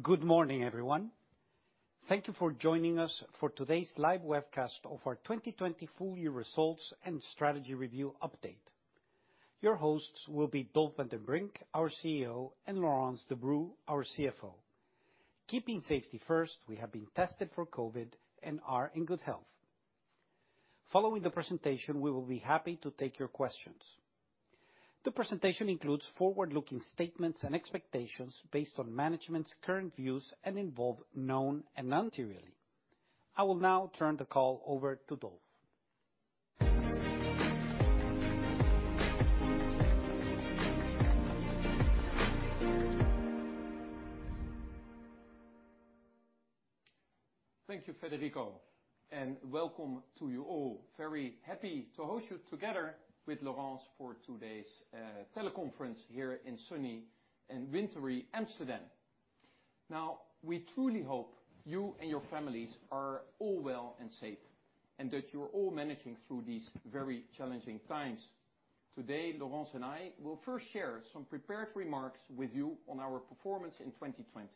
Good morning, everyone. Thank you for joining us for today's live webcast of our 2020 full year results and strategy review update. Your hosts will be Dolf van den Brink, our CEO, and Laurence Debroux, our CFO. Keeping safety first, we have been tested for COVID and are in good health. Following the presentation, we will be happy to take your questions. The presentation includes forward-looking statements and expectations based on management's current views and involve known and materially. I will now turn the call over to Dolf. Thank you, Federico, and welcome to you all. Very happy to host you together with Laurence for today's teleconference here in sunny and wintry Amsterdam. We truly hope you and your families are all well and safe, and that you're all managing through these very challenging times. Today, Laurence and I will first share some prepared remarks with you on our performance in 2020.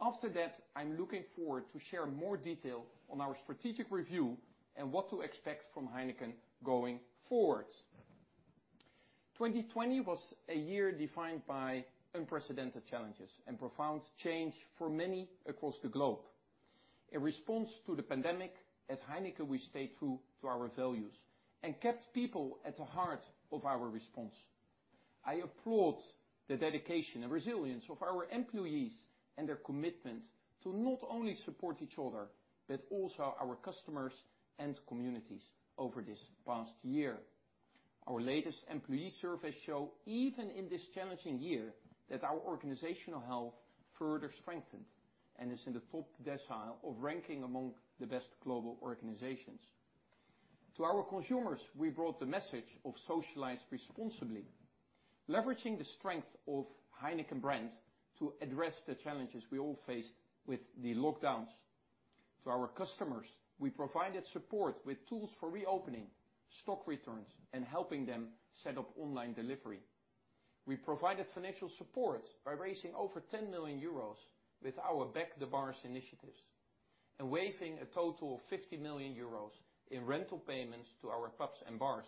After that, I'm looking forward to share more detail on our strategic review and what to expect from Heineken going forward. 2020 was a year defined by unprecedented challenges and profound change for many across the globe. In response to the pandemic, as Heineken, we stayed true to our values and kept people at the heart of our response. I applaud the dedication and resilience of our employees and their commitment to not only support each other, but also our customers and communities over this past year. Our latest employee surveys show, even in this challenging year, that our organizational health further strengthened and is in the top decile of ranking among the best global organizations. To our consumers, we brought the message of socialize responsibly, leveraging the strength of Heineken brands to address the challenges we all faced with the lockdowns. To our customers, we provided support with tools for reopening, stock returns, and helping them set up online delivery. We provided financial support by raising over 10 million euros with our Back the Bars initiatives and waiving a total of 50 million euros in rental payments to our pubs and bars.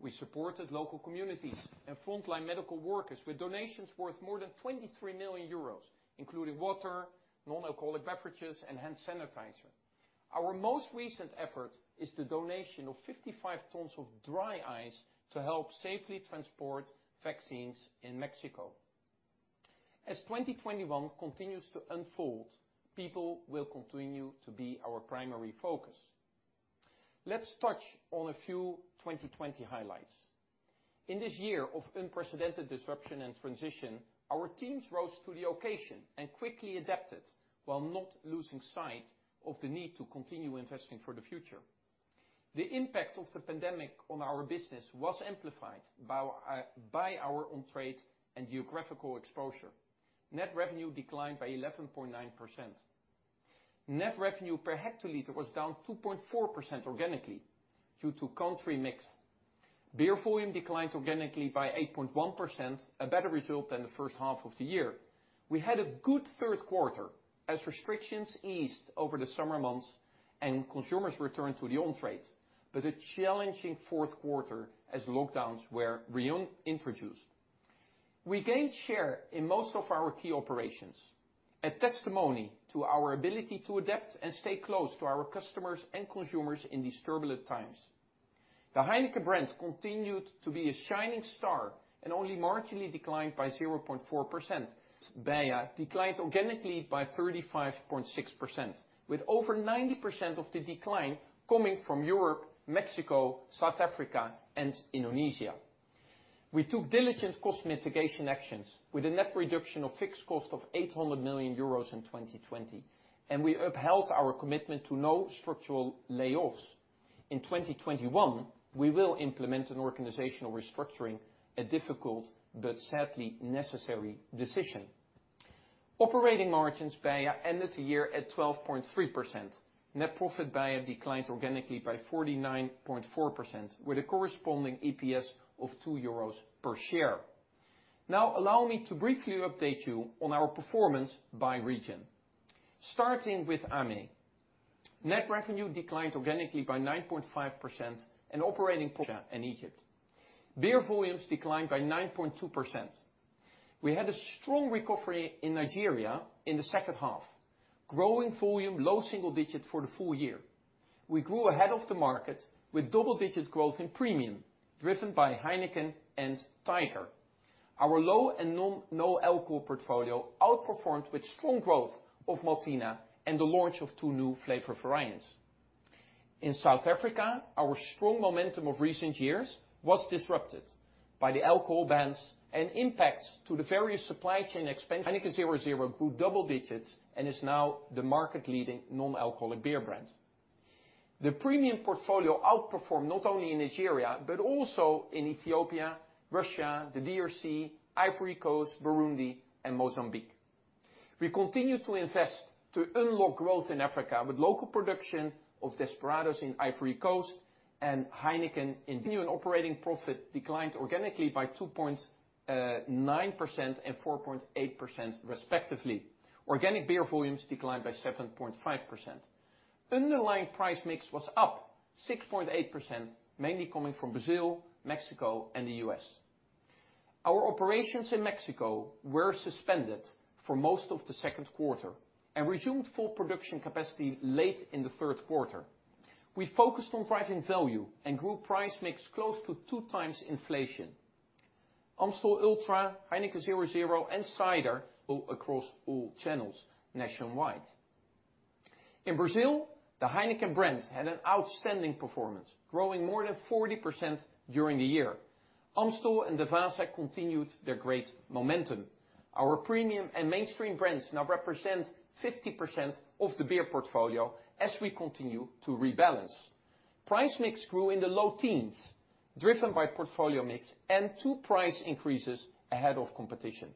We supported local communities and frontline medical workers with donations worth more than 23 million euros, including water, non-alcoholic beverages, and hand sanitizer. Our most recent effort is the donation of 55 t of dry ice to help safely transport vaccines in Mexico. As 2021 continues to unfold, people will continue to be our primary focus. Let's touch on a few 2020 highlights. In this year of unprecedented disruption and transition, our teams rose to the occasion and quickly adapted while not losing sight of the need to continue investing for the future. The impact of the pandemic on our business was amplified by our on-trade and geographical exposure. Net revenue declined by 11.9%. Net revenue per hectoliter was down 2.4% organically due to country mix. Beer volume declined organically by 8.1%, a better result than the first half of the year. We had a good third quarter as restrictions eased over the summer months and consumers returned to the on-trade, a challenging fourth quarter as lockdowns were reintroduced. We gained share in most of our key operations, a testimony to our ability to adapt and stay close to our customers and consumers in these turbulent times. The Heineken brand continued to be a shining star and only marginally declined by 0.4%. BEIA declined organically by 35.6%, with over 90% of the decline coming from Europe, Mexico, South Africa, and Indonesia. We took diligent cost mitigation actions with a net reduction of fixed cost of 800 million euros in 2020, and we upheld our commitment to no structural layoffs. In 2021, we will implement an organizational restructuring, a difficult, but sadly, necessary decision. Operating margins BEIA ended the year at 12.3%. Net profit BEIA declined organically by 49.4% with a corresponding EPS of €2 per share. Allow me to briefly update you on our performance by region. Starting with AME. Net revenue declined organically by 9.5% and operating and Egypt. Beer volumes declined by 9.2%. We had a strong recovery in Nigeria in the second half. Growing volume, low single digit for the full year. We grew ahead of the market with double-digit growth in premium, driven by Heineken and Tiger. Our low and no-alcohol portfolio outperformed with strong growth of Maltina and the launch of two new flavor variants. In South Africa, our strong momentum of recent years was disrupted by the alcohol bans and impacts to the various supply chain. Heineken 0.0 grew double digits and is now the market leading non-alcoholic beer brand. The premium portfolio outperformed not only in Nigeria, but also in Ethiopia, Russia, the DRC, Ivory Coast, Burundi, and Mozambique. We continue to invest to unlock growth in Africa with local production of Desperados in Ivory Coast and Heineken. Revenue and operating profit declined organically by 2.9% and 4.8% respectively. Organic beer volumes declined by 7.5%. Underlying price mix was up 6.8%, mainly coming from Brazil, Mexico, and the U.S. Our operations in Mexico were suspended for most of the second quarter and resumed full production capacity late in the third quarter. We focused on driving value and group price mix close to two times inflation. Amstel ULTRA, Heineken 0.0, and cider grew across all channels nationwide. In Brazil, the Heineken brand had an outstanding performance, growing more than 40% during the year. Amstel and Devassa continued their great momentum. Our premium and mainstream brands now represent 50% of the beer portfolio as we continue to rebalance. Price mix grew in the low teens, driven by portfolio mix and two price increases ahead of competition.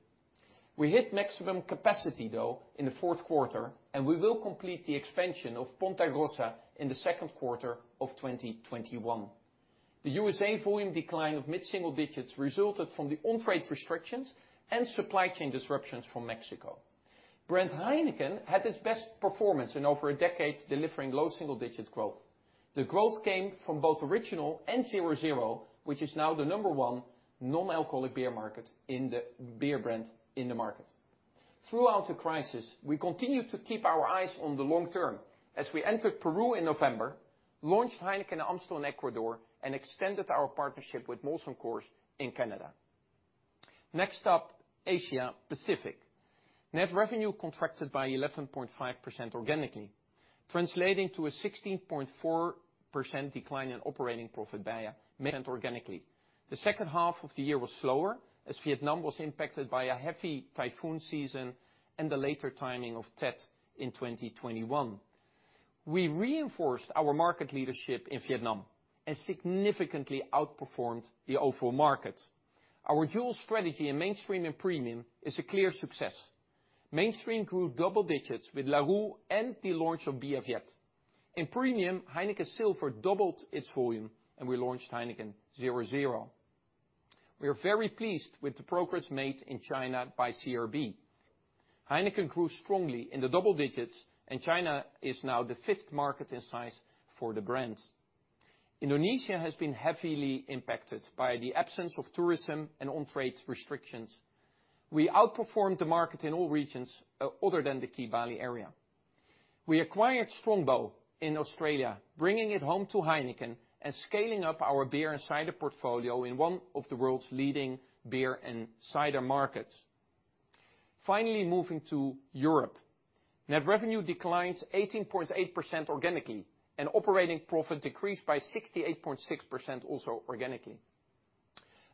We hit maximum capacity, though, in the fourth quarter, and we will complete the expansion of Ponta Grossa in the second quarter of 2021. The U.S.A. volume decline of mid-single digits resulted from the on-trade restrictions and supply chain disruptions from Mexico. Brand Heineken had its best performance in over a decade, delivering low single digit growth. The growth came from both Original and 0.0, which is now the number one non-alcoholic beer brand in the market. Throughout the crisis, we continued to keep our eyes on the long term as we entered Peru in November, launched Heineken Amstel in Ecuador, and extended our partnership with Molson Coors in Canada. Next up, Asia Pacific. Net revenue contracted by 11.5% organically, translating to a 16.4% decline in operating profit by EBITDA organically. The second half of the year was slower, as Vietnam was impacted by a heavy typhoon season and the later timing of Tet in 2021. We reinforced our market leadership in Vietnam and significantly outperformed the overall market. Our dual strategy in mainstream and premium is a clear success. Mainstream grew double digits with Larue and the launch of Bia Việt. In premium, Heineken Silver doubled its volume, and we launched Heineken 0.0. We are very pleased with the progress made in China by CRB. Heineken grew strongly in the double digits, and China is now the fifth market in size for the brand. Indonesia has been heavily impacted by the absence of tourism and on-trade restrictions. We outperformed the market in all regions other than the key Bali area. We acquired Strongbow in Australia, bringing it home to Heineken and scaling up our beer and cider portfolio in one of the world's leading beer and cider markets. Finally, moving to Europe. Net revenue declined 18.8% organically and operating profit decreased by 68.6%, also organically.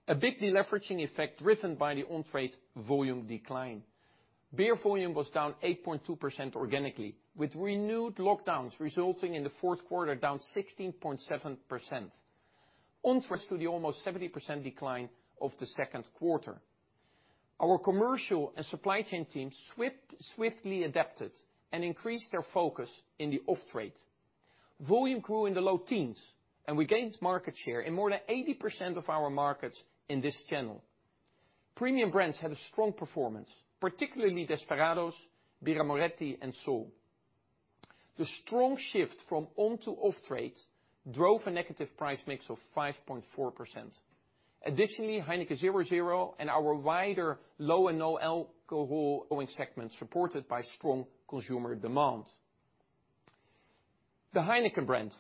A big deleveraging effect driven by the on-trade volume decline. Beer volume was down 8.2% organically, with renewed lockdowns resulting in the fourth quarter down 16.7%, on to the almost 70% decline of the second quarter. Our commercial and supply chain teams swiftly adapted and increased their focus in the off-trade. Volume grew in the low teens, and we gained market share in more than 80% of our markets in this channel. Premium brands had a strong performance, particularly Desperados, Birra Moretti, and Sol. The strong shift from on to off-trade drove a negative price mix of 5.4%. Heineken 0.0 and our wider low and no alcohol growing segments, supported by strong consumer demand. The Heineken brand,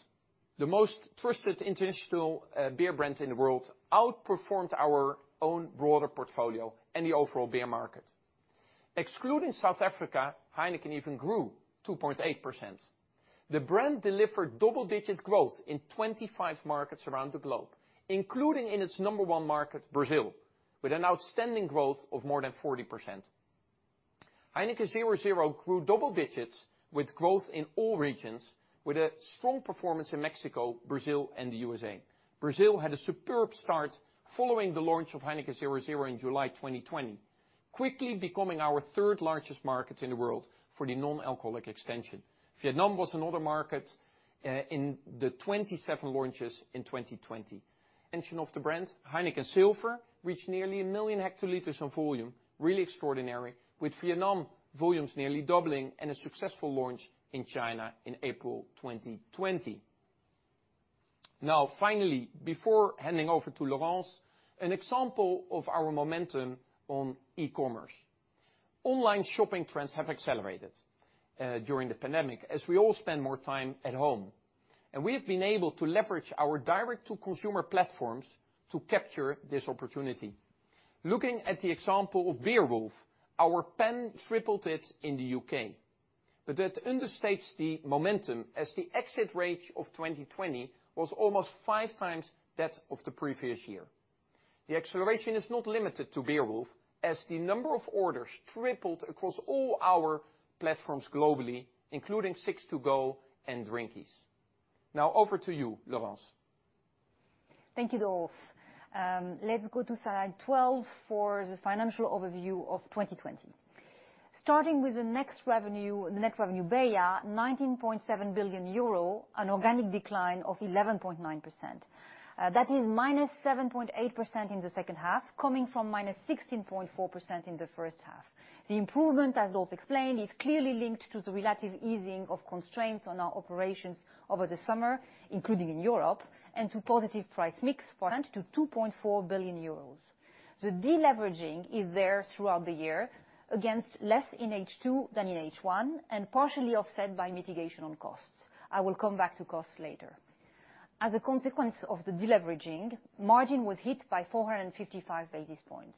the most trusted international beer brand in the world, outperformed our own broader portfolio and the overall beer market. Excluding South Africa, Heineken even grew 2.8%. The brand delivered double digit growth in 25 markets around the globe, including in its number 1 market, Brazil, with an outstanding growth of more than 40%. Heineken 0.0 grew double digits with growth in all regions with a strong performance in Mexico, Brazil, and the U.S. Brazil had a superb start following the launch of Heineken 0.0 in July 2020, quickly becoming our third largest market in the world for the non-alcoholic extension. Vietnam was another market in the 27 launches in 2020. Extension of the brand, Heineken Silver, reached nearly a million hectoliters in volume. Really extraordinary. With Vietnam, volumes nearly doubling and a successful launch in China in April 2020. Finally, before handing over to Laurence, an example of our momentum on e-commerce. Online shopping trends have accelerated during the pandemic as we all spend more time at home, and we have been able to leverage our direct-to-consumer platforms to capture this opportunity. Looking at the example of Beerwulf, our PEN tripled it in the U.K., but that understates the momentum as the exit rate of 2020 was almost five times that of the previous year. The acceleration is not limited to Beerwulf, as the number of orders tripled across all our platforms globally, including Six to Go and Drinkies. Over to you, Laurence. Thank you, Dolf. Let's go to slide 12 for the financial overview of 2020. Starting with the net revenue BEIA, 19.7 billion euro, an organic decline of 11.9%. That is -7.8% in the second half, coming from -16.4% in the first half. The improvement, as Dolf explained, is clearly linked to the relative easing of constraints on our operations over the summer, including in Europe, and to positive price mix, to 2.4 billion euros. The deleveraging is there throughout the year, against less in H2 than in H1, and partially offset by mitigation on costs. I will come back to costs later. As a consequence of the deleveraging, margin was hit by 455 basis points.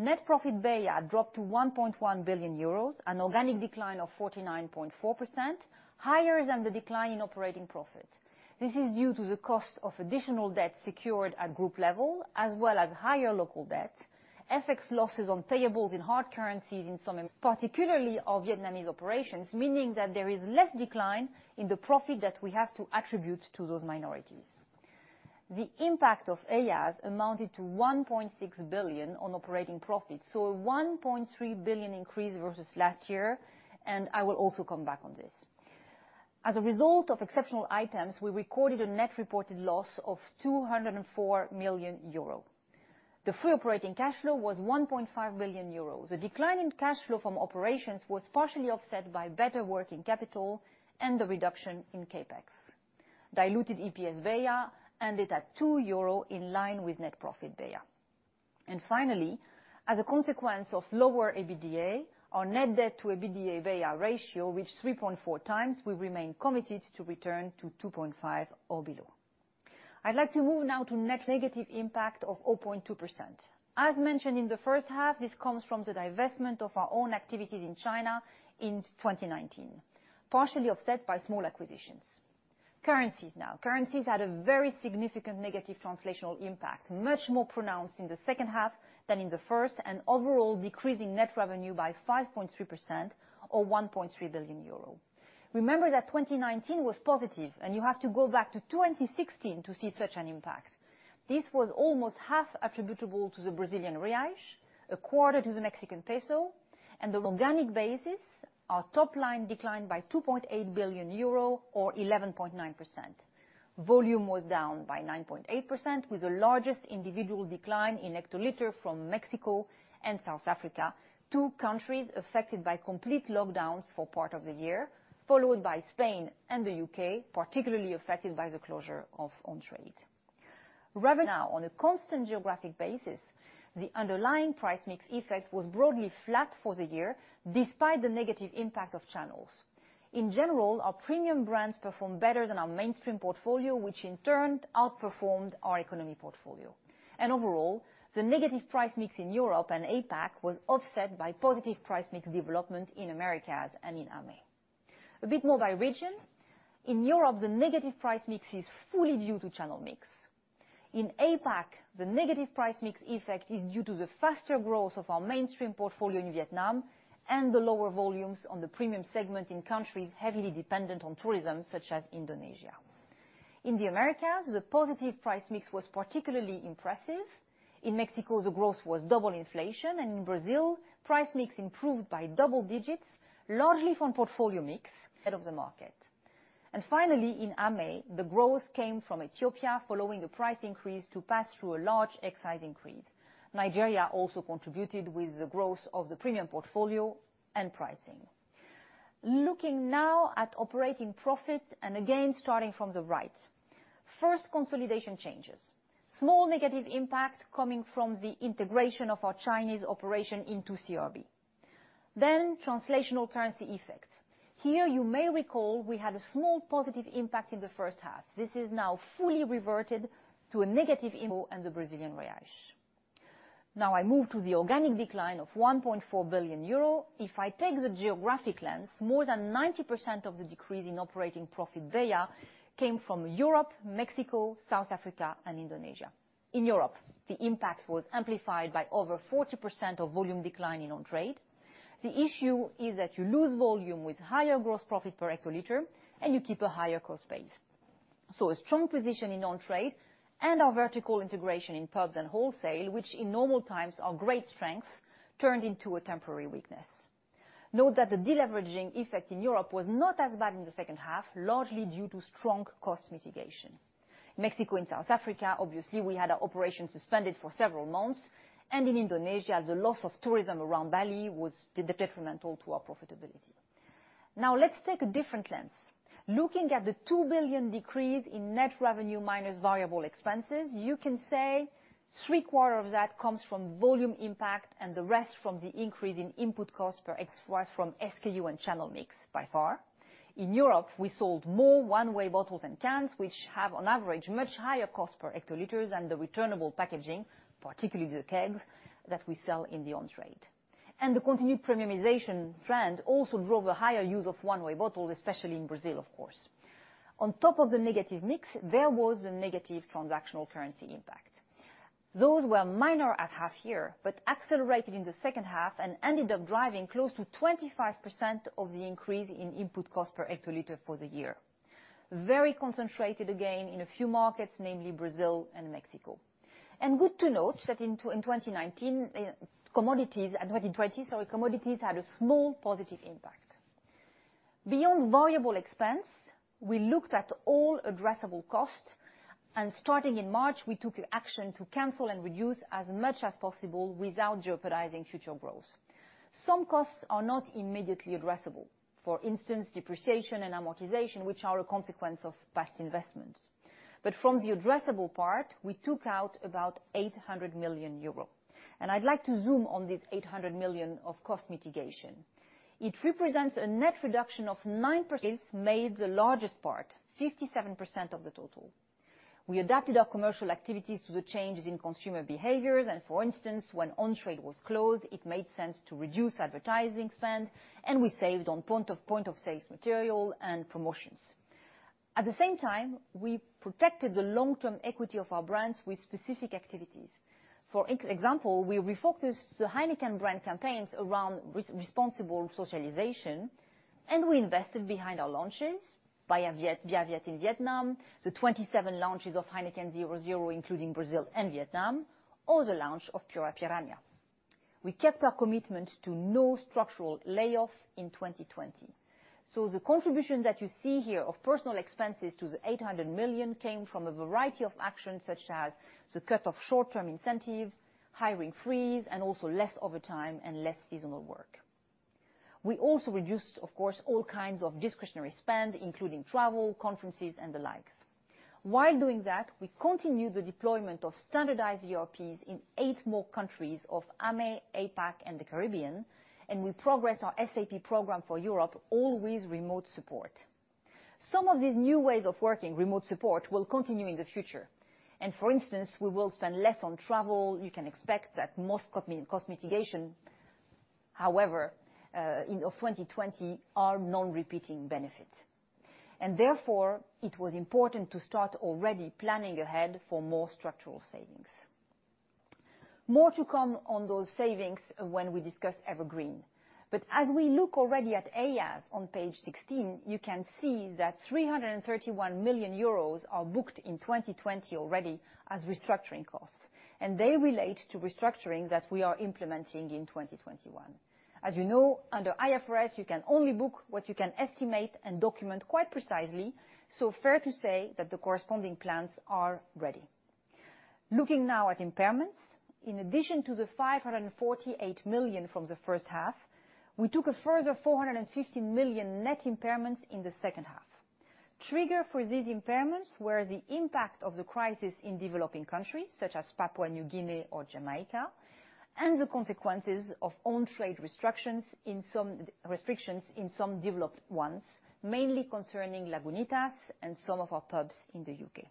Net profit BEIA dropped to 1.1 billion euros, an organic decline of 49.4%, higher than the decline in operating profit. This is due to the cost of additional debt secured at group level, as well as higher local debt, FX losses on payables in hard currencies in some, particularly our Vietnamese operations, meaning that there is less decline in the profit that we have to attribute to those minorities. The impact of EIAs amounted to 1.6 billion on operating profit, a 1.3 billion increase versus last year, and I will also come back on this. As a result of exceptional items, we recorded a net reported loss of 204 million euro. The free operating cash flow was 1.5 billion euro. The decline in cash flow from operations was partially offset by better working capital and the reduction in CapEx. Diluted EPS BEIA ended at 2 euro, in line with net profit BEIA. Finally, as a consequence of lower EBITDA, our net debt to EBITDA BEIA ratio reached 3.4x. We remain committed to return to 2.5 or below. I'd like to move now to net negative impact of 0.2%. As mentioned in the first half, this comes from the divestment of our own activities in China in 2019, partially offset by small acquisitions. Currencies now. Currencies had a very significant negative translational impact, much more pronounced in the second half than in the first, and overall decreasing net revenue by 5.3% or 1.3 billion euro. Remember that 2019 was positive. You have to go back to 2016 to see such an impact. This was almost half attributable to the Brazilian reais, a quarter to the Mexican peso. The organic basis, our top line declined by 2.8 billion euro or 11.9%. Volume was down by 9.8% with the largest individual decline in hectolitre from Mexico and South Africa, two countries affected by complete lockdowns for part of the year, followed by Spain and the U.K., particularly affected by the closure of on-trade. Revenue now on a constant geographic basis, the underlying price mix effect was broadly flat for the year despite the negative impact of channels. In general, our premium brands performed better than our mainstream portfolio, which in turn outperformed our economy portfolio. Overall, the negative price mix in Europe and APAC was offset by positive price mix development in Americas and in AME. A bit more by region. In Europe, the negative price mix is fully due to channel mix. In APAC, the negative price mix effect is due to the faster growth of our mainstream portfolio in Vietnam and the lower volumes on the premium segment in countries heavily dependent on tourism, such as Indonesia. In the Americas, the positive price mix was particularly impressive. In Mexico, the growth was double inflation. In Brazil, price mix improved by double digits, largely from portfolio mix ahead of the market. Finally, in AME, the growth came from Ethiopia following a price increase to pass through a large excise increase. Nigeria also contributed with the growth of the premium portfolio and pricing. Looking now at operating profit, again, starting from the right. First consolidation changes. Small negative impact coming from the integration of our Chinese operation into CRB. Translational currency effect. Here you may recall we had a small positive impact in the first half. This is now fully reverted to a negative impact and the Brazilian reais. I move to the organic decline of 1.4 billion euro. If I take the geographic lens, more than 90% of the decrease in operating profit BEIA came from Europe, Mexico, South Africa and Indonesia. In Europe, the impact was amplified by over 40% of volume decline in on-trade. The issue is that you lose volume with higher gross profit per hectolitre and you keep a higher cost base. A strong position in on-trade and our vertical integration in pubs and wholesale, which in normal times are great strengths, turned into a temporary weakness. Note that the deleveraging effect in Europe was not as bad in the second half, largely due to strong cost mitigation. Mexico and South Africa, obviously, we had our operations suspended for several months, and in Indonesia, the loss of tourism around Bali was detrimental to our profitability. Let's take a different lens. Looking at the 2 billion decrease in net revenue minus variable expenses, you can say 3/4 of that comes from volume impact and the rest from the increase in input costs per SKU and channel mix by far. In Europe, we sold more one-way bottles and cans, which have on average much higher cost per hectoliters than the returnable packaging, particularly the kegs, that we sell in the on-trade. The continued premiumization trend also drove a higher use of one-way bottles, especially in Brazil, of course. On top of the negative mix, there was a negative transactional currency impact. Those were minor at half year, but accelerated in the second half and ended up driving close to 25% of the increase in input cost per hectoliter for the year. Very concentrated again in a few markets, namely Brazil and Mexico. Good to note that in 2020, commodities had a small positive impact. Beyond variable expense, we looked at all addressable costs, and starting in March, we took action to cancel and reduce as much as possible without jeopardizing future growth. Some costs are not immediately addressable. For instance, depreciation and amortization, which are a consequence of past investments. From the addressable part, we took out about 800 million euros. I'd like to zoom on this 800 million of cost mitigation. It represents a net reduction of 9% made the largest part, 57% of the total. We adapted our commercial activities to the changes in consumer behaviors, and for instance, when on-trade was closed, it made sense to reduce advertising spend, and we saved on point-of-sale material and promotions. At the same time, we protected the long-term equity of our brands with specific activities. For example, we refocused the Heineken brand campaigns around responsible socialization, and we invested behind our launches, Bia Việt in Vietnam, the 27 launches of Heineken 0.0, including Brazil and Vietnam, or the launch of Pure Piraña. We kept our commitment to no structural layoffs in 2020. The contribution that you see here of personal expenses to the 800 million came from a variety of actions such as the cut of short-term incentives, hiring freeze, and also less overtime and less seasonal work. We also reduced, of course, all kinds of discretionary spend, including travel, conferences, and the likes. While doing that, we continued the deployment of standardized ERPs in eight more countries of AME, APAC, and the Caribbean, and we progressed our SAP program for Europe, all with remote support. Some of these new ways of working, remote support, will continue in the future. For instance, we will spend less on travel. You can expect that most cost mitigation, however, in 2020 are non-repeating benefits. Therefore, it was important to start already planning ahead for more structural savings. More to come on those savings when we discuss EverGreen. As we look already at AEAS on page 16, you can see that 331 million euros are booked in 2020 already as restructuring costs, and they relate to restructuring that we are implementing in 2021. As you know, under IFRS, you can only book what you can estimate and document quite precisely, fair to say that the corresponding plans are ready. Looking now at impairments, in addition to the 548 million from the first half, we took a further 450 million net impairments in the second half. Trigger for these impairments were the impact of the crisis in developing countries such as Papua New Guinea or Jamaica, and the consequences of on-trade restrictions in some developed ones, mainly concerning Lagunitas and some of our pubs in the U.K.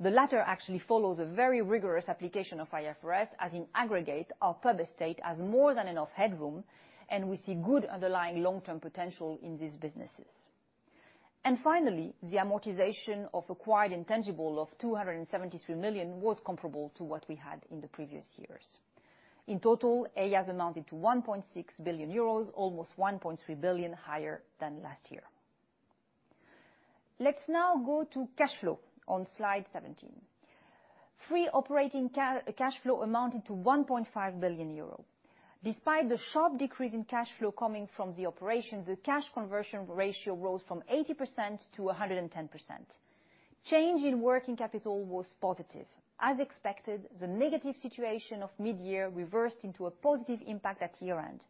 The latter actually follows a very rigorous application of IFRS, as in aggregate, our pub estate has more than enough headroom, and we see good underlying long-term potential in these businesses. Finally, the amortization of acquired intangible of 273 million was comparable to what we had in the previous years. In total, AEAS amounted to 1.6 billion euros, almost 1.3 billion higher than last year. Let's now go to cash flow on slide 17. Free operating cash flow amounted to 1.5 billion euro. Despite the sharp decrease in cash flow coming from the operations, the cash conversion ratio rose from 80% to 110%. Change in working capital was positive. As expected, the negative situation of mid-year reversed into a positive impact at year-end,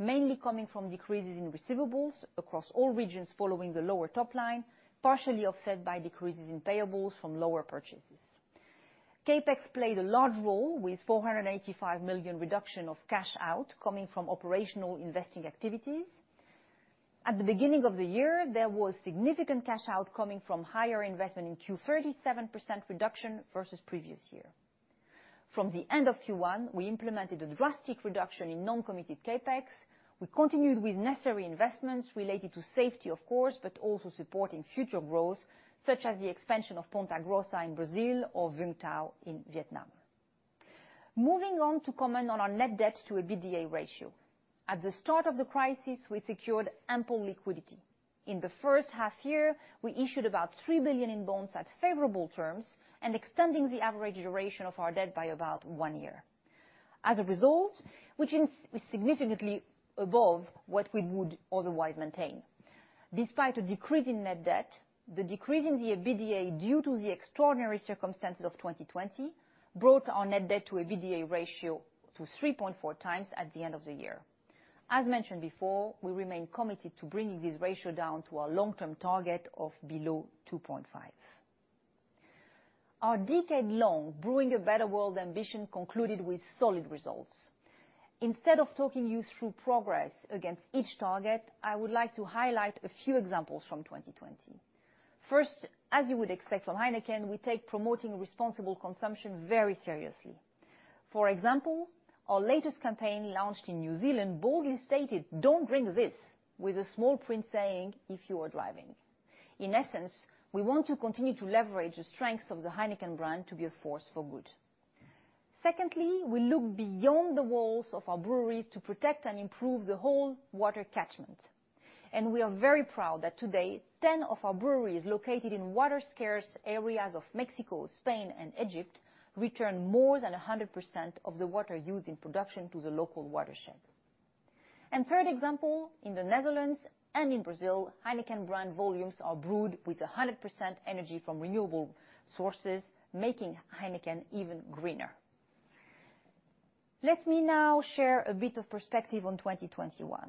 mainly coming from decreases in receivables across all regions following the lower top line, partially offset by decreases in payables from lower purchases. CapEx played a large role with 485 million reduction of cash out coming from operational investing activities. At the beginning of the year, there was significant cash out coming from higher investment in Q3, 37% reduction versus previous year. From the end of Q1, we implemented a drastic reduction in non-committed CapEx. We continued with necessary investments related to safety, of course, but also supporting future growth, such as the expansion of Ponta Grossa in Brazil or Vung Tau in Vietnam. Moving on to comment on our net debt to EBITDA ratio. At the start of the crisis, we secured ample liquidity. In the first half year, we issued about 3 billion in bonds at favorable terms and extending the average duration of our debt by about one year. As a result, which is significantly above what we would otherwise maintain. Despite a decrease in net debt, the decrease in the EBITDA due to the extraordinary circumstances of 2020 brought our net debt to EBITDA ratio to 3.4x at the end of the year. As mentioned before, we remain committed to bringing this ratio down to our long-term target of below 2.5. Our decade-long Brewing a Better World ambition concluded with solid results. Instead of talking you through progress against each target, I would like to highlight a few examples from 2020. First, as you would expect from Heineken, we take promoting responsible consumption very seriously. For example, our latest campaign launched in New Zealand boldly stated, "Don't drink this," with a small print saying, "If you are driving." In essence, we want to continue to leverage the strengths of the Heineken brand to be a force for good. Secondly, we look beyond the walls of our breweries to protect and improve the whole water catchment. We are very proud that today, 10 of our breweries located in water-scarce areas of Mexico, Spain, and Egypt return more than 100% of the water used in production to the local watershed. Third example, in the Netherlands and in Brazil, Heineken brand volumes are brewed with 100% energy from renewable sources, making Heineken even greener. Let me now share a bit of perspective on 2021.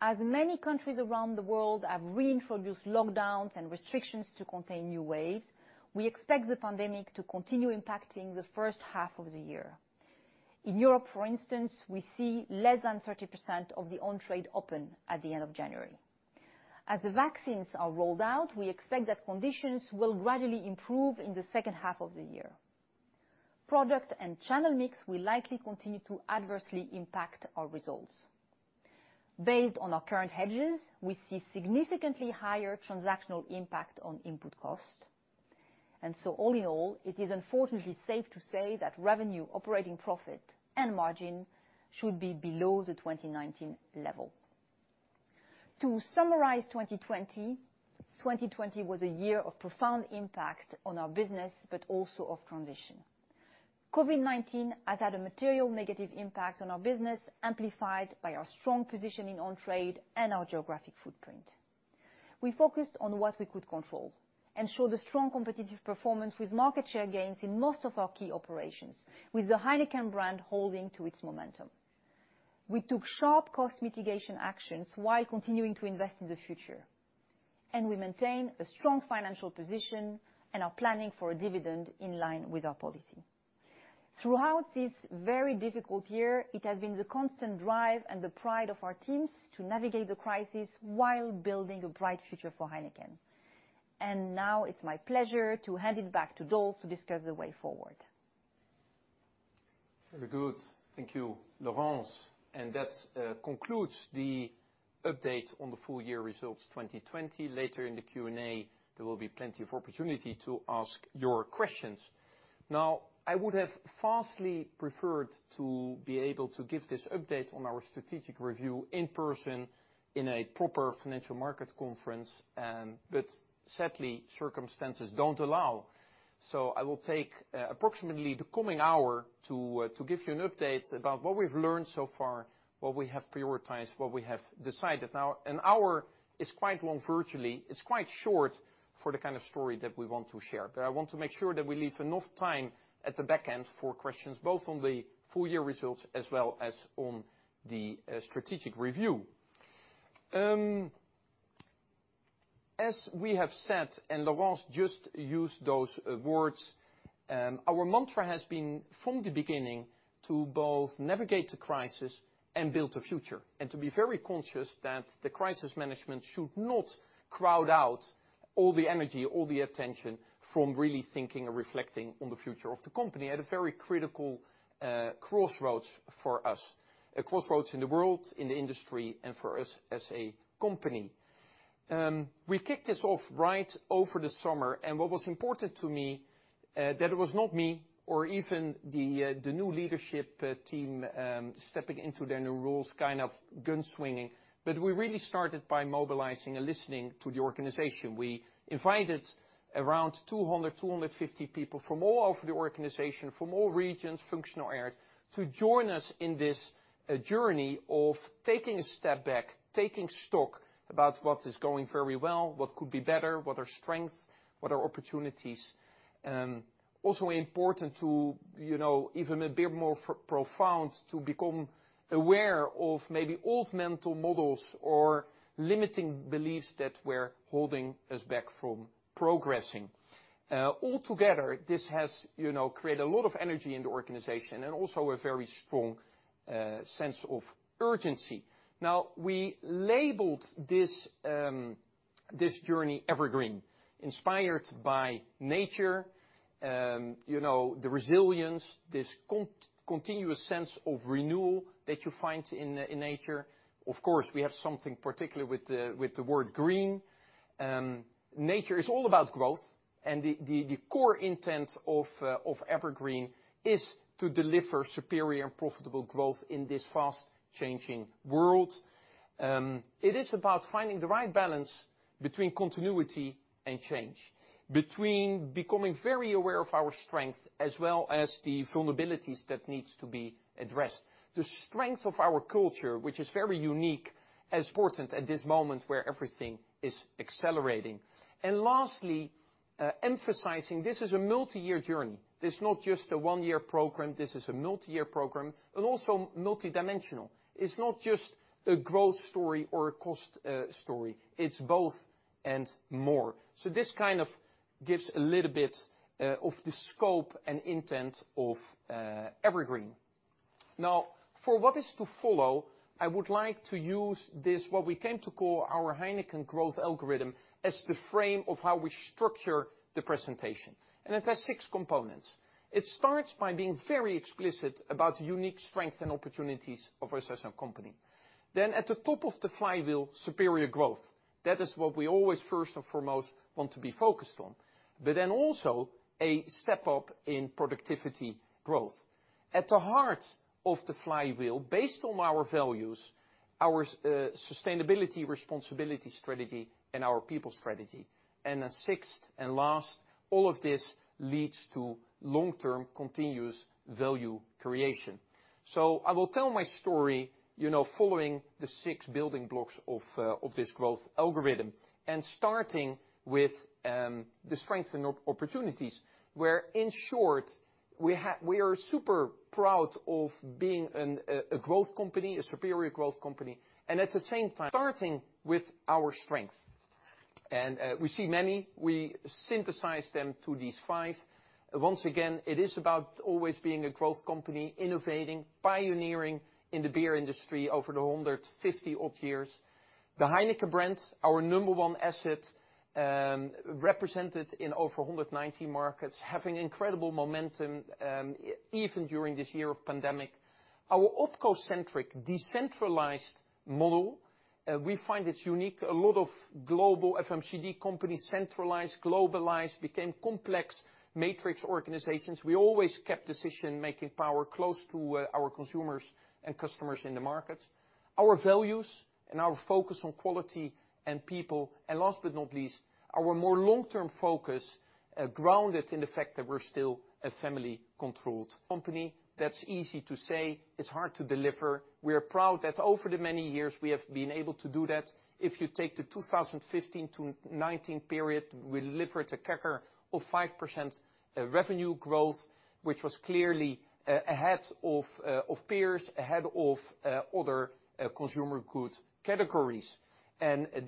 As many countries around the world have reintroduced lockdowns and restrictions to contain new waves, we expect the pandemic to continue impacting the first half of the year. In Europe, for instance, we see less than 30% of the on-trade open at the end of January. As the vaccines are rolled out, we expect that conditions will gradually improve in the second half of the year. Product and channel mix will likely continue to adversely impact our results. Based on our current hedges, we see significantly higher transactional impact on input costs. All in all, it is unfortunately safe to say that revenue, operating profit, and margin should be below the 2019 level. To summarize 2020 was a year of profound impact on our business, but also of transition. COVID-19 has had a material negative impact on our business, amplified by our strong positioning on trade and our geographic footprint. We focused on what we could control and showed a strong competitive performance with market share gains in most of our key operations, with the Heineken brand holding to its momentum. We took sharp cost mitigation actions while continuing to invest in the future. We maintain a strong financial position and are planning for a dividend in line with our policy. Throughout this very difficult year, it has been the constant drive and the pride of our teams to navigate the crisis while building a bright future for Heineken. Now it's my pleasure to hand it back to Dolf to discuss the way forward. Very good. Thank you, Laurence. That concludes the update on the full-year results 2020. Later in the Q&A, there will be plenty of opportunity to ask your questions. Now, I would have vastly preferred to be able to give this update on our strategic review in person in a proper financial market conference, but sadly, circumstances don't allow. I will take approximately the coming hour to give you an update about what we've learned so far, what we have prioritized, what we have decided. Now, an hour is quite long virtually. It's quite short for the kind of story that we want to share. I want to make sure that we leave enough time at the back end for questions, both on the full year results as well as on the strategic review. As we have said, and Laurence just used those words, our mantra has been from the beginning to both navigate the crisis and build the future, and to be very conscious that the crisis management should not crowd out all the energy, all the attention from really thinking and reflecting on the future of the company at a very critical crossroads for us, a crossroads in the world, in the industry, and for us as a company. We kicked this off right over the summer, and what was important to me, that it was not me or even the new leadership team stepping into their new roles kind of gun swinging, but we really started by mobilizing and listening to the organization. We invited around 200, 250 people from all over the organization, from all regions, functional areas, to join us in this journey of taking a step back, taking stock about what is going very well, what could be better, what are strengths, what are opportunities. Important to, even a bit more profound, to become aware of maybe old mental models or limiting beliefs that were holding us back from progressing. Altogether, this has created a lot of energy in the organization and also a very strong sense of urgency. We labeled this journey EverGreen, inspired by nature, the resilience, this continuous sense of renewal that you find in nature. We have something particular with the word green. Nature is all about growth, the core intent of EverGreen is to deliver superior profitable growth in this fast-changing world. It is about finding the right balance between continuity and change, between becoming very aware of our strength as well as the vulnerabilities that needs to be addressed. The strength of our culture, which is very unique and important at this moment where everything is accelerating. Lastly, emphasizing this is a multi-year journey. This is not just a one-year program. This is a multi-year program, and also multidimensional. It's not just a growth story or a cost story. It's both and more. This kind of gives a little bit of the scope and intent of EverGreen. Now, for what is to follow, I would like to use this, what we came to call our Heineken growth algorithm, as the frame of how we structure the presentation. It has six components. It starts by being very explicit about the unique strengths and opportunities of our session company. At the top of the flywheel, superior growth. That is what we always first and foremost want to be focused on. Also a step up in productivity growth. At the heart of the flywheel, based on our values, our Sustainability & Responsibility strategy, and our people strategy. Sixth and last, all of this leads to long-term continuous value creation. I will tell my story following the six building blocks of this growth algorithm, and starting with the strengths and opportunities, where, in short, we are super proud of being a growth company, a superior growth company. At the same time, starting with our strength. We see many. We synthesize them to these five. Once again, it is about always being a growth company, innovating, pioneering in the beer industry over the 150 odd years. The Heineken brand, our number one asset, represented in over 190 markets, having incredible momentum, even during this year of pandemic. Our opco-centric, decentralized model, we find it's unique. A lot of global FMCG companies centralized, globalized, became complex matrix organizations. We always kept decision-making power close to our consumers and customers in the markets. Our values and our focus on quality and people. Last but not least, our more long-term focus, grounded in the fact that we're still a family-controlled company. That's easy to say. It's hard to deliver. We are proud that over the many years we have been able to do that. If you take the 2015 to 2019 period, we delivered a CAGR of 5% revenue growth, which was clearly ahead of peers, ahead of other consumer goods categories.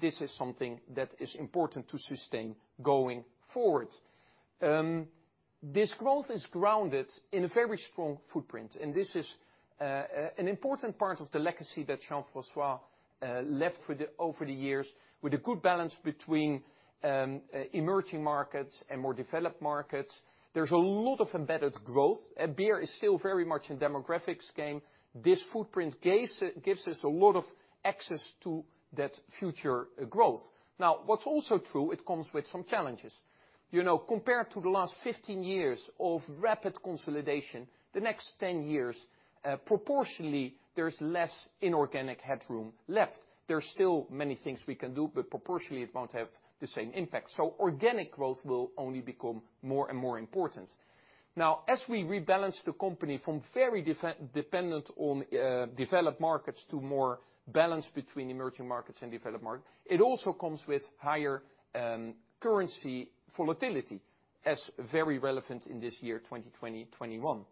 This is something that is important to sustain going forward. This growth is grounded in a very strong footprint, and this is an important part of the legacy that Jean-François left over the years with a good balance between emerging markets and more developed markets. There's a lot of embedded growth. Beer is still very much a demographics game. This footprint gives us a lot of access to that future growth. What's also true, it comes with some challenges. Compared to the last 15 years of rapid consolidation, the next 10 years, proportionally, there's less inorganic headroom left. There's still many things we can do, proportionally, it won't have the same impact. Organic growth will only become more and more important. As we rebalance the company from very dependent on developed markets to more balance between emerging markets and developed markets, it also comes with higher currency volatility as very relevant in this year 2020, 2021.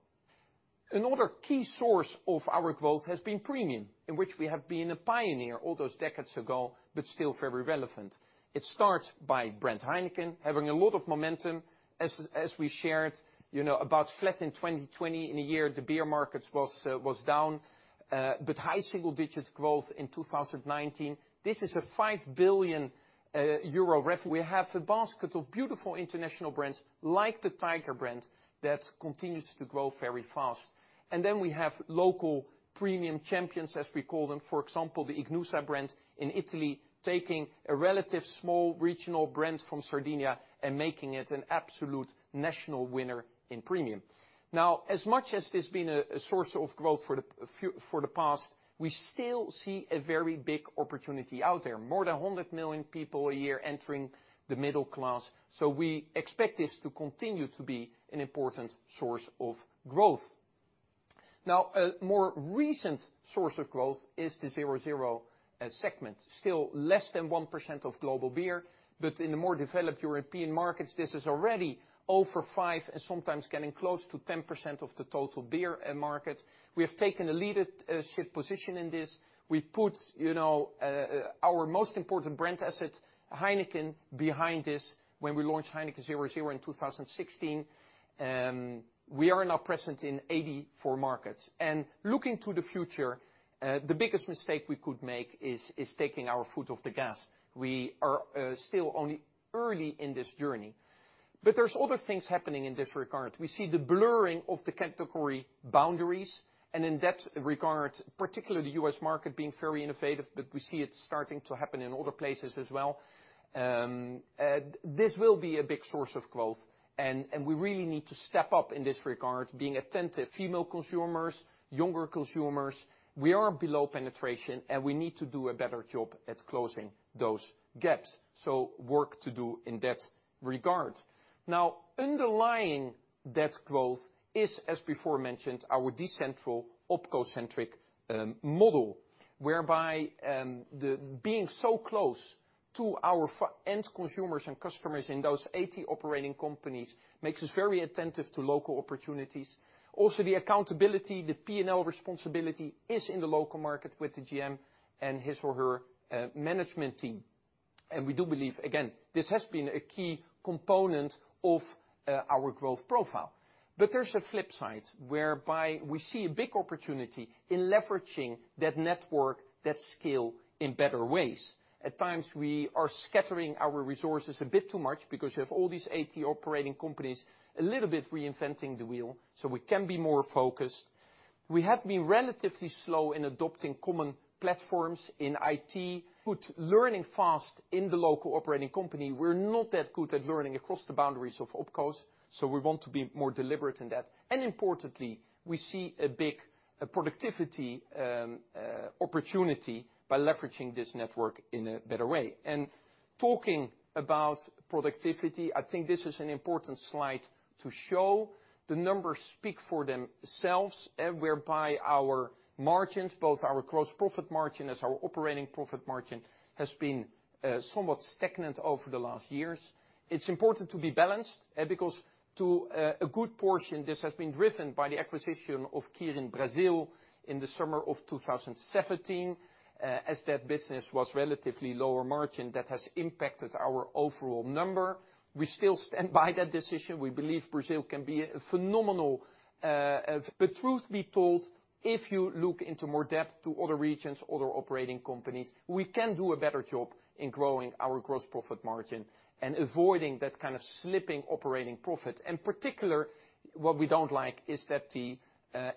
Another key source of our growth has been premium, in which we have been a pioneer all those decades ago, but still very relevant. It starts by brand Heineken having a lot of momentum as we shared, about flat in 2020 in a year the beer market was down, but high single-digit growth in 2019. This is a 5 billion euro. We have a basket of beautiful international brands like the Tiger brand that continues to grow very fast. Then we have local premium champions, as we call them. For example, the Ichnusa brand in Italy, taking a relative small regional brand from Sardinia and making it an absolute national winner in premium. As much as this has been a source of growth for the past, we still see a very big opportunity out there, more than 100 million people a year entering the middle class. We expect this to continue to be an important source of growth. Now, a more recent source of growth is the 0.0 segment, still less than 1% of global beer. In the more developed European markets, this is already over 5% and sometimes getting close to 10% of the total beer market. We have taken a leadership position in this. We put our most important brand asset, Heineken, behind this when we launched Heineken 0.0 in 2016. We are now present in 84 markets. Looking to the future, the biggest mistake we could make is taking our foot off the gas. We are still only early in this journey. There's other things happening in this regard. We see the blurring of the category boundaries and in that regard, particularly the U.S. market being very innovative, but we see it starting to happen in other places as well. This will be a big source of growth. We really need to step up in this regard, being attentive female consumers, younger consumers. We are below penetration. We need to do a better job at closing those gaps. Work to do in that regard. Now, underlying that growth is, as before mentioned, our decentral opco-centric model, whereby being so close to our end consumers and customers in those 80 operating companies makes us very attentive to local opportunities. Also, the accountability, the P&L responsibility is in the local market with the GM and his or her management team. We do believe, again, this has been a key component of our growth profile. There's a flip side whereby we see a big opportunity in leveraging that network, that skill in better ways. At times, we are scattering our resources a bit too much because you have all these 80 operating companies a little bit reinventing the wheel so we can be more focused. We have been relatively slow in adopting common platforms in IT. Learning fast in the local operating company, we're not that good at learning across the boundaries of opcos, so we want to be more deliberate in that. Importantly, we see a big productivity opportunity by leveraging this network in a better way. Talking about productivity, I think this is an important slide to show. The numbers speak for themselves, whereby our margins, both our gross profit margin as our operating profit margin, has been somewhat stagnant over the last years. It's important to be balanced, because to a good portion, this has been driven by the acquisition of Kirin Brazil in the summer of 2017. As that business was relatively lower margin, that has impacted our overall number. We still stand by that decision. We believe Brazil can be a phenomenal. Truth be told, if you look into more depth to other regions, other operating companies, we can do a better job in growing our gross profit margin and avoiding that kind of slipping operating profit. Particular, what we don't like is that the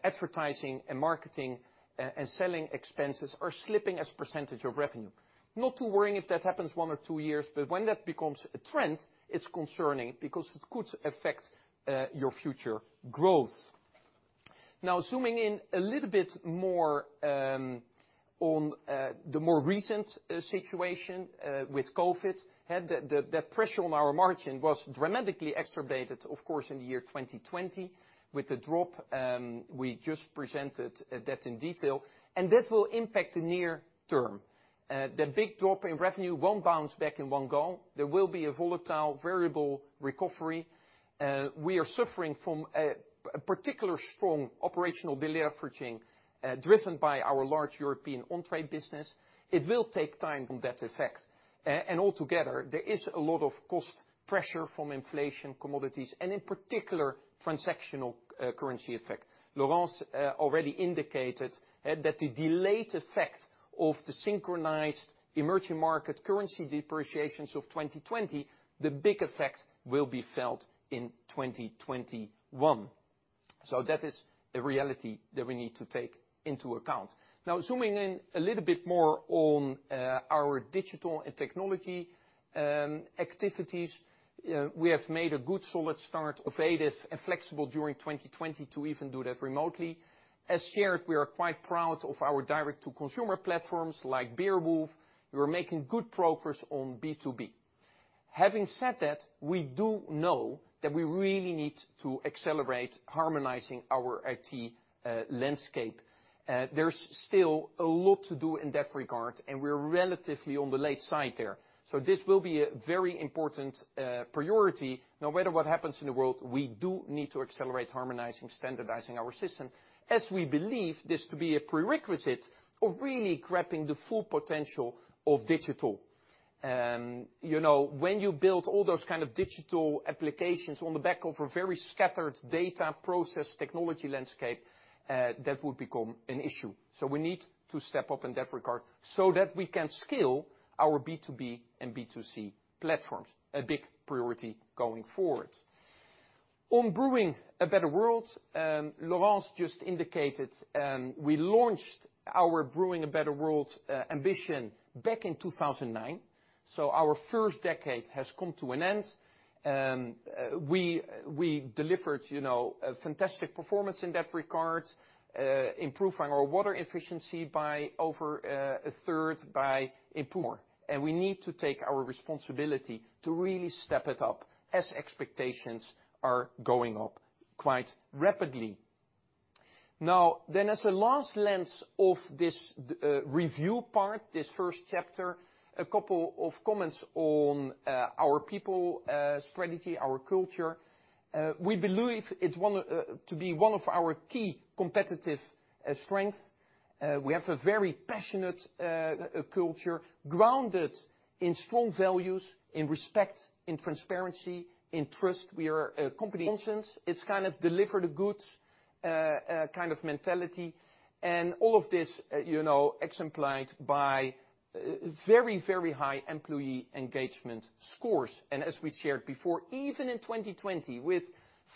advertising and marketing, and selling expenses are slipping as percentage of revenue. Not too worrying if that happens one or two years, but when that becomes a trend, it's concerning because it could affect your future growth. Zooming in a little bit more on the more recent situation with COVID, the pressure on our margin was dramatically exacerbated, of course, in the year 2020 with the drop. We just presented that in detail, that will impact the near term. The big drop in revenue won't bounce back in one go. There will be a volatile variable recovery. We are suffering from a particular strong operational deleveraging driven by our large European on-trade business. It will take time on that effect. Altogether, there is a lot of cost pressure from inflation, commodities, and in particular, transactional currency effect. Laurence already indicated that the delayed effect of the synchronized emerging market currency depreciations of 2020, the big effect will be felt in 2021. That is a reality that we need to take into account. Zooming in a little bit more on our digital and technology activities, we have made a good solid start, creative and flexible during 2020 to even do that remotely. As shared, we are quite proud of our direct-to-consumer platforms like Beerwulf. We're making good progress on B2B. Having said that, we do know that we really need to accelerate harmonizing our IT landscape. There's still a lot to do in that regard, we're relatively on the late side there. This will be a very important priority. No matter what happens in the world, we do need to accelerate harmonizing, standardizing our system as we believe this to be a prerequisite of really grabbing the full potential of digital. When you build all those kind of digital applications on the back of a very scattered data process technology landscape, that would become an issue. We need to step up in that regard so that we can scale our B2B and B2C platforms. A big priority going forward. On Brewing a Better World, Laurence just indicated we launched our Brewing a Better World ambition back in 2009. Our first decade has come to an end. We delivered a fantastic performance in that regard, improving our water efficiency by over a 1/3 by a pour. We need to take our responsibility to really step it up as expectations are going up quite rapidly. As a last lens of this review part, this first chapter, a couple of comments on our people strategy, our culture. We believe it to be one of our key competitive strength. We have a very passionate culture grounded in strong values, in respect, in transparency, in trust. We are a company, for instance, it's kind of deliver the goods kind of mentality. All of this exemplified by very high employee engagement scores. As we shared before, even in 2020 with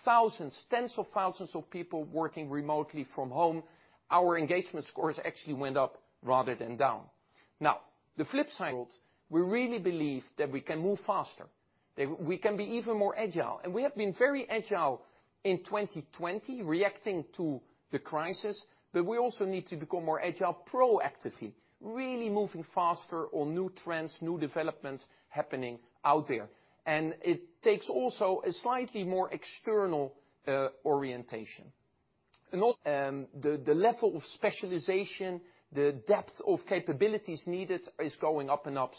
thousands, tens of thousands of people working remotely from home, our engagement scores actually went up rather than down. The flip side, we really believe that we can move faster, that we can be even more agile. We have been very agile in 2020 reacting to the crisis, but we also need to become more agile proactively, really moving faster on new trends, new developments happening out there. It takes also a slightly more external orientation. The level of specialization, the depth of capabilities needed is going up and up.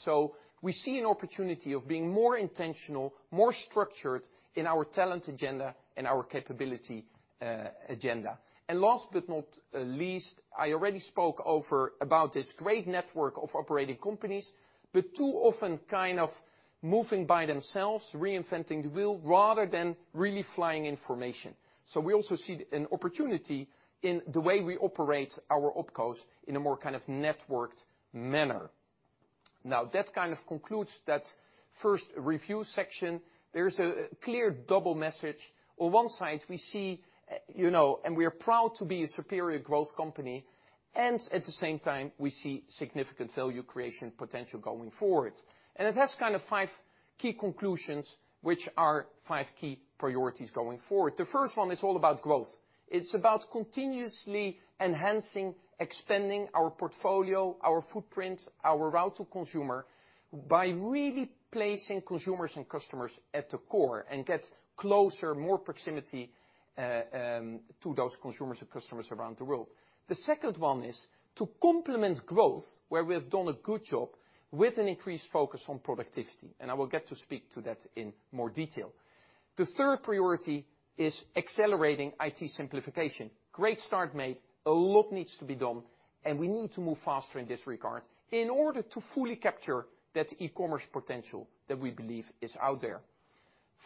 We see an opportunity of being more intentional, more structured in our talent agenda and our capability agenda. Last but not least, I already spoke about this great network of operating companies, but too often kind of moving by themselves, reinventing the wheel rather than really flying information. We also see an opportunity in the way we operate our opcos in a more networked manner. That concludes that first review section. There's a clear double message. On one side, we are proud to be a superior growth company, and at the same time, we see significant value creation potential going forward. It has five key conclusions, which are five key priorities going forward. The first one is all about growth. It's about continuously enhancing, expanding our portfolio, our footprint, our route to consumer by really placing consumers and customers at the core and get closer, more proximity to those consumers and customers around the world. The second one is to complement growth where we have done a good job with an increased focus on productivity. I will get to speak to that in more detail. The third priority is accelerating IT simplification. Great start made, a lot needs to be done, and we need to move faster in this regard in order to fully capture that e-commerce potential that we believe is out there.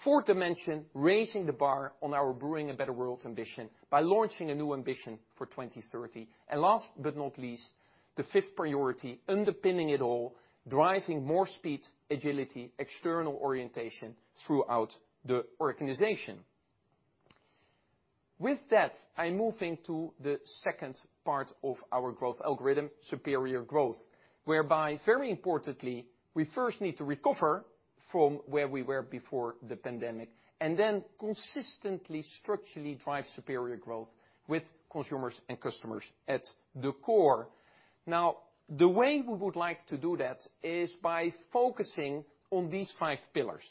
Fourth dimension, raising the bar on our Brewing a Better World ambition by launching a new ambition for 2030. Last but not least, the fifth priority, underpinning it all, driving more speed, agility, external orientation throughout the organization. With that, I'm moving to the second part of our growth algorithm, superior growth, whereby, very importantly, we first need to recover from where we were before the pandemic, then consistently, structurally drive superior growth with consumers and customers at the core. The way we would like to do that is by focusing on these five pillars.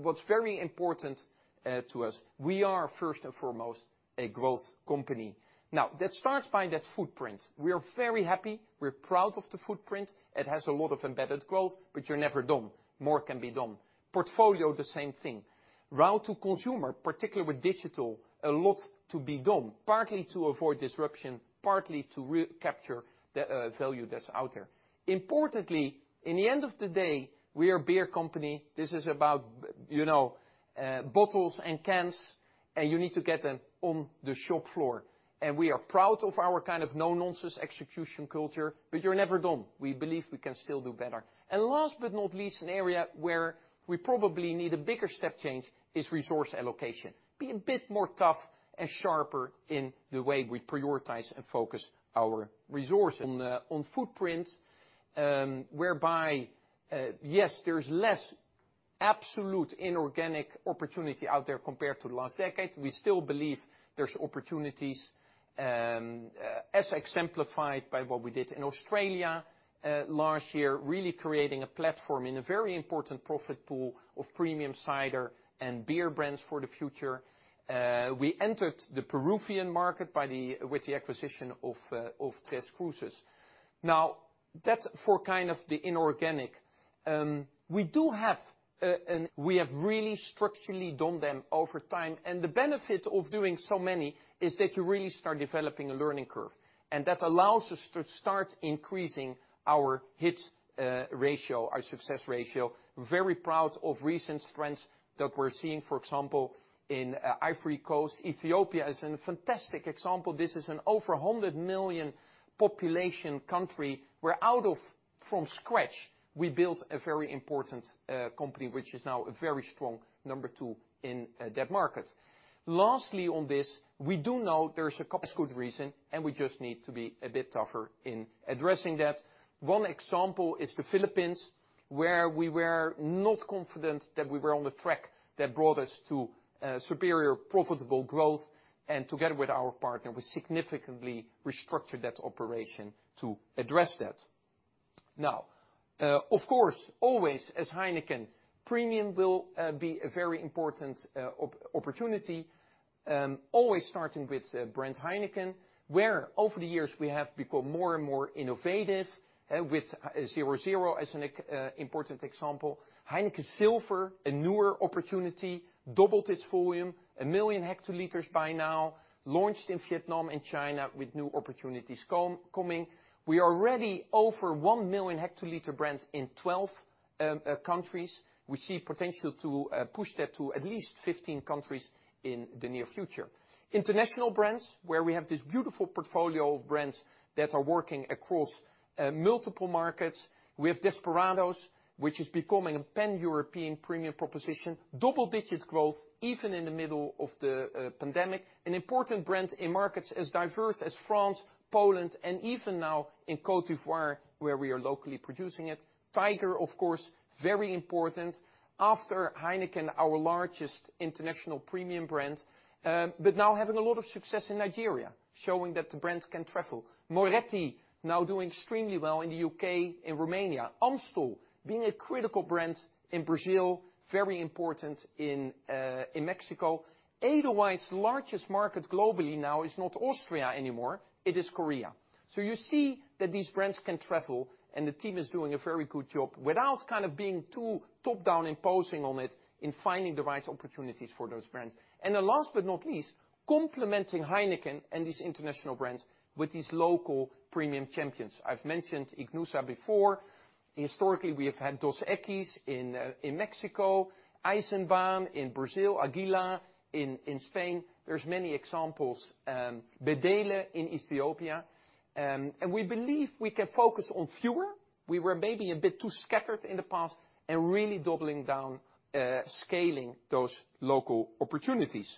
What's very important to us. We are first and foremost a growth company. That starts by that footprint. We are very happy. We're proud of the footprint. It has a lot of embedded growth, you're never done. More can be done. Portfolio, the same thing. Route to consumer, particularly with digital, a lot to be done, partly to avoid disruption, partly to recapture the value that's out there. Importantly, in the end of the day, we are a beer company. This is about bottles and cans, and you need to get them on the shop floor. We are proud of our no nonsense execution culture, but you're never done. We believe we can still do better. Last but not least, an area where we probably need a bigger step change is resource allocation. Be a bit more tough and sharper in the way we prioritize and focus our resource. On footprint, whereby, yes, there's less absolute inorganic opportunity out there compared to the last decade. We still believe there's opportunities, as exemplified by what we did in Australia last year, really creating a platform in a very important profit pool of premium cider and beer brands for the future. We entered the Peruvian market with the acquisition of Tres Cruces. That's for the inorganic. We have really structurally done them over time. The benefit of doing so many is that you really start developing a learning curve. That allows us to start increasing our hit ratio, our success ratio. Very proud of recent strengths that we're seeing, for example, in Ivory Coast. Ethiopia is a fantastic example. This is an over 100 million population country where out of from scratch, we built a very important company, which is now a very strong number two in that market. Lastly on this, we do know there's a good reason. We just need to be a bit tougher in addressing that. One example is the Philippines, where we were not confident that we were on the track that brought us to superior profitable growth. Together with our partner, we significantly restructured that operation to address that. Of course, always as Heineken, premium will be a very important opportunity. Always starting with brand Heineken, where over the years we have become more and more innovative, with 0.0 as an important example. Heineken Silver, a newer opportunity, doubled its volume, a million hectoliters by now, launched in Vietnam and China with new opportunities coming. We are already over one million hectoliter brand in 12 countries. We see potential to push that to at least 15 countries in the near future. International brands, where we have this beautiful portfolio of brands that are working across multiple markets. We have Desperados, which is becoming a pan-European premium proposition. Double-digit growth even in the middle of the pandemic. An important brand in markets as diverse as France, Poland, and even now in Côte d'Ivoire, where we are locally producing it. Tiger, of course, very important. After Heineken, our largest international premium brand, now having a lot of success in Nigeria, showing that the brand can travel. Moretti now doing extremely well in the U.K. and Romania. Amstel being a critical brand in Brazil, very important in Mexico. Edelweiss' largest market globally now is not Austria anymore, it is Korea. You see that these brands can travel, and the team is doing a very good job without being too top-down imposing on it in finding the right opportunities for those brands. Last but not least, complementing Heineken and these international brands with these local premium champions. I've mentioned Ichnusa before. Historically, we have had Dos Equis in Mexico, Eisenbahn in Brazil, El Águila in Spain. There's many examples. Bedele in Ethiopia. We believe we can focus on fewer. We were maybe a bit too scattered in the past and really doubling down, scaling those local opportunities.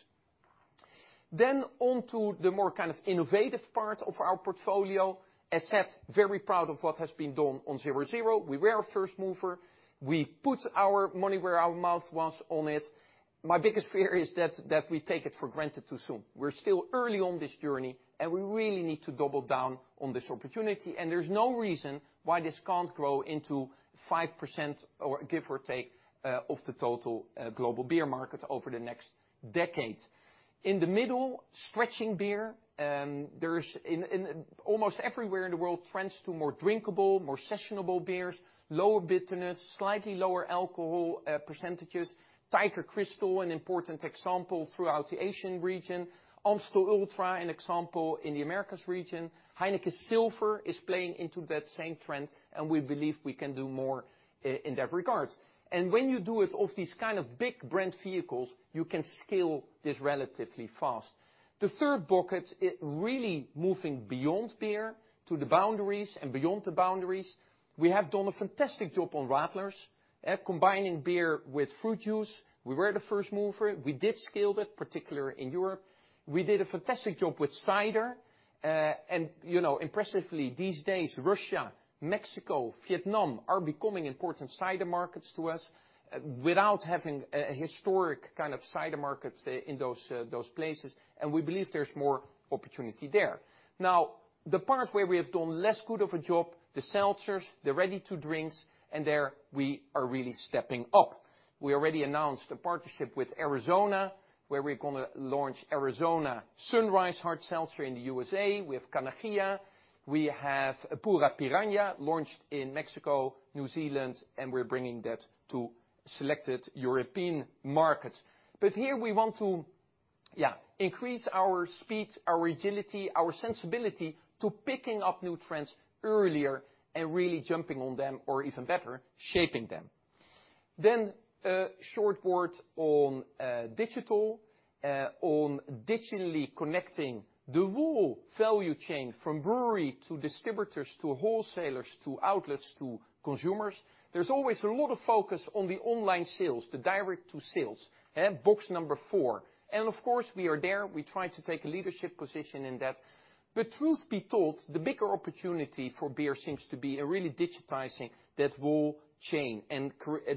On to the more innovative part of our portfolio. As said, very proud of what has been done on 0.0. We were a first mover. We put our money where our mouth was on it. My biggest fear is that we take it for granted too soon. We're still early on this journey, and we really need to double down on this opportunity. There's no reason why this can't grow into 5% or give or take of the total global beer market over the next decade. In the middle, stretching beer. Almost everywhere in the world, trends to more drinkable, more sessionable beers, lower bitterness, slightly lower alcohol percentages. Tiger Crystal, an important example throughout the Asian region. Amstel ULTRA, an example in the Americas region. Heineken Silver is playing into that same trend, and we believe we can do more in that regard. When you do it of these kind of big brand vehicles, you can scale this relatively fast. The third bucket, really moving beyond beer to the boundaries and beyond the boundaries. We have done a fantastic job on radlers. Combining beer with fruit juice. We were the first mover. We did scale that, particularly in Europe. We did a fantastic job with cider. Impressively, these days, Russia, Mexico, Vietnam are becoming important cider markets to us without having a historic kind of cider markets in those places. We believe there's more opportunity there. Now, the part where we have done less good of a job, the seltzers, the ready-to-drinks, and there we are really stepping up. We already announced a partnership with AriZona, where we're going to launch AriZona SunRise Hard Seltzer in the USA. We have Canijilla. We have Pure Piraña launched in Mexico, New Zealand, and we're bringing that to selected European markets. Here we want to, yeah, increase our speed, our agility, our sensibility to picking up new trends earlier and really jumping on them, or even better, shaping them. A short word on digital, on digitally connecting the whole value chain from brewery to distributors, to wholesalers, to outlets, to consumers. There's always a lot of focus on the online sales, the direct-to sales. Box number four. Of course, we are there. We try to take a leadership position in that. Truth be told, the bigger opportunity for beer seems to be really digitizing that whole chain and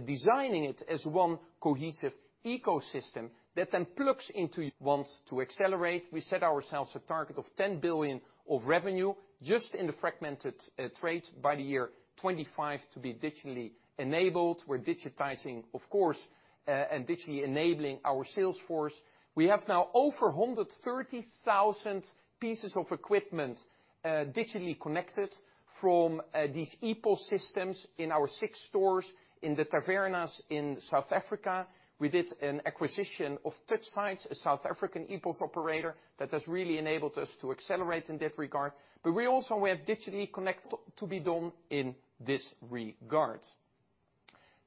designing it as one cohesive ecosystem that then plugs into. Once we accelerate, we set ourselves a target of 10 billion of revenue just in the fragmented trades by the year 2025 to be digitally enabled. We're digitizing, of course, and digitally enabling our sales force. We have now over 130,000 pieces of equipment digitally connected from these EPOS systems in our six stores in the tavernas in South Africa. We did an acquisition of Touchsides, a South African EPOS operator that has really enabled us to accelerate in that regard. We also have digitally connected o be done in this regard.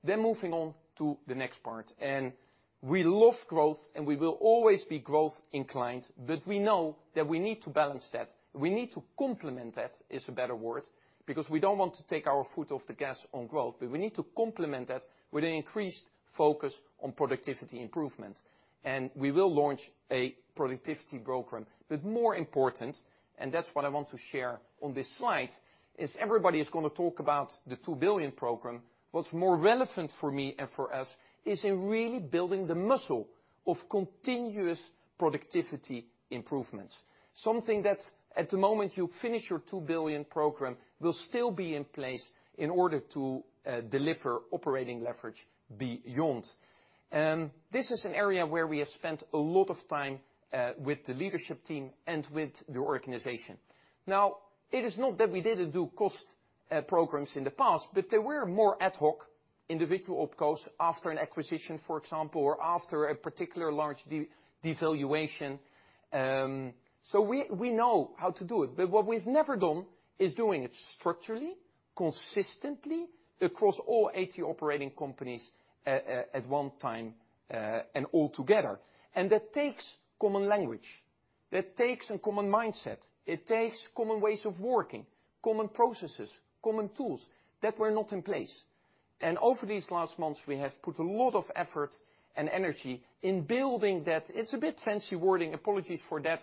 Moving on to the next part. We love growth, and we will always be growth inclined, but we know that we need to balance that. We need to complement that, is a better word, because we don't want to take our foot off the gas on growth, but we need to complement that with an increased focus on productivity improvement. We will launch a productivity program. More important, and that's what I want to share on this slide, is everybody is going to talk about the 2 billion program. What's more relevant for me and for us is in really building the muscle of continuous productivity improvements. Something that at the moment you finish your 2 billion program will still be in place in order to deliver operating leverage beyond. This is an area where we have spent a lot of time with the leadership team and with the organization. Now, it is not that we didn't do cost programs in the past, but they were more ad hoc individual OPCOs after an acquisition, for example, or after a particular large devaluation. We know how to do it. What we've never done is doing it structurally, consistently across all 80 operating companies at one time and all together. That takes common language. That takes a common mindset. It takes common ways of working, common processes, common tools that were not in place. Over these last months, we have put a lot of effort and energy in building that. It's a bit fancy wording, apologies for that.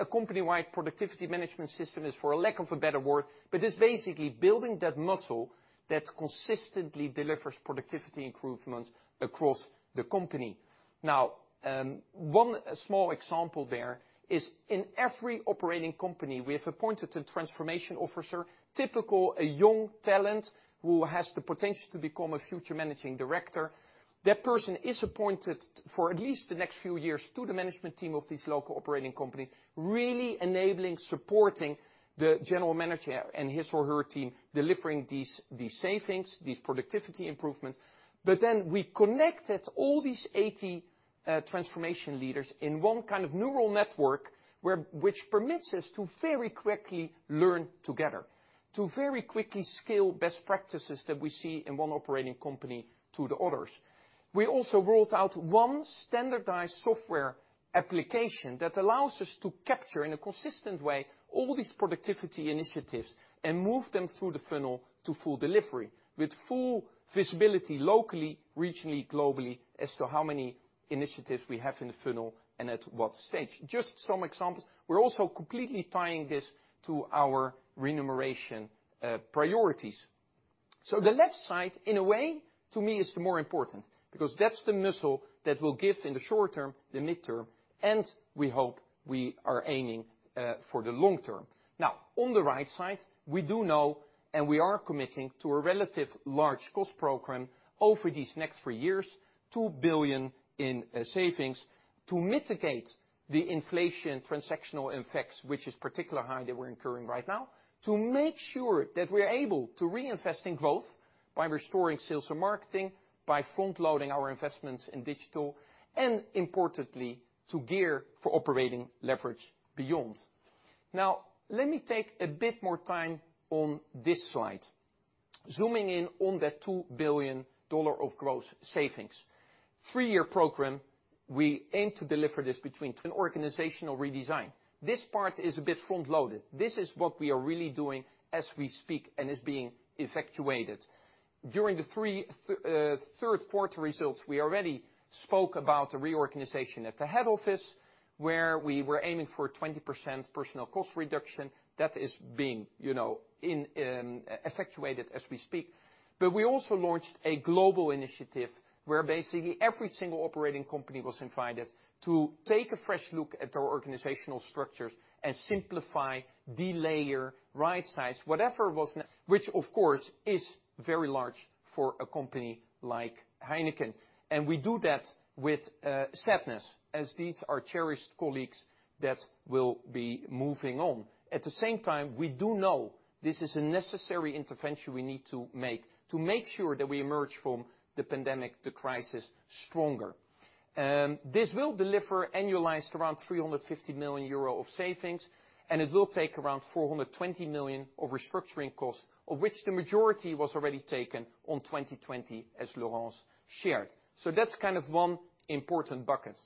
A company-wide productivity management system is for a lack of a better word, but it's basically building that muscle that consistently delivers productivity improvement across the company. One small example there is in every operating company, we have appointed a transformation officer, typically a young talent who has the potential to become a future managing director. That person is appointed for at least the next few years to the management team of these local operating companies, really enabling, supporting the general manager and his or her team delivering these savings, these productivity improvements. We connected all these 80 transformation leaders in one neural network which permits us to very quickly learn together, to very quickly scale best practices that we see in one operating company to the others. We also rolled out one standardized software application that allows us to capture in a consistent way all these productivity initiatives and move them through the funnel to full delivery with full visibility locally, regionally, globally as to how many initiatives we have in the funnel and at what stage. Just some examples. We're also completely tying this to our remuneration priorities. The left side, in a way, to me, is the more important, because that's the muscle that will give in the short term, the mid-term, and we hope we are aiming for the long term. On the right side, we do know and we are committing to a relative large cost program over these next three years, 2 billion in savings to mitigate the inflation transactional effects, which is particularly high that we're incurring right now, to make sure that we're able to reinvest in growth by restoring sales and marketing, by front-loading our investments in digital, and importantly, to gear for operating leverage beyond. Let me take a bit more time on this slide. Zooming in on that EUR 2 billion of gross savings. Three-year program, we aim to deliver this between an organizational redesign. This part is a bit front-loaded. This is what we are really doing as we speak, and is being effectuated. During the third quarter results, we already spoke about a reorganization at the head office, where we were aiming for 20% personal cost reduction. That is being effectuated as we speak. We also launched a global initiative where basically every single operating company was invited to take a fresh look at our organizational structures and simplify, delayer, rightsize. Which, of course, is very large for a company like Heineken. We do that with sadness, as these are cherished colleagues that will be moving on. At the same time, we do know this is a necessary intervention we need to make, to make sure that we emerge from the pandemic, the crisis, stronger. This will deliver annualized around 350 million euro of savings, and it will take around 420 million of restructuring costs, of which the majority was already taken on 2020, as Laurence shared. That's one important bucket.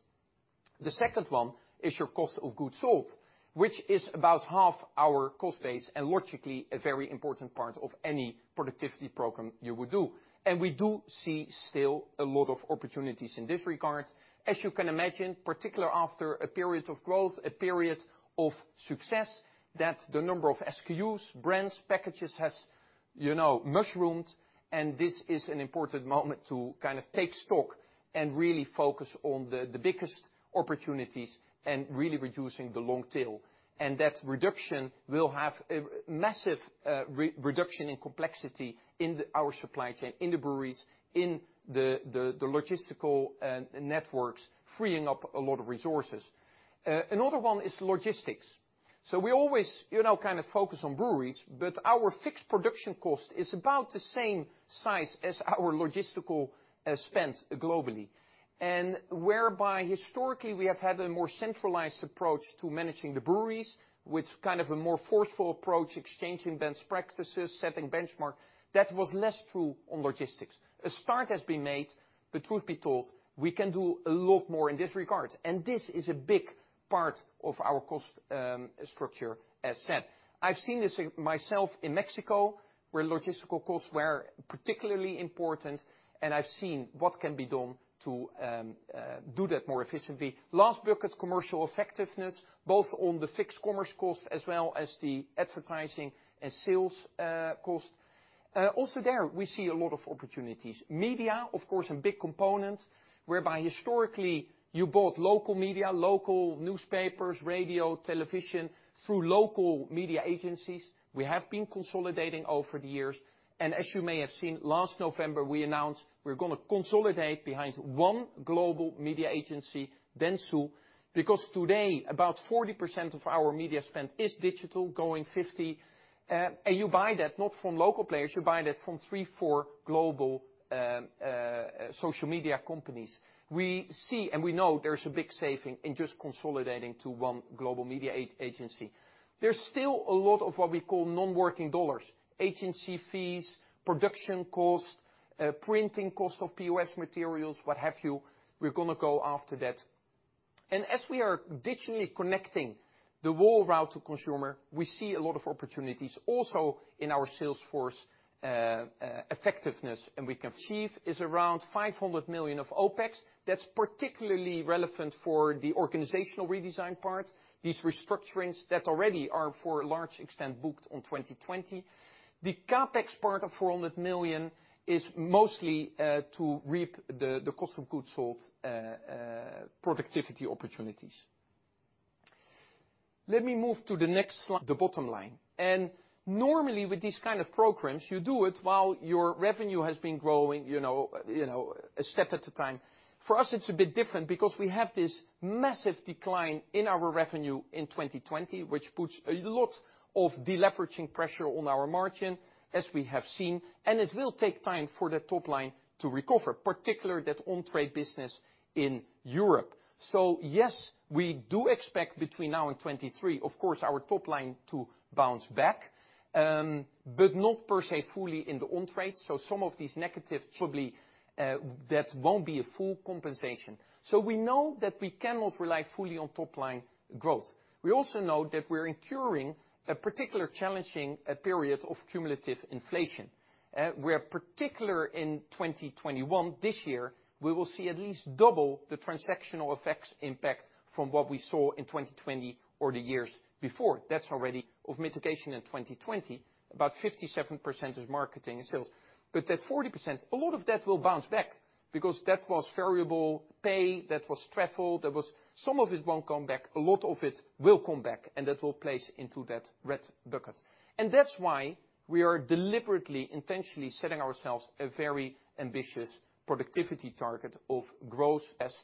The second one is your cost of goods sold, which is about half our cost base, and logically, a very important part of any productivity program you would do. We do see still a lot of opportunities in this regard. As you can imagine, particularly after a period of growth, a period of success, that the number of SKUs, brands, packages has mushroomed, and this is an important moment to take stock and really focus on the biggest opportunities and really reducing the long tail. That reduction will have a massive reduction in complexity in our supply chain, in the breweries, in the logistical networks, freeing up a lot of resources. Another one is logistics. We always focus on breweries, but our fixed production cost is about the same size as our logistical spend globally. Whereby historically we have had a more centralized approach to managing the breweries with a more forceful approach, exchanging best practices, setting benchmark. That was less true on logistics. A start has been made, but truth be told, we can do a lot more in this regard. This is a big part of our cost structure as said. I've seen this myself in Mexico, where logistical costs were particularly important, and I've seen what can be done to do that more efficiently. Last bucket, commercial effectiveness, both on the fixed commerce cost as well as the advertising and sales cost. Also there, we see a lot of opportunities. Media, of course, a big component, whereby historically, you bought local media, local newspapers, radio, television, through local media agencies. We have been consolidating over the years. As you may have seen, last November, we announced we're going to consolidate behind one global media agency, Dentsu, because today about 40% of our media spend is digital, going 50%. You buy that not from local players, you're buying that from three, four global social media companies. We see and we know there's a big saving in just consolidating to one global media agency. There's still a lot of what we call non-working EUR, agency fees, production cost, printing cost of POS materials, what have you. We're going to go after that. As we are digitally connecting the whole route to consumer, we see a lot of opportunities also in our sales force effectiveness and We Can Achieve is around 500 million of OpEx. That's particularly relevant for the organizational redesign part. These restructurings that already are for a large extent booked on 2020. The CapEx part of 400 million is mostly to reap the cost of goods sold productivity opportunities. Let me move to the next slide. The bottom line. Normally with these kind of programs, you do it while your revenue has been growing a step at a time. For us, it's a bit different because we have this massive decline in our revenue in 2020, which puts a lot of deleveraging pressure on our margin, as we have seen, and it will take time for the top line to recover, particularly that on-trade business in Europe. Yes, we do expect between now and 2023, of course, our top line to bounce back, but not per se fully in the on-trade. Some of these negatives, surely that won't be a full compensation. We know that we cannot rely fully on top line growth. We also know that we're incurring a particularly challenging period of cumulative inflation, where particularly in 2021, this year, we will see at least double the transactional effects impact from what we saw in 2020 or the years before. That's already of mitigation in 2020. About 57% is marketing and sales. That 40%, a lot of that will bounce back because that was variable pay, that was travel. Some of it won't come back, a lot of it will come back, that will place into that red bucket. That's why we are deliberately, intentionally setting ourselves a very ambitious productivity target of growth S,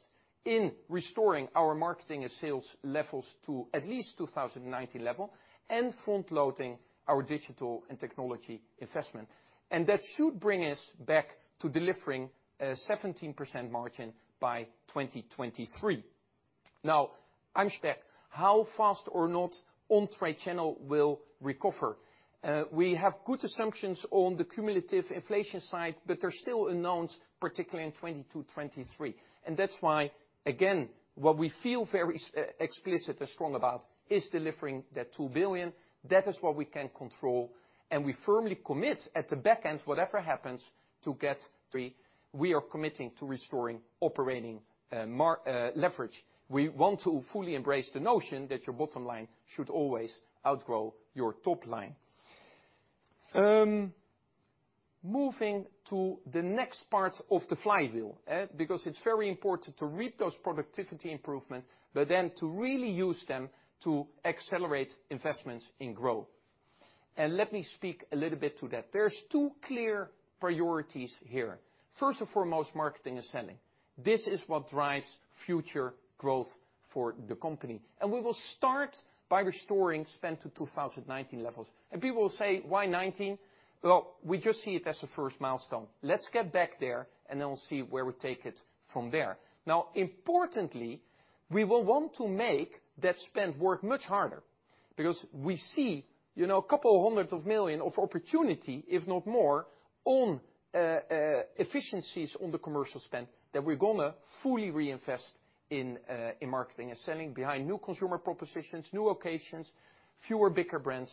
in restoring our marketing and sales levels to at least 2019 level, front-loading our digital and technology investment. That should bring us back to delivering a 17% margin by 2023. [inaudible] how fast or not on trade channel will recover. We have good assumptions on the cumulative inflation side. There are still unknowns, particularly in 2022, 2023. That's why, again, what we feel very explicit and strong about is delivering that 2 billion. That is what we can control. We firmly commit at the back end, whatever happens to get EUR 3 billion, we are committing to restoring operating leverage. We want to fully embrace the notion that your bottom line should always outgrow your top line. Moving to the next part of the flywheel, because it's very important to reap those productivity improvements, but then to really use them to accelerate investments in growth. Let me speak a little bit to that. There's two clear priorities here. First and foremost, marketing and selling. This is what drives future growth for the company. We will start by restoring spend to 2019 levels. People will say, "Why 2019?" Well, we just see it as a first milestone. Let's get back there and then we'll see where we take it from there. Importantly, we will want to make that spend work much harder, because we see a couple of hundreds of million EUR of opportunity, if not more, on efficiencies on the commercial spend that we're going to fully reinvest in marketing and selling behind new consumer propositions, new locations, fewer bigger brands,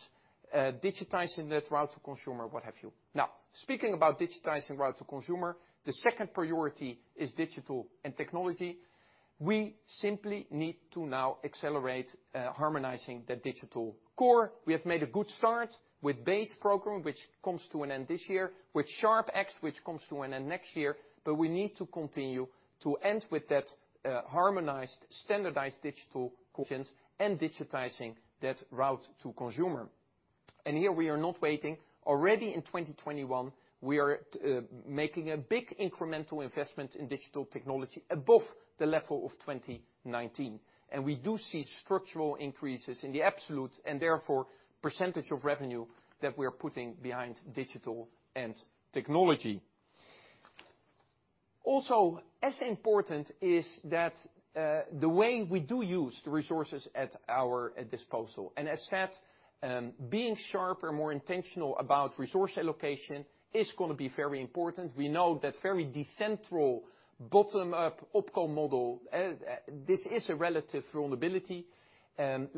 digitizing that route to consumer, what have you. Speaking about digitizing route to consumer, the second priority is Digital & Technology. We simply need to now accelerate harmonizing the Digital CORE. We have made a good start with BASE program, which comes to an end this year, with SHARP-X, which comes to an end next year, we need to continue to end with that harmonized, standardized digital and digitizing that route to consumer. Here we are not waiting. Already in 2021, we are making a big incremental investment in digital technology above the level of 2019. We do see structural increases in the absolute, and therefore percentage of revenue that we're putting behind digital and technology. As important is that the way we do use the resources at our disposal. As said, being sharper, more intentional about resource allocation is going to be very important. We know that very decentral, bottom-up OpCo model, this is a relative vulnerability.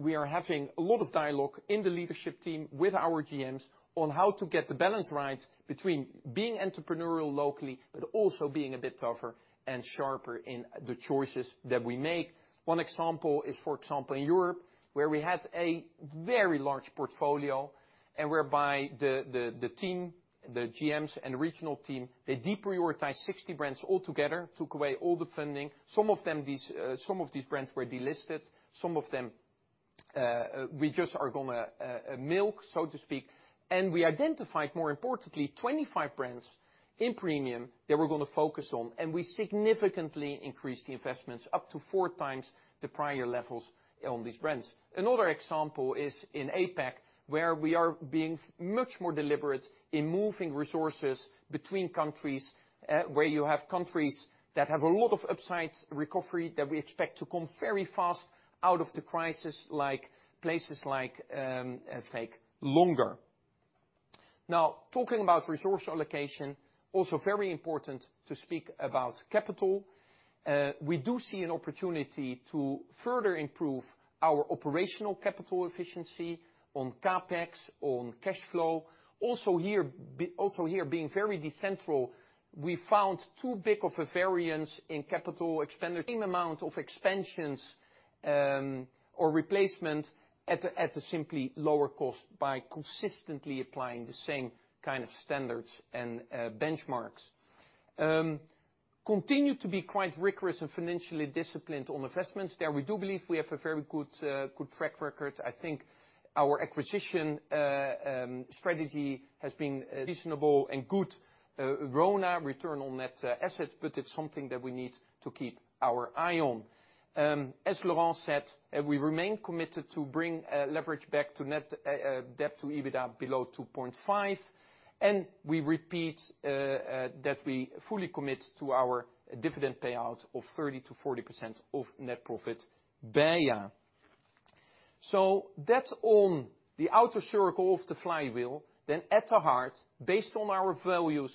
We are having a lot of dialogue in the leadership team with our GMs on how to get the balance right between being entrepreneurial locally, but also being a bit tougher and sharper in the choices that we make. One example is, for example, in Europe, where we have a very large portfolio and whereby the team, the GMs and regional team, they deprioritized 60 brands altogether, took away all the funding. Some of these brands were delisted. Some of them we just are going to milk, so to speak. We identified, more importantly, 25 brands in premium that we're going to focus on, and we significantly increased the investments up to four times the prior levels on these brands. Another example is in APAC, where we are being much more deliberate in moving resources between countries, where you have countries that have a lot of upside recovery that we expect to come very fast out of the crisis, like places take longer. Talking about resource allocation, also very important to speak about capital. We do see an opportunity to further improve our operational capital efficiency on CapEx, on cash flow. Also here, being very decentral, we found too big of a variance in capital expenditure, same amount of expansions or replacement at a simply lower cost by consistently applying the same kind of standards and benchmarks. Continue to be quite rigorous and financially disciplined on investments. We do believe we have a very good track record. I think our acquisition strategy has been reasonable and good RONA, return on net assets, but it's something that we need to keep our eye on. As Laurence said, we remain committed to bring leverage back to net debt to EBITDA below 2.5, we repeat that we fully commit to our dividend payout of 30%-40% of net profit per year. That's on the outer circle of the flywheel. At the heart, based on our values,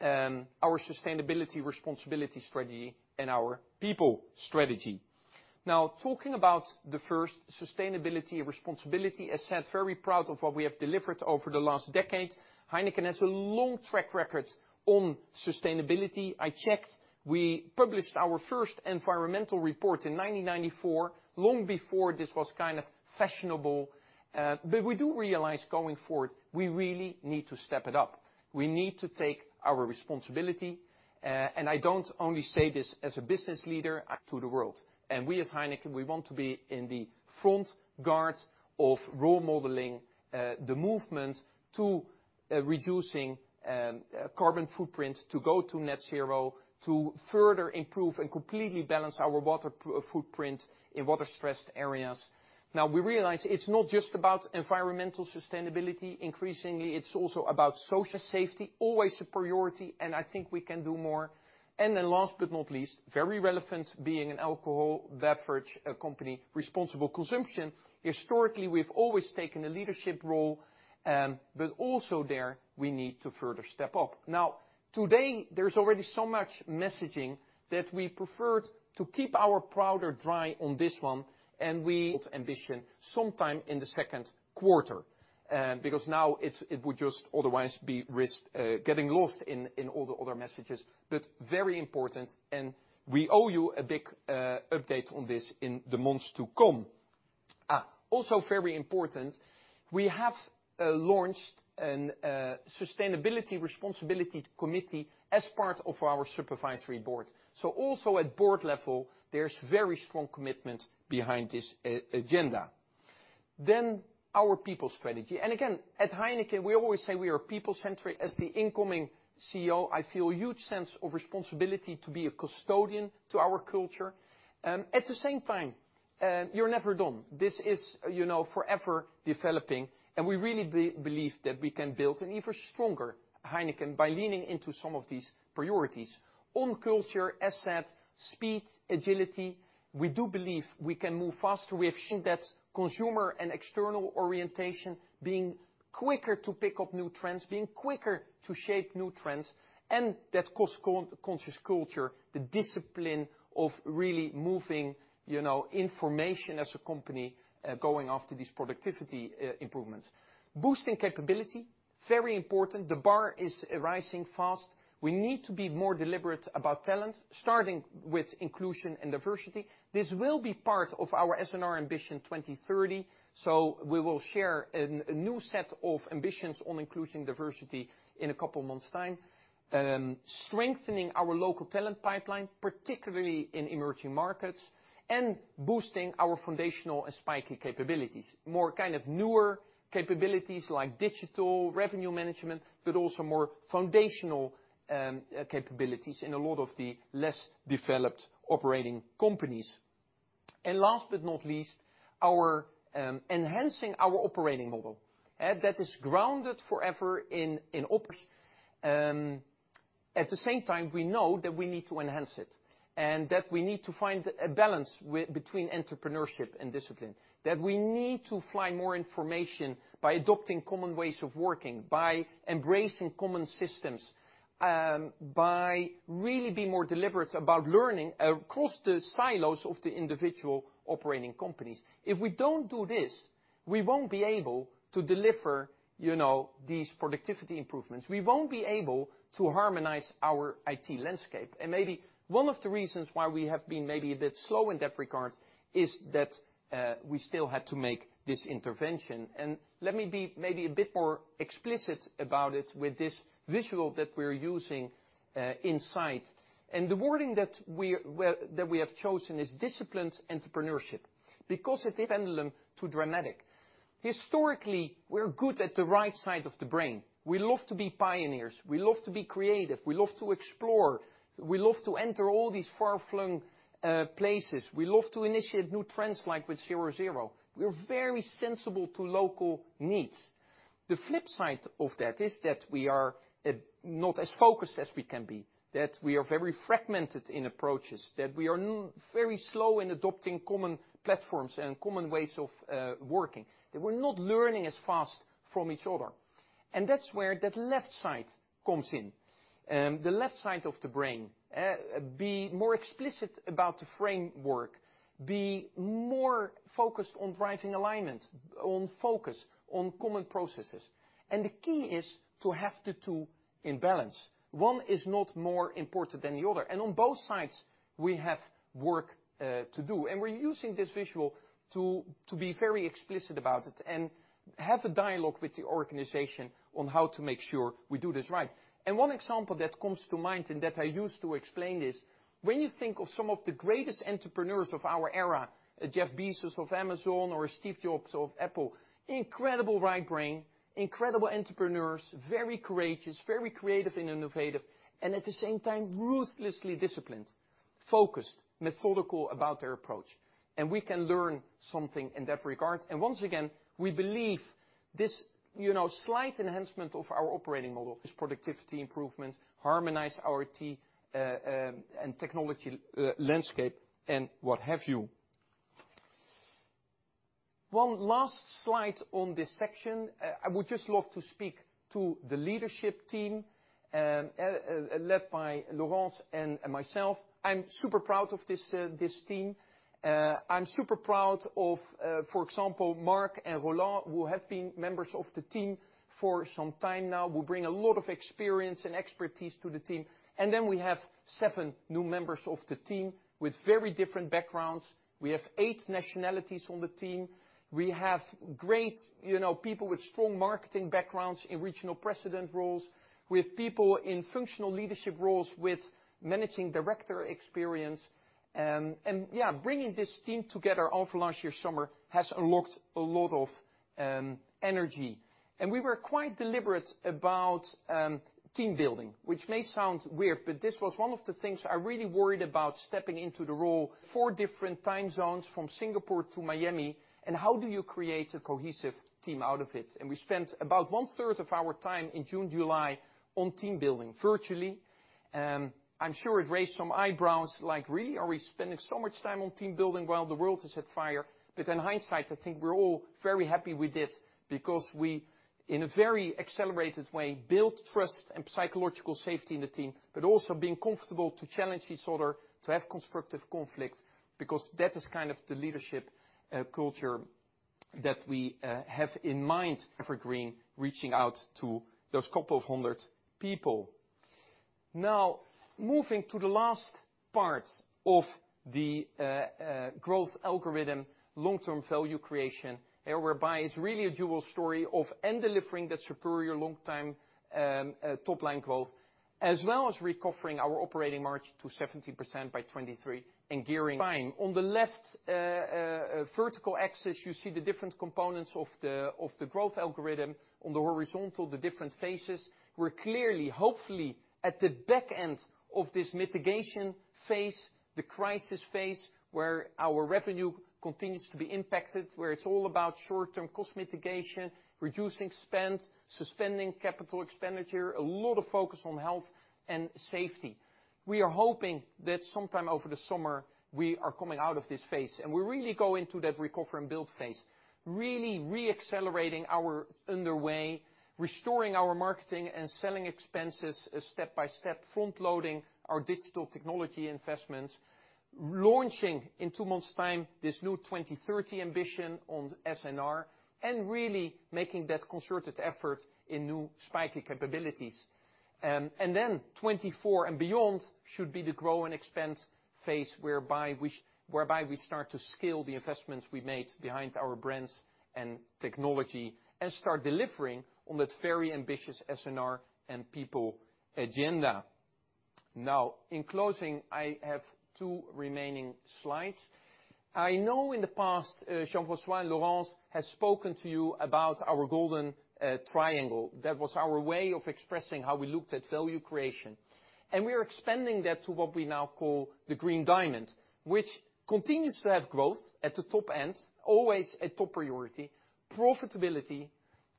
our Sustainability & Responsibility strategy, and our people strategy. Talking about the first, Sustainability & Responsibility, as said, very proud of what we have delivered over the last decade. Heineken has a long track record on sustainability. I checked, we published our first environmental report in 1994, long before this was fashionable. We do realize going forward, we really need to step it up. We need to take our responsibility. I don't only say this as a business leader to the world. We as Heineken, we want to be in the front guard of role modeling the movement to reducing carbon footprint, to go to net zero, to further improve and completely balance our water footprint in water-stressed areas. Now, we realize it's not just about environmental sustainability. Increasingly, it's also about social safety, always a priority, and I think we can do more. Last but not least, very relevant being an alcohol beverage company, responsible consumption. Historically, we've always taken a leadership role, but also there, we need to further step up. Now, today, there's already so much messaging that we preferred to keep our powder dry on this one, ambition sometime in the second quarter. Now it would just otherwise be risk getting lost in all the other messages. Very important, we owe you a big update on this in the months to come. Also very important, we have launched a Sustainability & Responsibility Committee as part of our supervisory board. Also at board level, there's very strong commitment behind this agenda. Our people strategy. Again, at Heineken, we always say we are people-centric. As the incoming CEO, I feel a huge sense of responsibility to be a custodian to our culture. At the same time, you're never done. This is forever developing, and we really believe that we can build an even stronger Heineken by leaning into some of these priorities. On culture, asset, speed, agility, we do believe we can move faster. We have seen that consumer and external orientation being quicker to pick up new trends, being quicker to shape new trends, and that cost-conscious culture, the discipline of really moving information as a company, going after these productivity improvements. Boosting capability, very important. The bar is rising fast. We need to be more deliberate about talent, starting with inclusion and diversity. This will be part of our S&R ambition 2030. We will share a new set of ambitions on inclusion, diversity in a couple of months' time. Strengthening our local talent pipeline, particularly in emerging markets, and boosting our foundational and spiky capabilities. More newer capabilities like digital revenue management, but also more foundational capabilities in a lot of the less developed operating companies. Last but not least, enhancing our operating model. That is grounded forever in operation. At the same time, we know that we need to enhance it, that we need to find a balance between entrepreneurship and discipline, that we need to fly more information by adopting common ways of working, by embracing common systems, by really being more deliberate about learning across the silos of the individual operating companies. If we don't do this, we won't be able to deliver these productivity improvements. We won't be able to harmonize our IT landscape. Maybe one of the reasons why we have been maybe a bit slow in that regard is that we still had to make this intervention. Let me be maybe a bit more explicit about it with this visual that we're using inside. The wording that we have chosen is disciplined entrepreneurship. Historically, we're good at the right side of the brain. We love to be pioneers. We love to be creative. We love to explore. We love to enter all these far-flung places. We love to initiate new trends, like with 0.0. We are very sensible to local needs. The flip side of that is that we are not as focused as we can be, that we are very fragmented in approaches, that we are very slow in adopting common platforms and common ways of working, that we are not learning as fast from each other. That's where that left side comes in. The left side of the brain. Be more explicit about the framework, be more focused on driving alignment, on focus, on common processes. The key is to have the two in balance. One is not more important than the other. On both sides, we have work to do. We're using this visual to be very explicit about it and have a dialogue with the organization on how to make sure we do this right. One example that comes to mind and that I use to explain this, when you think of some of the greatest entrepreneurs of our era, a Jeff Bezos of Amazon or a Steve Jobs of Apple, incredible right brain, incredible entrepreneurs, very courageous, very creative and innovative, and at the same time, ruthlessly disciplined, focused, methodical about their approach. We can learn something in that regard. Once again, we believe this slight enhancement of our operating model is productivity improvement, harmonize our IT and technology landscape and what have you. One last slide on this section. I would just love to speak to the leadership team, led by Laurence and myself. I'm super proud of this team. I'm super proud of, for example, Mark and Roland, who have been members of the team for some time now, who bring a lot of experience and expertise to the team. Then we have seven new members of the team with very different backgrounds. We have eight nationalities on the team. We have great people with strong marketing backgrounds in regional precedent roles, with people in functional leadership roles, with managing director experience. Bringing this team together over last year's summer has unlocked a lot of energy. We were quite deliberate about team building, which may sound weird, but this was one of the things I really worried about stepping into the role. Four different time zones from Singapore to Miami, and how do you create a cohesive team out of it? We spent about one third of our time in June, July, on team building virtually. I'm sure it raised some eyebrows like, "Really? Are we spending so much time on team building while the world is on fire?" In hindsight, I think we're all very happy we did, because we, in a very accelerated way, built trust and psychological safety in the team, but also being comfortable to challenge each other, to have constructive conflict, because that is kind of the leadership culture that we have in mind. For EverGreen, reaching out to those couple of hundred people. Moving to the last part of the growth algorithm, long-term value creation, whereby it's really a dual story of and delivering that superior long-term, top line growth, as well as recovering our operating margin to 17% by 2023. Fine. On the left vertical axis, you see the different components of the growth algorithm. On the horizontal, the different phases. We're clearly, hopefully, at the back end of this mitigation phase, the crisis phase, where our revenue continues to be impacted, where it's all about short-term cost mitigation, reducing spend, suspending capital expenditure, a lot of focus on health and safety. We are hoping that sometime over the summer, we are coming out of this phase, and we really go into that recover and build phase, really re-accelerating our underlying, restoring our marketing and selling expenses step by step, front-loading our digital technology investments, launching, in two months' time, this new 2030 ambition on S&R, and really making that concerted effort in new spiky capabilities. Then 2024 and beyond should be the grow and expense phase whereby we start to scale the investments we made behind our brands and technology and start delivering on that very ambitious S&R and people agenda. In closing, I have two remaining slides. I know in the past, Jean-François and Laurence has spoken to you about our golden triangle. That was our way of expressing how we looked at value creation. We are expanding that to what we now call the Green Diamond, which continues to have growth at the top end, always a top priority, profitability,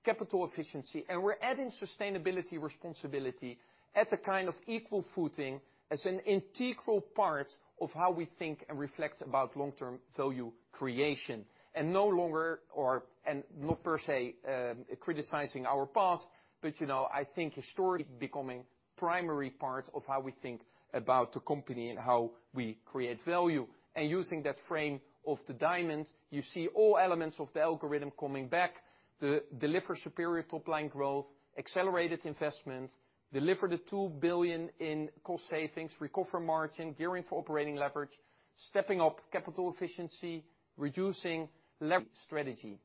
capital efficiency, and we're adding Sustainability & Responsibility at the kind of equal footing as an integral part of how we think and reflect about long-term value creation, not per se criticizing our past, but I think historically becoming primary part of how we think about the company and how we create value. Using that frame of the diamond, you see all elements of the algorithm coming back, deliver superior top line growth, accelerated investment, deliver the 2 billion in cost savings, recover margin, gearing for operating leverage, stepping up capital efficiency, reducing leverage strategy.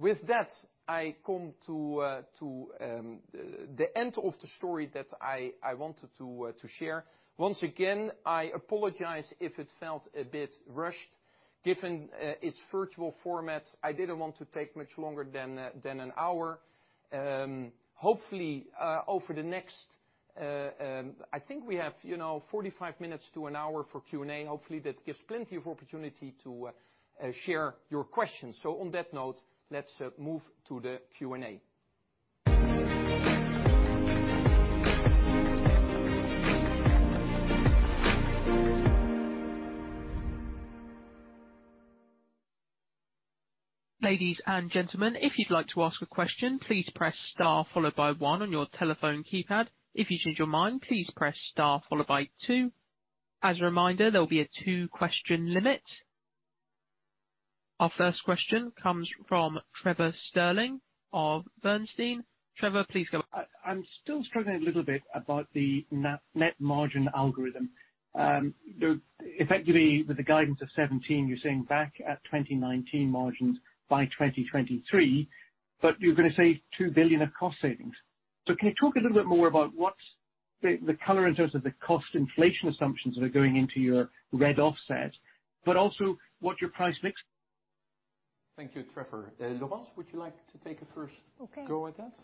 With that, I come to the end of the story that I wanted to share. Once again, I apologize if it felt a bit rushed. Given its virtual format, I didn't want to take much longer than one hour. Hopefully, over the next, I think we have 45 minutes to one hour for Q&A. Hopefully, that gives plenty of opportunity to share your questions. On that note, let's move to the Q&A. Ladies and gentlemen, if you'd like to ask a question, please press star followed by one on your telephone keypad. If you change your mind, please press star followed by two. As a reminder, there will be a two-question limit. Our first question comes from Trevor Stirling of Bernstein. Trevor, please go- I'm still struggling a little bit about the net margin algorithm. Effectively, with the guidance of 17, you're saying back at 2019 margins by 2023, but you're going to save 2 billion of cost savings. Can you talk a little bit more about what's the color in terms of the cost inflation assumptions that are going into your red offset, but also what your price mix- Thank you, Trevor. Laurence, would you like to take a first go at that?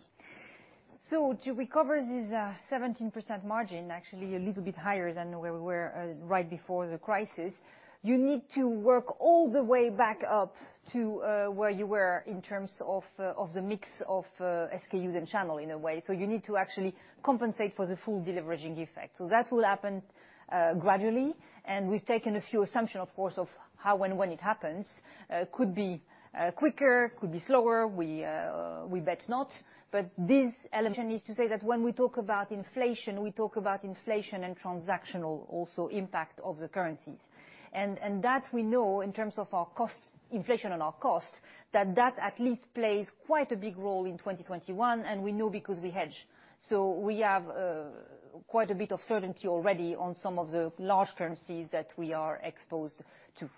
To recover this 17% margin, actually a little bit higher than where we were right before the crisis, you need to work all the way back up to where you were in terms of the mix of SKUs and channel in a way. You need to actually compensate for the full deleveraging effect. That will happen gradually, and we've taken a few assumptions, of course, of how and when it happens. Could be quicker, could be slower. We bet not. This element needs to say that when we talk about inflation, we talk about inflation and transactional also impact of the currencies. That we know in terms of our costs, inflation and our costs, that that at least plays quite a big role in 2021. We know because we hedge. We have quite a bit of certainty already on some of the large currencies that we are exposed to.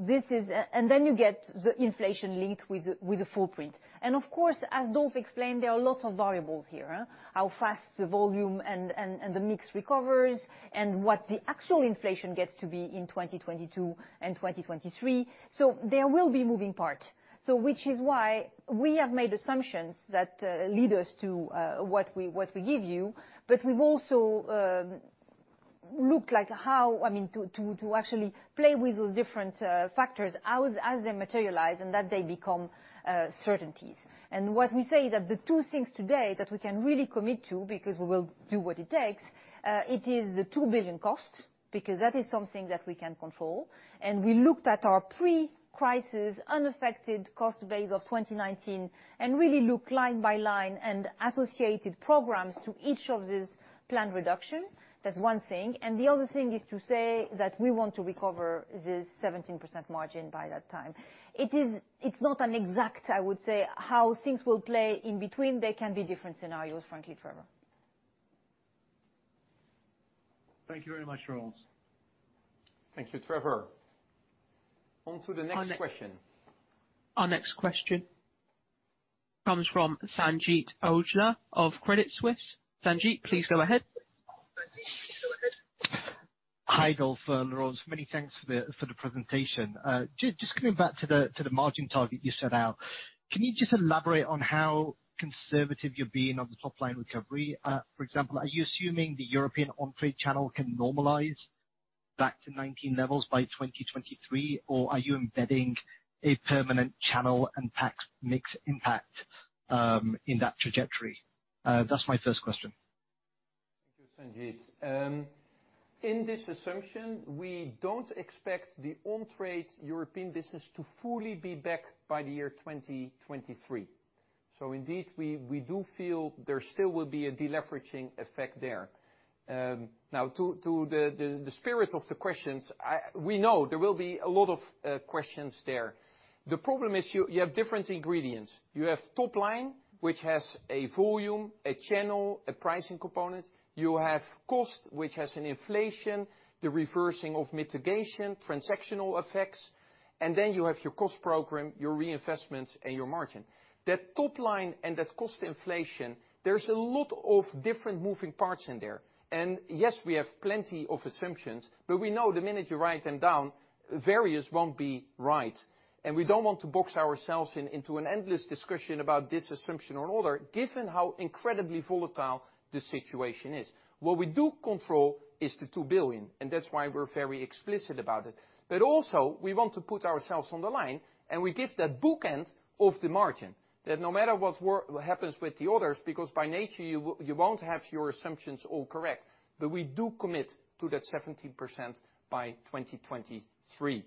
Then you get the inflation linked with the footprint. Of course, as Dolf explained, there are lots of variables here. How fast the volume and the mix recovers and what the actual inflation gets to be in 2022 and 2023. There will be moving part. Which is why we have made assumptions that lead us to what we give you. We've also looked how to actually play with those different factors as they materialize, and that they become certainties. What we say that the two things today that we can really commit to, because we will do what it takes, it is the 2 billion cost, because that is something that we can control. We looked at our pre-crisis, unaffected cost base of 2019, and really looked line by line and associated programs to each of these planned reduction. That's one thing. The other thing is to say that we want to recover this 17% margin by that time. It's not an exact, I would say, how things will play in between. They can be different scenarios, frankly, Trevor. Thank you very much, Laurence. Thank you, Trevor. On to the next question. Our next question comes from Sanjeet Aujla of Credit Suisse. Sanjeet, please go ahead. Hi, Dolf, Laurence. Many thanks for the presentation. Just coming back to the margin target you set out, can you just elaborate on how conservative you're being on the top-line recovery? For example, are you assuming the European on-trade channel can normalize back to 2019 levels by 2023? Or are you embedding a permanent channel and tax mix impact in that trajectory? That's my first question. Thank you, Sanjeet. In this assumption, we don't expect the on-trade European business to fully be back by the year 2023. Indeed, we do feel there still will be a deleveraging effect there. To the spirit of the questions, we know there will be a lot of questions there. The problem is, you have different ingredients. You have top line, which has a volume, a channel, a pricing component. You have cost, which has an inflation, the reversing of mitigation, transactional effects, and then you have your cost program, your reinvestments, and your margin. That top line and that cost inflation, there's a lot of different moving parts in there. Yes, we have plenty of assumptions, but we know the minute you write them down, various won't be right. We don't want to box ourselves into an endless discussion about this assumption or other, given how incredibly volatile the situation is. What we do control is the 2 billion, and that's why we're very explicit about it. Also, we want to put ourselves on the line, and we give that bookend of the margin, that no matter what happens with the others, because by nature, you won't have your assumptions all correct. We do commit to that 17% by 2023.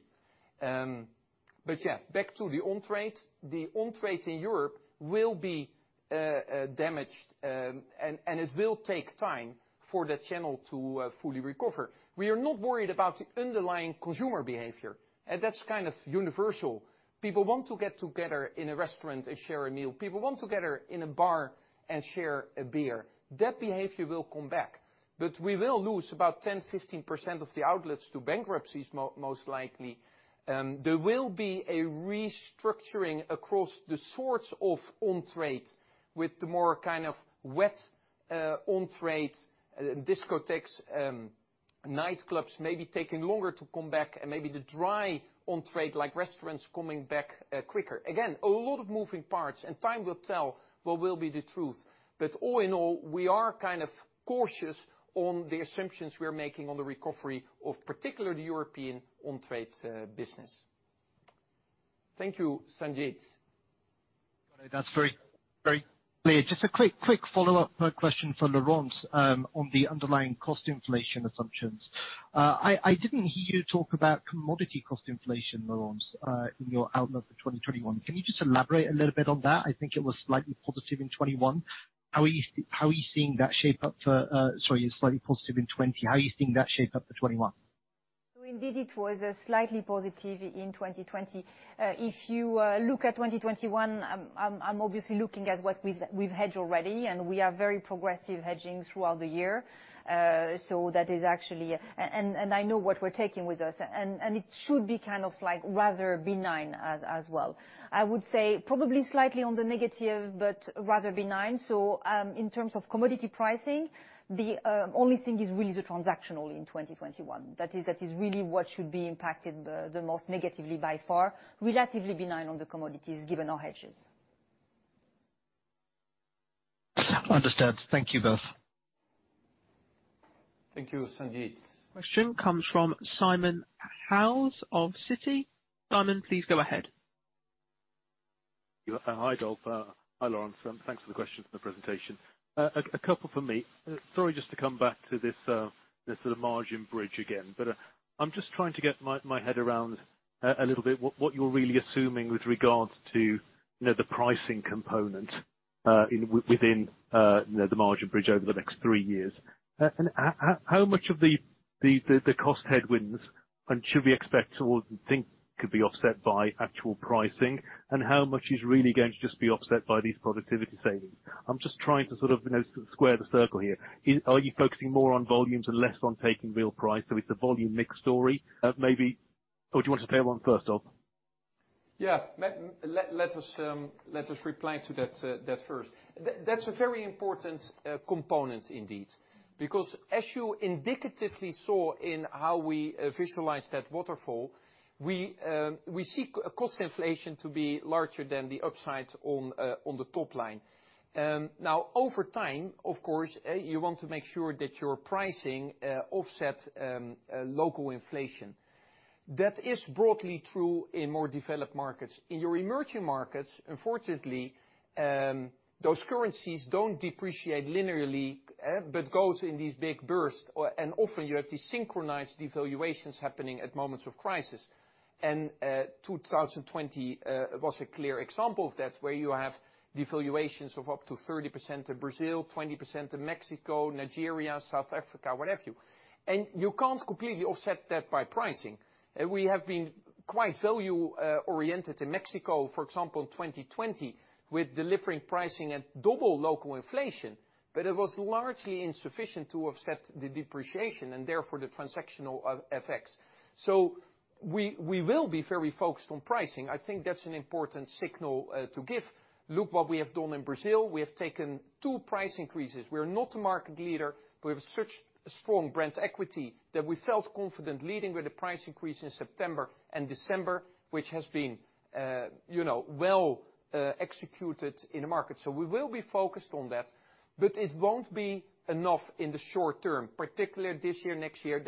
Yeah, back to the on-trade. The on-trade in Europe will be damaged, and it will take time for that channel to fully recover. We are not worried about the underlying consumer behavior, and that's kind of universal. People want to get together in a restaurant and share a meal. People want to get together in a bar and share a beer. That behavior will come back. We will lose about 10%, 15% of the outlets to bankruptcies most likely. There will be a restructuring across the sorts of on-trade with the more kind of wet on-trade discotheques, nightclubs, maybe taking longer to come back and maybe the dry on-trade like restaurants coming back quicker. Again, a lot of moving parts and time will tell what will be the truth. All in all, we are kind of cautious on the assumptions we're making on the recovery of particularly European on-trade business. Thank you, Sanjeet. Got it. That's very clear. Just a quick follow-up question for Laurence on the underlying cost inflation assumptions. I didn't hear you talk about commodity cost inflation, Laurence, in your outlook for 2021. Can you just elaborate a little bit on that? I think it was slightly positive in 2021. Sorry, slightly positive in 2020. How are you seeing that shape up for 2021? Indeed, it was slightly positive in 2020. If you look at 2021, I'm obviously looking at what we've hedged already, and we are very progressive hedging throughout the year. That is actually And I know what we're taking with us, and it should be kind of rather benign as well. I would say probably slightly on the negative, but rather benign. In terms of commodity pricing, the only thing is really the transactional in 2021. That is really what should be impacted the most negatively by far, relatively benign on the commodities given our hedges. Understood. Thank you both. Thank you, Sanjeet. Question comes from Simon Hales of Citi. Simon, please go ahead. Hi, Dolf. Hi, Laurence. Thanks for the question and the presentation. A couple from me. Sorry, just to come back to this margin bridge again, I'm just trying to get my head around a little bit what you're really assuming with regards to the pricing component within the margin bridge over the next three years. How much of the cost headwinds should we expect or think could be offset by actual pricing, and how much is really going to just be offset by these productivity savings? I'm just trying to square the circle here. Are you focusing more on volumes and less on taking real price, so it's a volume mix story? Do you want to take that one first, Dolf? Yeah. Let us reply to that first. That's a very important component indeed, because as you indicatively saw in how we visualize that waterfall, we see cost inflation to be larger than the upside on the top line. Now, over time, of course, you want to make sure that your pricing offsets local inflation. That is broadly true in more developed markets. In your emerging markets, unfortunately, those currencies don't depreciate linearly, but goes in these big bursts. Often you have these synchronized devaluations happening at moments of crisis. 2020 was a clear example of that, where you have devaluations of up to 30% in Brazil, 20% in Mexico, Nigeria, South Africa, what have you. You can't completely offset that by pricing. We have been quite value-oriented in Mexico, for example, in 2020, with delivering pricing at double local inflation, it was largely insufficient to offset the depreciation and therefore the transactional effects. We will be very focused on pricing. I think that's an important signal to give. Look what we have done in Brazil. We have taken two price increases. We're not a market leader, we have such strong brand equity that we felt confident leading with a price increase in September and December, which has been well executed in the market. We will be focused on that, it won't be enough in the short term, particularly this year, next year,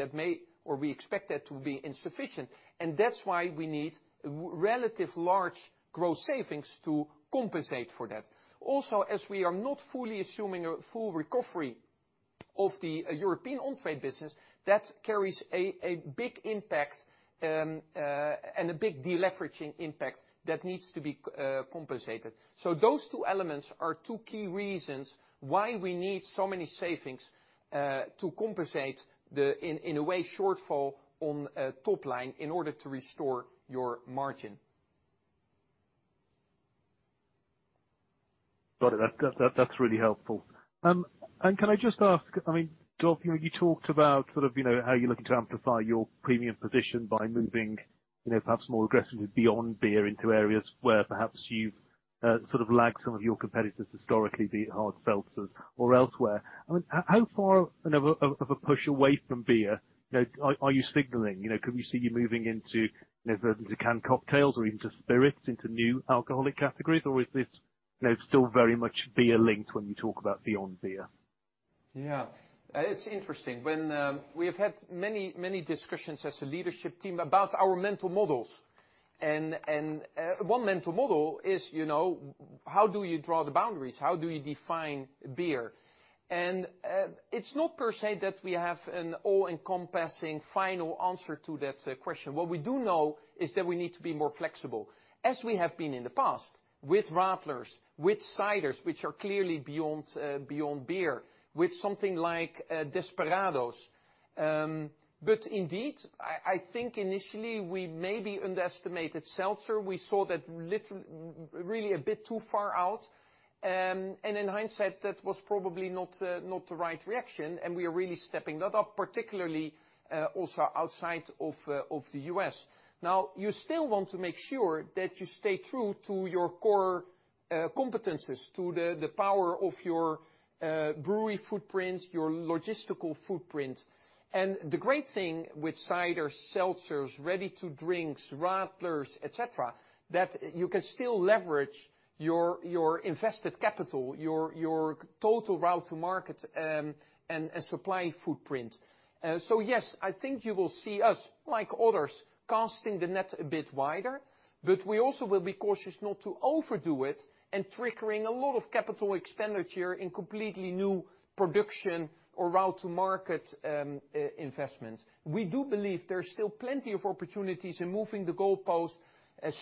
we expect that to be insufficient. That's why we need relative large growth savings to compensate for that. As we are not fully assuming a full recovery of the European on-trade business, that carries a big impact and a big deleveraging impact that needs to be compensated. Those two elements are two key reasons why we need so many savings to compensate, in a way, shortfall on top line in order to restore your margin. Got it. That's really helpful. Can I just ask, Dolf, you talked about how you're looking to amplify your premium position by moving perhaps more aggressively beyond beer into areas where perhaps you've lagged some of your competitors historically, be it hard seltzers or elsewhere. How far of a push away from beer are you signaling? Could we see you moving into the canned cocktails or even to spirits, into new alcoholic categories? Is this still very much beer linked when you talk about beyond beer? It's interesting. We have had many discussions as a leadership team about our mental models, and one mental model is how do you draw the boundaries? How do you define beer? It's not per se that we have an all-encompassing final answer to that question. What we do know is that we need to be more flexible, as we have been in the past with radlers, with ciders, which are clearly beyond beer, with something like Desperados. Indeed, I think initially we maybe underestimated seltzer. We saw that really a bit too far out, and in hindsight, that was probably not the right reaction, and we are really stepping that up, particularly also outside of the U.S. You still want to make sure that you stay true to your core competencies, to the power of your brewery footprint, your logistical footprint. The great thing with cider, seltzers, ready-to-drinks, radlers, et cetera, that you can still leverage your invested capital, your total route to market and supply footprint. Yes, I think you will see us, like others, casting the net a bit wider, but we also will be cautious not to overdo it and triggering a lot of capital expenditure in completely new production or route to market investments. We do believe there's still plenty of opportunities in moving the goalposts,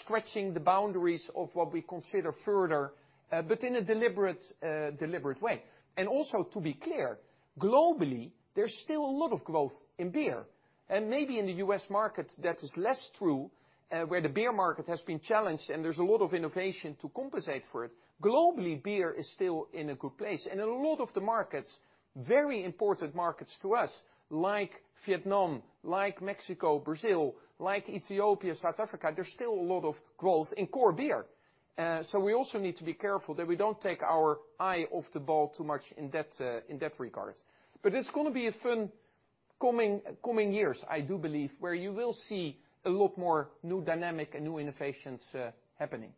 stretching the boundaries of what we consider further, but in a deliberate way. Also, to be clear, globally, there's still a lot of growth in beer, and maybe in the U.S. market that is less true, where the beer market has been challenged, and there's a lot of innovation to compensate for it. Globally, beer is still in a good place. In a lot of the markets, very important markets to us, like Vietnam, like Mexico, Brazil, like Ethiopia, South Africa, there's still a lot of growth in core beer. We also need to be careful that we don't take our eye off the ball too much in that regard. It's going to be a fun coming years, I do believe, where you will see a lot more new dynamic and new innovations happening.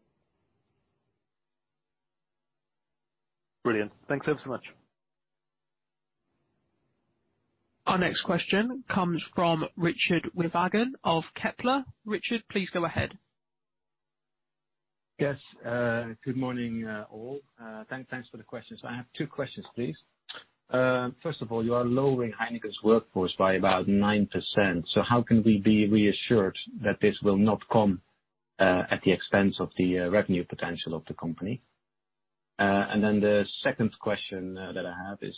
Brilliant. Thanks ever so much. Our next question comes from Richard Withagen of Kepler. Richard, please go ahead. Yes. Good morning, all. Thanks for the questions. I have two questions, please. First of all, you are lowering Heineken's workforce by about 9%. How can we be reassured that this will not come at the expense of the revenue potential of the company? The second question that I have is,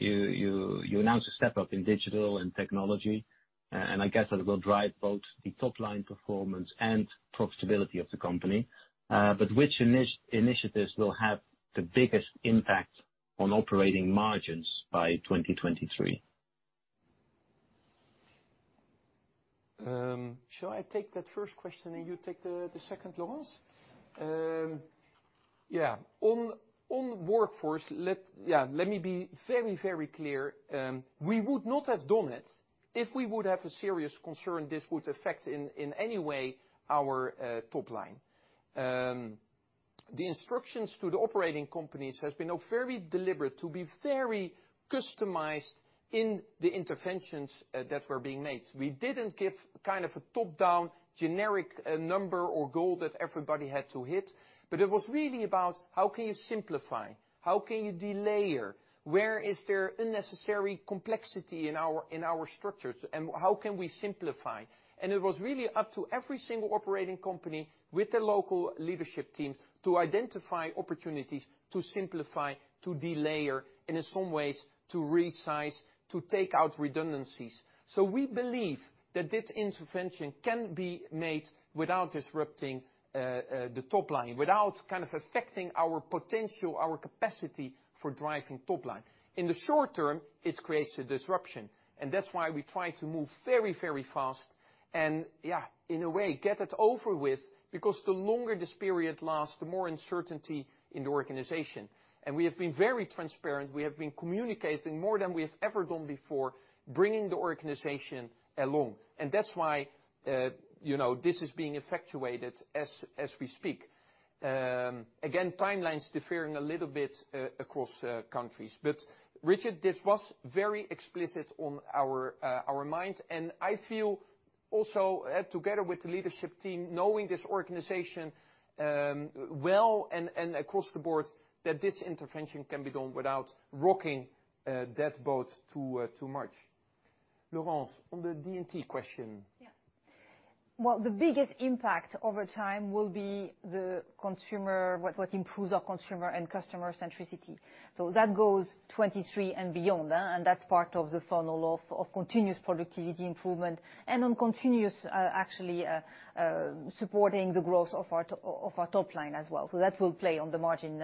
you announced a step up in digital and technology. I guess that will drive both the top line performance and profitability of the company. Which initiatives will have the biggest impact on operating margins by 2023? Shall I take that first question and you take the second, Laurence? Yeah. On workforce, let me be very clear. We would not have done it if we would have a serious concern this would affect in any way our top line. The instructions to the operating companies has been very deliberate to be very customized in the interventions that were being made. We didn't give a top-down generic number or goal that everybody had to hit, but it was really about how can you simplify? How can you de-layer? Where is there unnecessary complexity in our structures, and how can we simplify? It was really up to every single operating company with the local leadership team to identify opportunities to simplify, to de-layer, and in some ways, to resize, to take out redundancies. We believe that that intervention can be made without disrupting the top line, without affecting our potential, our capacity for driving top line. In the short term, it creates a disruption. That's why we try to move very fast, and in a way, get it over with, because the longer this period lasts, the more uncertainty in the organization. We have been very transparent. We have been communicating more than we have ever done before, bringing the organization along. That's why this is being effectuated as we speak. Again, timelines differing a little bit across countries. Richard, this was very explicit on our minds, and I feel also together with the leadership team, knowing this organization well and across the board, that this intervention can be done without rocking that boat too much. Laurence, on the D&T question. Well, the biggest impact over time will be what improves our consumer and customer centricity. That goes 2023 and beyond, and that's part of the funnel of continuous productivity improvement and on continuous actually supporting the growth of our top line as well. That will play on the margin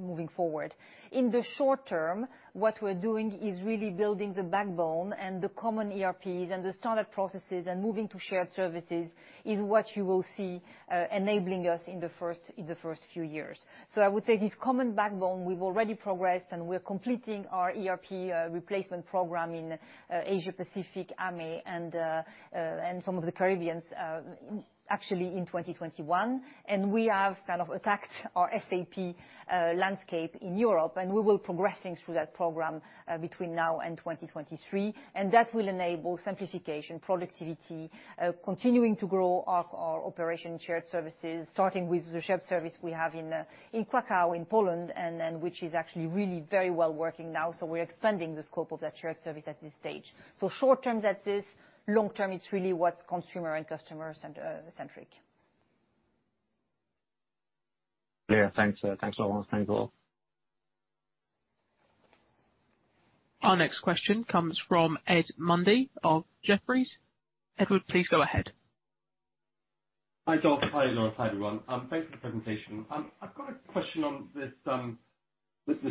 moving forward. In the short term, what we're doing is really building the backbone and the common ERPs and the standard processes and moving to shared services is what you will see enabling us in the first few years. I would say this common backbone, we've already progressed, and we're completing our ERP replacement program in Asia-Pacific, AME, and some of the Caribbean actually in 2021. We have attacked our SAP landscape in Europe, and we will progressing through that program between now and 2023, and that will enable simplification, productivity, continuing to grow our operation shared services, starting with the shared service we have in Kraków, in Poland, and which is actually really very well working now. We're expanding the scope of that shared service at this stage. Short-term that's this, long-term it's really what's consumer and customer centric. Clear. Thanks, Laurence. Thanks a lot. Our next question comes from Ed Mundy of Jefferies. Edward, please go ahead. Hi, Dolf. Hi, Laurence. Hi, everyone. Thanks for the presentation. I've got a question on this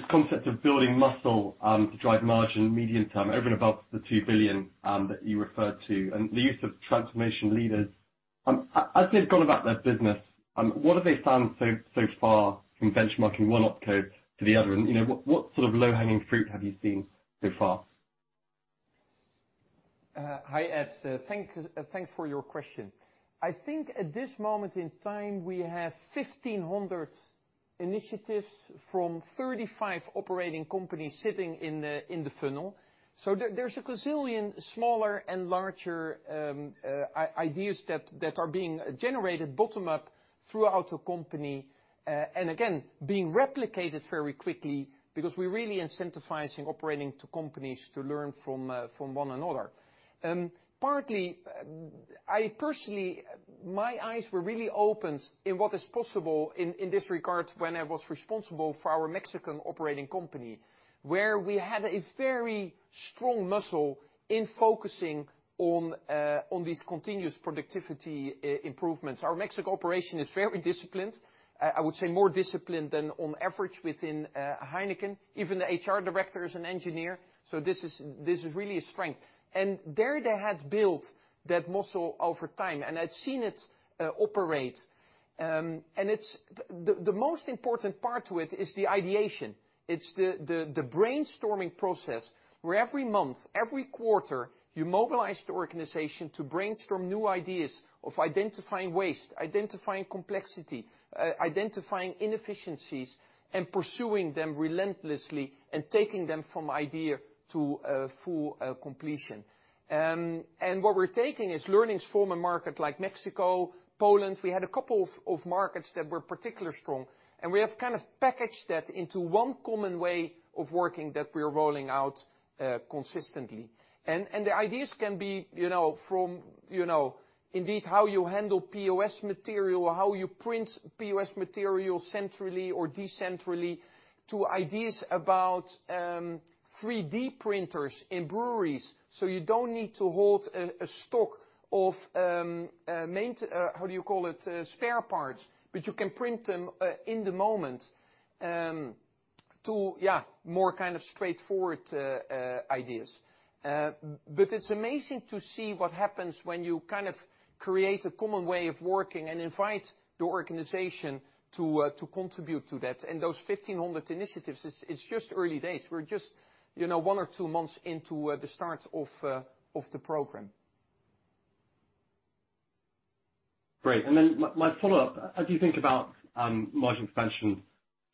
concept of building muscle to drive margin medium-term over and above the 2 billion that you referred to and the use of transformation leaders. As they've gone about their business, what have they found so far from benchmarking one OpCo to the other, and what sort of low-hanging fruit have you seen so far? Hi, Ed. Thanks for your question. I think at this moment in time, we have 1,500 initiatives from 35 operating companies sitting in the funnel. There's a gazillion smaller and larger ideas that are being generated bottom-up throughout the company. Again, being replicated very quickly because we're really incentivizing operating companies to learn from one another. Partly, I personally, my eyes were really opened in what is possible in this regard when I was responsible for our Mexican operating company, where we had a very strong muscle in focusing on these continuous productivity improvements. Our Mexico operation is very disciplined. I would say more disciplined than on average within Heineken. Even the HR director is an engineer, this is really a strength. There they had built that muscle over time, and I'd seen it operate. The most important part to it is the ideation. It's the brainstorming process where every month, every quarter, you mobilize the organization to brainstorm new ideas of identifying waste, identifying complexity, identifying inefficiencies, and pursuing them relentlessly and taking them from idea to full completion. What we're taking is learnings from a market like Mexico, Poland. We had a couple of markets that were particularly strong, and we have packaged that into one common way of working that we're rolling out consistently. The ideas can be from indeed how you handle POS material, how you print POS material centrally or decentrally, to ideas about 3D printers in breweries so you don't need to hold a stock of, how do you call it? Spare parts, but you can print them in the moment, to more straightforward ideas. It's amazing to see what happens when you create a common way of working and invite the organization to contribute to that. Those 1,500 initiatives, it's just early days. We're just one or two months into the start of the program. Great. Then my follow-up. As you think about margin expansion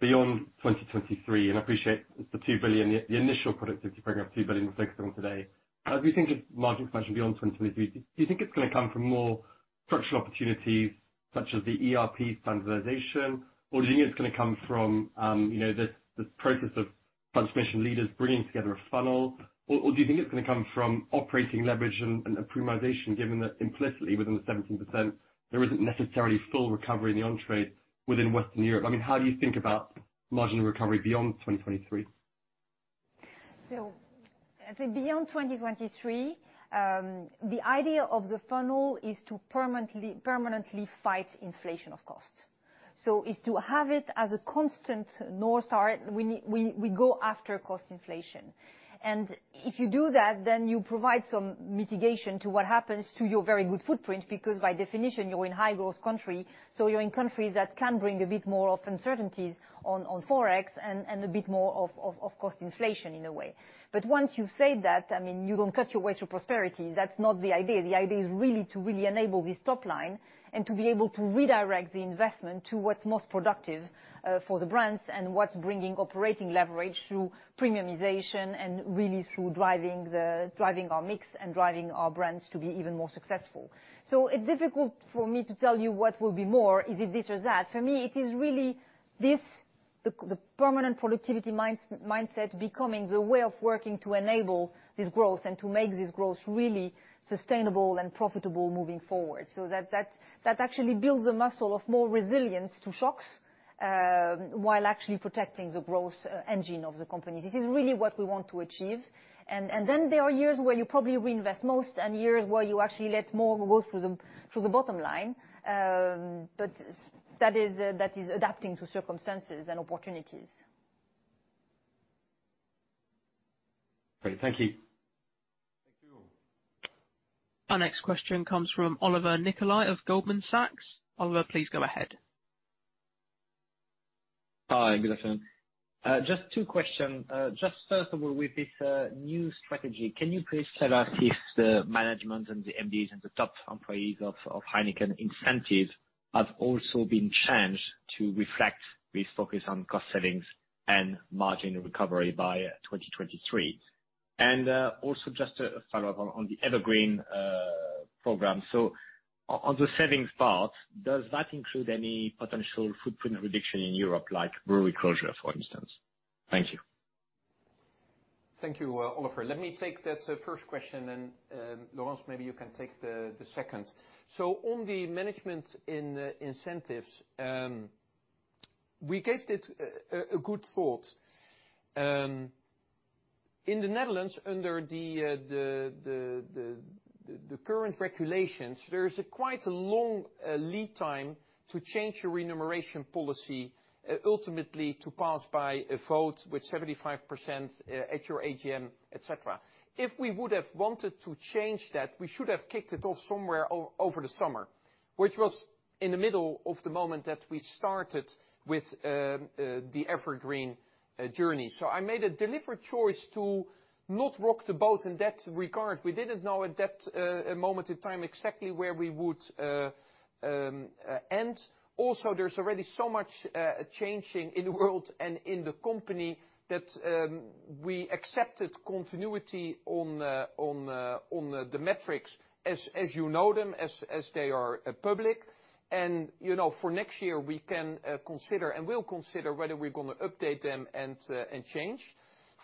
beyond 2023, I appreciate the initial productivity program, 2 billion we're focusing on today. As we think of margin expansion beyond 2023, do you think it's going to come from more structural opportunities such as the ERP standardization? Or do you think it's going to come from this process of transformation leaders bringing together a funnel? Or do you think it's going to come from operating leverage and premiumization, given that implicitly within the 17%, there isn't necessarily full recovery in the on-trade within Western Europe? How do you think about margin recovery beyond 2023? I think beyond 2023, the idea of the funnel is to permanently fight inflation of cost. It's to have it as a constant North Star. We go after cost inflation. If you do that, then you provide some mitigation to what happens to your very good footprint, because by definition, you're in high-growth country, so you're in countries that can bring a bit more of uncertainties on Forex and a bit more of cost inflation in a way. Once you've said that, you don't cut your way through prosperity. That's not the idea. The idea is really to enable this top line and to be able to redirect the investment to what's most productive for the brands and what's bringing operating leverage through premiumization and really through driving our mix and driving our brands to be even more successful. It's difficult for me to tell you what will be more, is it this or that? For me, it is really the permanent productivity mindset becoming the way of working to enable this growth and to make this growth really sustainable and profitable moving forward. That actually builds a muscle of more resilience to shocks, while actually protecting the growth engine of the company. This is really what we want to achieve. There are years where you probably reinvest most and years where you actually let more go through the bottom line. That is adapting to circumstances and opportunities. Great. Thank you. Thank you. Our next question comes from Olivier Nicolai of Goldman Sachs. Olivier, please go ahead. Hi, good afternoon. Just two questions. Just first of all, with this new strategy, can you please tell us if the management and the MDs and the top employees of Heineken incentives have also been changed to reflect this focus on cost savings and margin recovery by 2023? Also, just a follow-up on the EverGreen program. On the savings part, does that include any potential footprint reduction in Europe, like brewery closure, for instance? Thank you. Thank you, Olivier. Let me take that first question and, Laurence, maybe you can take the second. On the management incentives, we gave it a good thought. In the Netherlands, under the current regulations, there is quite a long lead time to change your remuneration policy, ultimately to pass by a vote with 75% at your AGM, et cetera. If we would have wanted to change that, we should have kicked it off somewhere over the summer, which was in the middle of the moment that we started with the EverGreen journey. I made a deliberate choice to not rock the boat in that regard. We didn't know at that moment in time exactly where we would end. Also, there's already so much changing in the world and in the company that we accepted continuity on the metrics as you know them, as they are public. For next year, we can consider and will consider whether we're going to update them and change.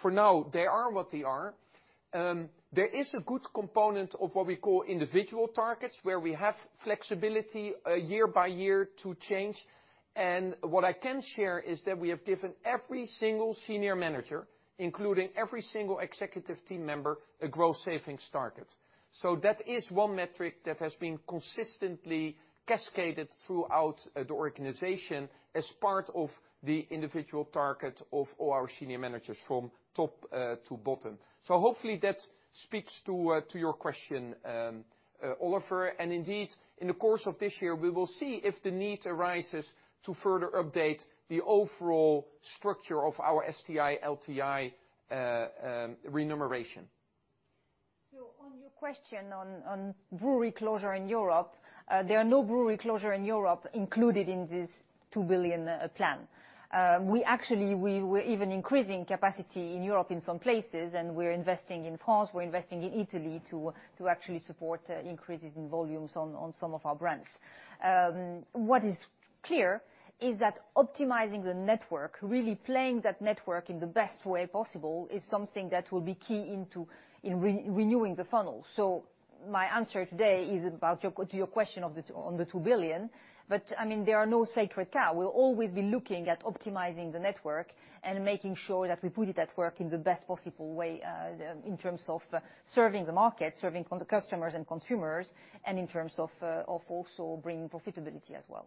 For now, they are what they are. There is a good component of what we call individual targets, where we have flexibility year by year to change. What I can share is that we have given every single senior manager, including every single executive team member, a growth savings target. That is one metric that has been consistently cascaded throughout the organization as part of the individual target of all our senior managers from top to bottom. Hopefully, that speaks to your question, Olivier. Indeed, in the course of this year, we will see if the need arises to further update the overall structure of our STI, LTI remuneration. Your question on brewery closure in Europe, there are no brewery closure in Europe included in this 2 billion plan. We were even increasing capacity in Europe in some places, we're investing in France, we're investing in Italy to actually support increases in volumes on some of our brands. What is clear is that optimizing the network, really playing that network in the best way possible is something that will be key in renewing the funnel. My answer today is about to your question on the 2 billion. There are no sacred cow. We'll always be looking at optimizing the network and making sure that we put it at work in the best possible way, in terms of serving the market, serving the customers and consumers, and in terms of also bringing profitability as well.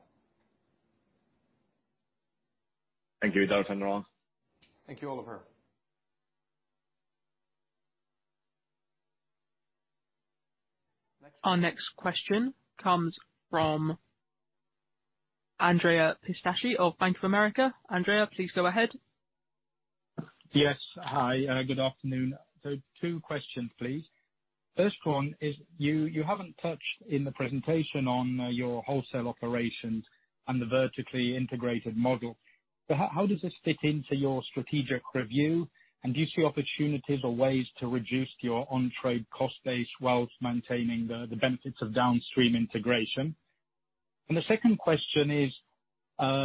Thank you, Dolf. Laurence? Thank you, Olivier. Our next question comes from Andrea Pistacchi of Bank of America. Andrea, please go ahead. Yes. Hi, good afternoon. Two questions, please. First one is, you haven't touched in the presentation on your wholesale operations and the vertically integrated model. How does this fit into your strategic review? Do you see opportunities or ways to reduce your on-trade cost base whilst maintaining the benefits of downstream integration? The second question is,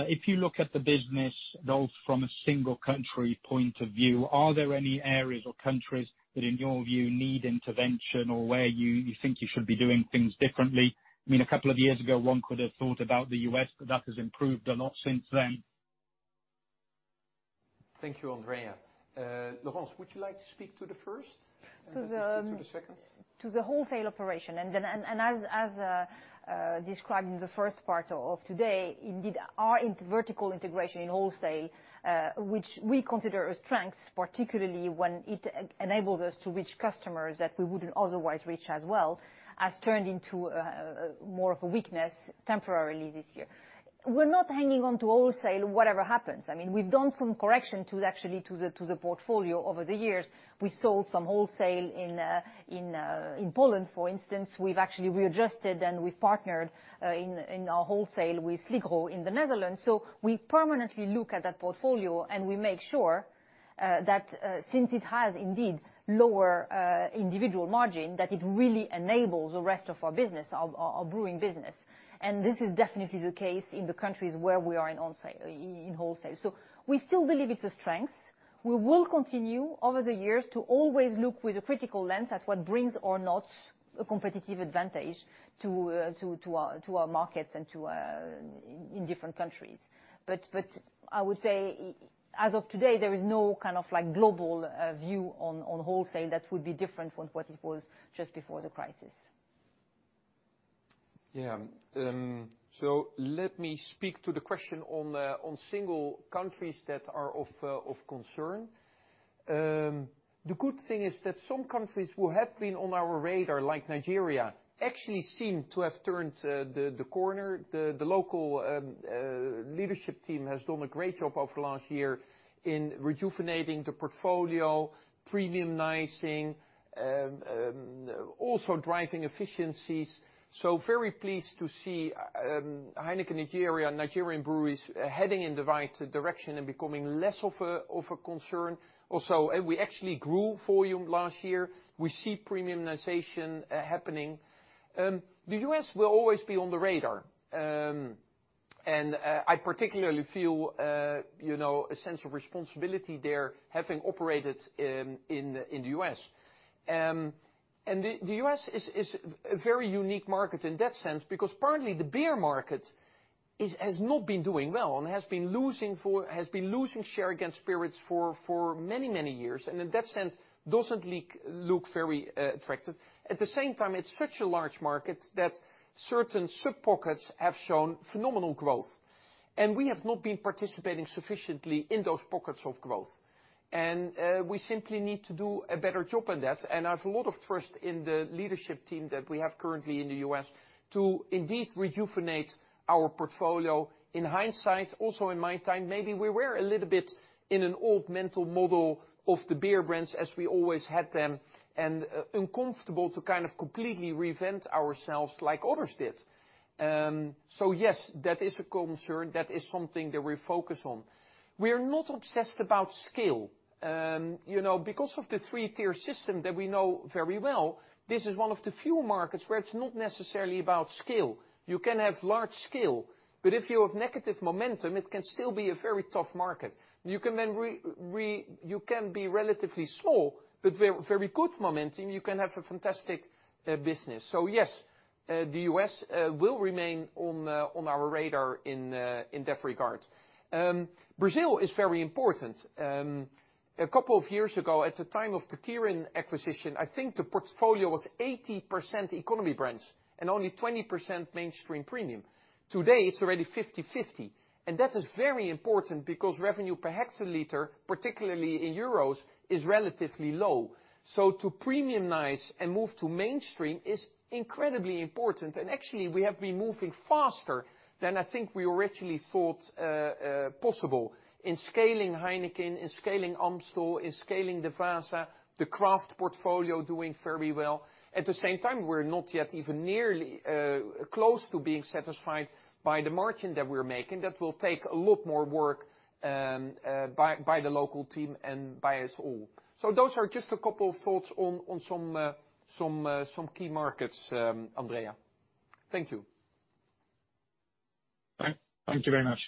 if you look at the business, though, from a single country point of view, are there any areas or countries that, in your view, need intervention or where you think you should be doing things differently? A couple of years ago, one could have thought about the U.S., but that has improved a lot since then. Thank you, Andrea. Laurence, would you like to speak to the first and then to the second? To the wholesale operation. As described in the first part of today, indeed, our vertical integration in wholesale, which we consider a strength, particularly when it enables us to reach customers that we wouldn't otherwise reach as well, has turned into more of a weakness temporarily this year. We're not hanging on to wholesale whatever happens. We've done some correction to the portfolio over the years. We sold some wholesale in Poland, for instance. We've actually readjusted, and we've partnered in our wholesale with Sligro in the Netherlands. We permanently look at that portfolio, and we make sure that since it has indeed lower individual margin, that it really enables the rest of our business, our brewing business. This is definitely the case in the countries where we are in wholesale. We still believe it's a strength. We will continue over the years to always look with a critical lens at what brings or not a competitive advantage to our markets and in different countries. I would say, as of today, there is no global view on wholesale that would be different from what it was just before the crisis. Yeah. Let me speak to the question on single countries that are of concern. The good thing is that some countries who have been on our radar, like Nigeria, actually seem to have turned the corner. The local leadership team has done a great job over the last year in rejuvenating the portfolio, premiumizing, also driving efficiencies. Very pleased to see Heineken Nigeria and Nigerian Breweries heading in the right direction and becoming less of a concern. We actually grew volume last year. We see premiumization happening. The U.S. will always be on the radar. I particularly feel a sense of responsibility there, having operated in the U.S. The U.S. is a very unique market in that sense, because partly the beer market has not been doing well and has been losing share against spirits for many, many years. In that sense, doesn't look very attractive. At the same time, it's such a large market that certain sub-pockets have shown phenomenal growth, and we have not been participating sufficiently in those pockets of growth. We simply need to do a better job on that. I have a lot of trust in the leadership team that we have currently in the U.S. to indeed rejuvenate our portfolio. In hindsight, also in my time, maybe we were a little bit in an old mental model of the beer brands as we always had them and uncomfortable to completely reinvent ourselves like others did. Yes, that is a concern. That is something that we focus on. We are not obsessed about scale. Because of the 3-tier system that we know very well, this is one of the few markets where it's not necessarily about scale. You can have large scale, but if you have negative momentum, it can still be a very tough market. You can be relatively small, but very good momentum, you can have a fantastic business. Yes, the U.S. will remain on our radar in that regard. Brazil is very important. A couple of years ago, at the time of the Kirin acquisition, I think the portfolio was 80% economy brands and only 20% mainstream premium. Today, it's already 50/50, and that is very important because revenue per hectoliter, particularly in euros, is relatively low. To premiumize and move to mainstream is incredibly important, and actually we have been moving faster than I think we originally thought possible in scaling Heineken, in scaling Amstel, in scaling Devassa. The craft portfolio doing very well. At the same time, we're not yet even nearly close to being satisfied by the margin that we're making. That will take a lot more work by the local team and by us all. Those are just a couple of thoughts on some key markets, Andrea. Thank you. Thank you very much.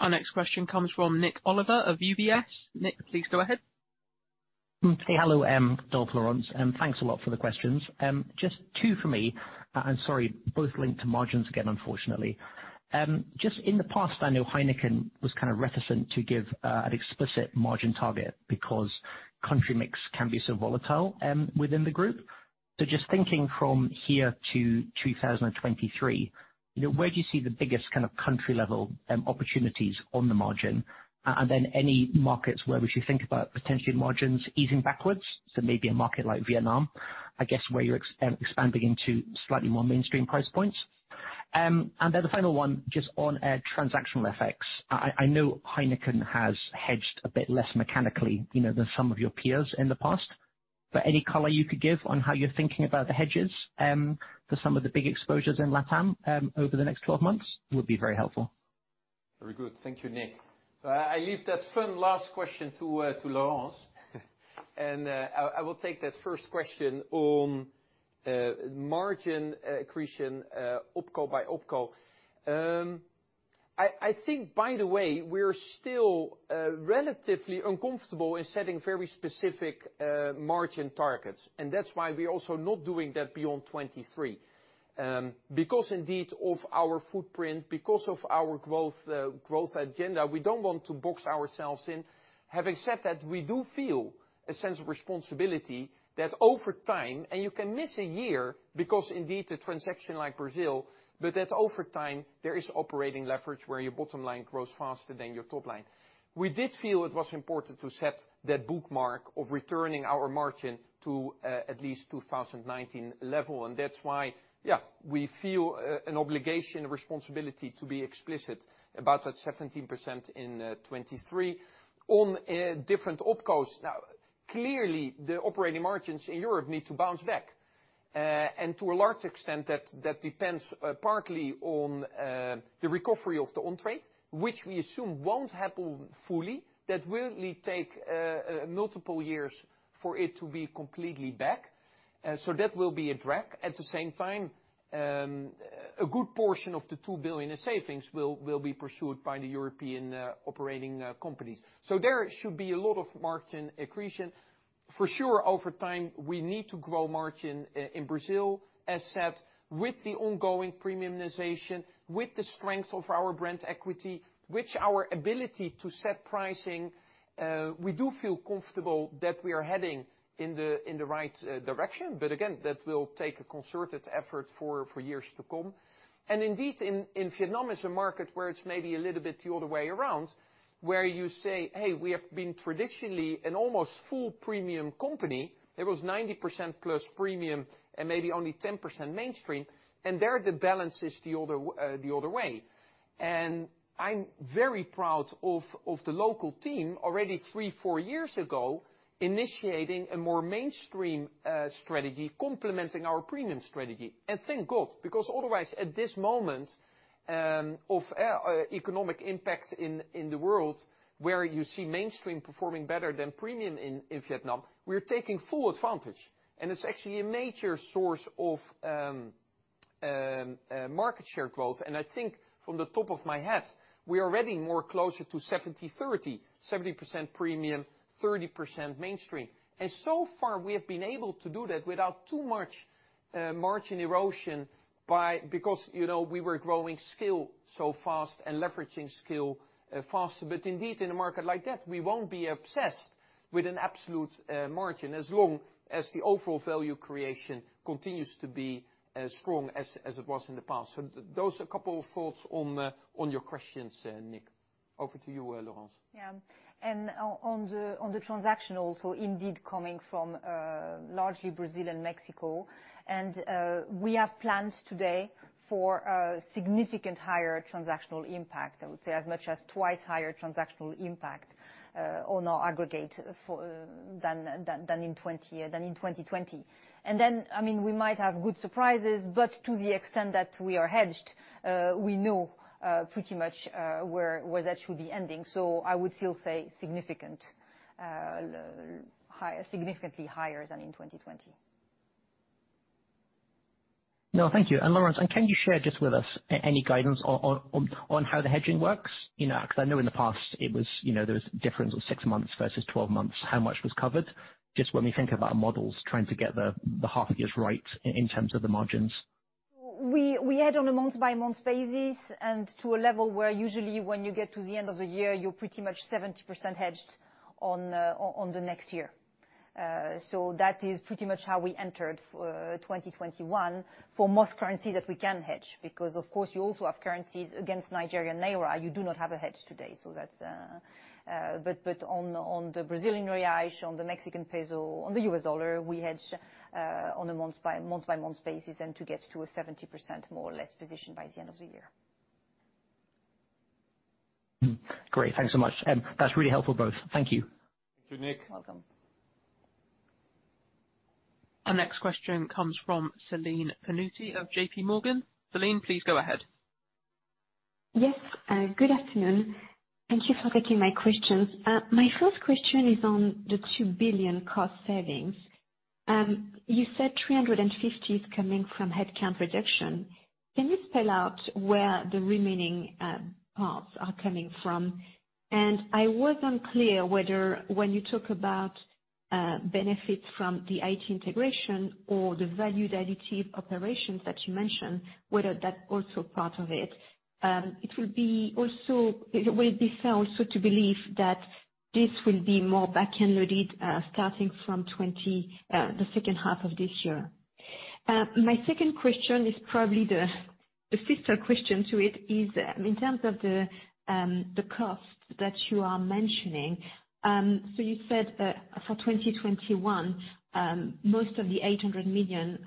Our next question comes from Nik Oliver of UBS. Nik, please go ahead. Hey, hello, Dolf Laurence. Thanks a lot for the questions. Just two for me, sorry, both linked to margins again, unfortunately. Just in the past, I know Heineken was reticent to give an explicit margin target because country mix can be so volatile within the group. Just thinking from here to 2023, where do you see the biggest country-level opportunities on the margin? Any markets where we should think about potential margins easing backwards, so maybe a market like Vietnam, I guess, where you're expanding into slightly more mainstream price points. The final one, just on transactional effects. I know Heineken has hedged a bit less mechanically than some of your peers in the past, but any color you could give on how you're thinking about the hedges for some of the big exposures in Latam over the next 12 months would be very helpful. Very good. Thank you, Nik. I leave that fun last question to Laurence. I will take that first question on margin accretion, OpCo by OpCo. I think, by the way, we're still relatively uncomfortable in setting very specific margin targets, and that's why we're also not doing that beyond 2023. Because indeed of our footprint, because of our growth agenda, we don't want to box ourselves in. Having said that, we do feel a sense of responsibility that over time, and you can miss a year because indeed a transaction like Brazil, but that over time, there is operating leverage where your bottom line grows faster than your top line. We did feel it was important to set that bookmark of returning our margin to at least 2019 level. That's why, yeah, we feel an obligation, responsibility to be explicit about that 17% in 2023. Clearly, the operating margins in Europe need to bounce back. To a large extent, that depends partly on the recovery of the on-trade, which we assume won't happen fully. That will take multiple years for it to be completely back. That will be a drag. At the same time, a good portion of the 2 billion in savings will be pursued by the European operating companies. There should be a lot of margin accretion. For sure, over time, we need to grow margin in Brazil, as said, with the ongoing premiumization, with the strength of our brand equity, which our ability to set pricing, we do feel comfortable that we are heading in the right direction. Again, that will take a concerted effort for years to come. Indeed, Vietnam is a market where it's maybe a little bit the other way around, where you say, "Hey, we have been traditionally an almost full premium company." It was 90%+ premium and maybe only 10% mainstream. There the balance is the other way. I'm very proud of the local team, already three, four years ago, initiating a more mainstream strategy complementing our premium strategy. Thank God, because otherwise, at this moment of economic impact in the world, where you see mainstream performing better than premium in Vietnam, we're taking full advantage. It's actually a major source of market share growth. I think from the top of my head, we are already more closer to 70/30, 70% premium, 30% mainstream. So far, we have been able to do that without too much margin erosion because we were growing scale so fast and leveraging scale faster. Indeed, in a market like that, we won't be obsessed with an absolute margin as long as the overall value creation continues to be as strong as it was in the past. Those are a couple of thoughts on your questions, Nik. Over to you, Laurence. On the transactional, so indeed coming from largely Brazil and Mexico, and we have plans today for a significant higher transactional impact, I would say as much as twice higher transactional impact on our aggregate than in 2020. We might have good surprises, but to the extent that we are hedged, we know pretty much where that should be ending. I would still say significantly higher than in 2020. No, thank you. Laurence, can you share just with us any guidance on how the hedging works? I know in the past there was a difference of six months versus 12 months, how much was covered. Just when we think about our models, trying to get the half years right in terms of the margins. We hedge on a month-by-month basis and to a level where usually when you get to the end of the year, you're pretty much 70% hedged on the next year. That is pretty much how we entered 2021 for most currencies that we can hedge because, of course, you also have currencies against Nigerian naira you do not have a hedge today. On the Brazilian real, on the Mexican peso, on the U.S. dollar, we hedge on a month-by-month basis and to get to a 70% more or less position by the end of the year. Great. Thanks so much. That is really helpful, both. Thank you. Thank you, Nik. You're welcome. Our next question comes from Celine Pannuti of JPMorgan. Celine, please go ahead. Yes. Good afternoon. Thank you for taking my questions. My first question is on the 2 billion cost savings. You said 350 million is coming from headcount reduction. Can you spell out where the remaining parts are coming from? I was unclear whether, when you talk about benefits from the IT integration or the value additive operations that you mentioned, whether that's also part of it. Will it be fair also to believe that this will be more back-end loaded, starting from the second half of this year? My second question is probably the sister question to it, is in terms of the cost that you are mentioning. You said, for 2021, most of the 800 million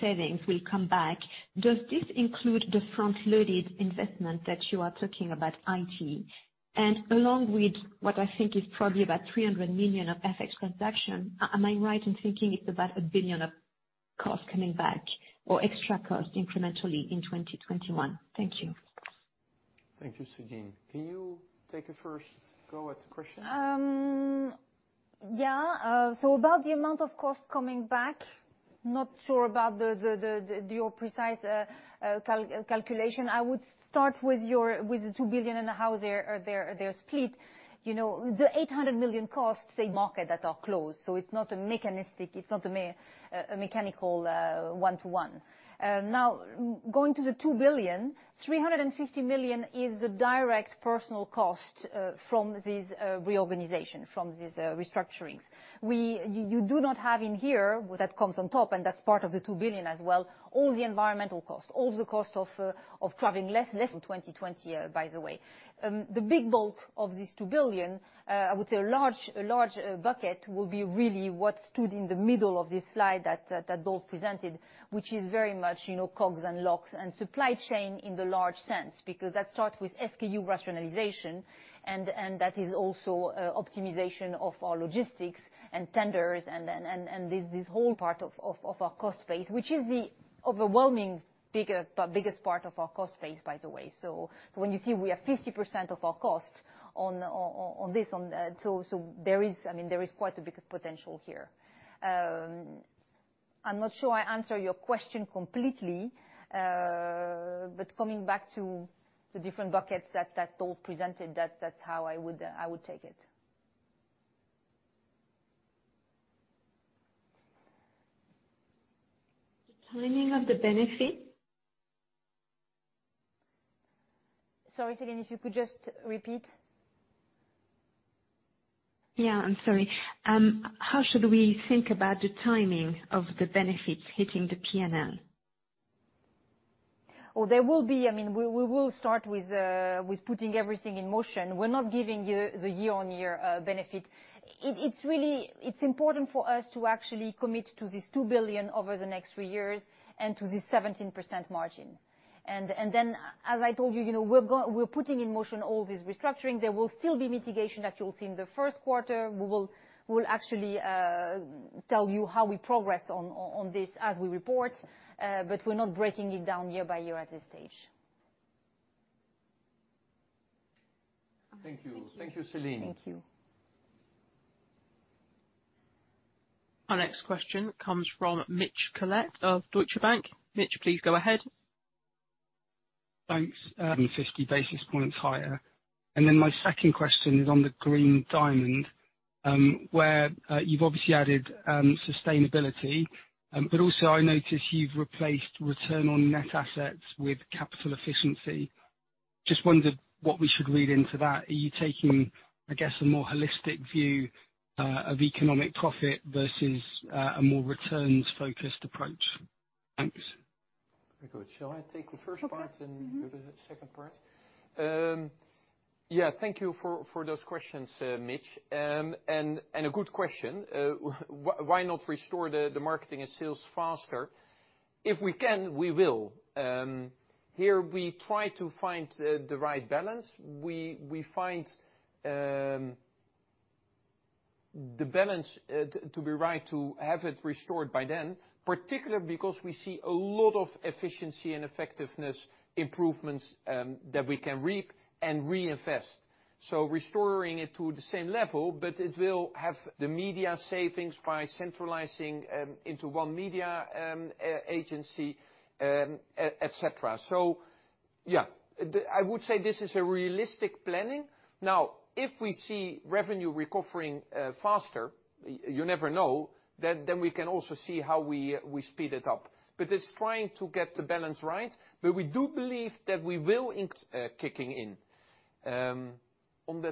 savings will come back. Does this include the front-loaded investment that you are talking about IT, and along with what I think is probably about 300 million of FX transaction, am I right in thinking it's about 1 billion of cost coming back or extra cost incrementally in 2021? Thank you. Thank you, Celine. Can you take a first go at the question? Yeah. About the amount of costs coming back, not sure about your precise calculation. I would start with the 2 billion and how they're split. The 800 million costs say, markets that are closed. It's not a mechanistic, it's not a mechanical one-to-one. Going to the 2 billion, 350 million is the direct personnel cost from these reorganizations, from these restructurings. You do not have in here what that comes on top, and that's part of the 2 billion as well, all the environmental costs, all the costs of traveling less in 2020, by the way. The big bulk of this 2 billion, I would say a large bucket will be really what stood in the middle of this slide that Dolf presented, which is very much COGS and logistics and supply chain in the large sense, because that starts with SKU rationalization, and that is also optimization of our logistics and tenders and this whole part of our cost base, which is the overwhelming biggest part of our cost base, by the way. When you see we have 50% of our cost on this, there is quite a big potential here. I'm not sure I answer your question completely, coming back to the different buckets that Dolf presented, that's how I would take it. The timing of the benefit? Sorry, Celine, if you could just repeat. Yeah, I'm sorry. How should we think about the timing of the benefits hitting the P&L? We will start with putting everything in motion. We're not giving you the year-over-year benefit. It's important for us to actually commit to this 2 billion over the next three years and to the 17% margin. As I told you, we're putting in motion all these restructuring. There will still be mitigation that you will see in the first quarter. We'll actually tell you how we progress on this as we report, we're not breaking it down year by year at this stage. Thank you. Thank you, Celine. Thank you. Our next question comes from Mitch Collett of Deutsche Bank. Mitch, please go ahead. Thanks. 50 basis points higher. My second question is on the Green Diamond, where you've obviously added sustainability. I notice you've replaced return on net assets with capital efficiency. Just wondered what we should read into that. Are you taking, I guess, a more holistic view of economic profit versus a more returns-focused approach? Thanks. Very good. Shall I take the first part and you the second part? Yeah. Thank you for those questions, Mitch. A good question. Why not restore the marketing and sales faster? If we can, we will. Here we try to find the right balance. We find the balance to be right to have it restored by then, particularly because we see a lot of efficiency and effectiveness improvements that we can reap and reinvest. Restoring it to the same level, it will have the media savings by centralizing into one media agency, et cetera. Yeah. I would say this is a realistic planning. If we see revenue recovering faster, you never know, we can also see how we speed it up. It's trying to get the balance right. We do believe that will end up kicking in. On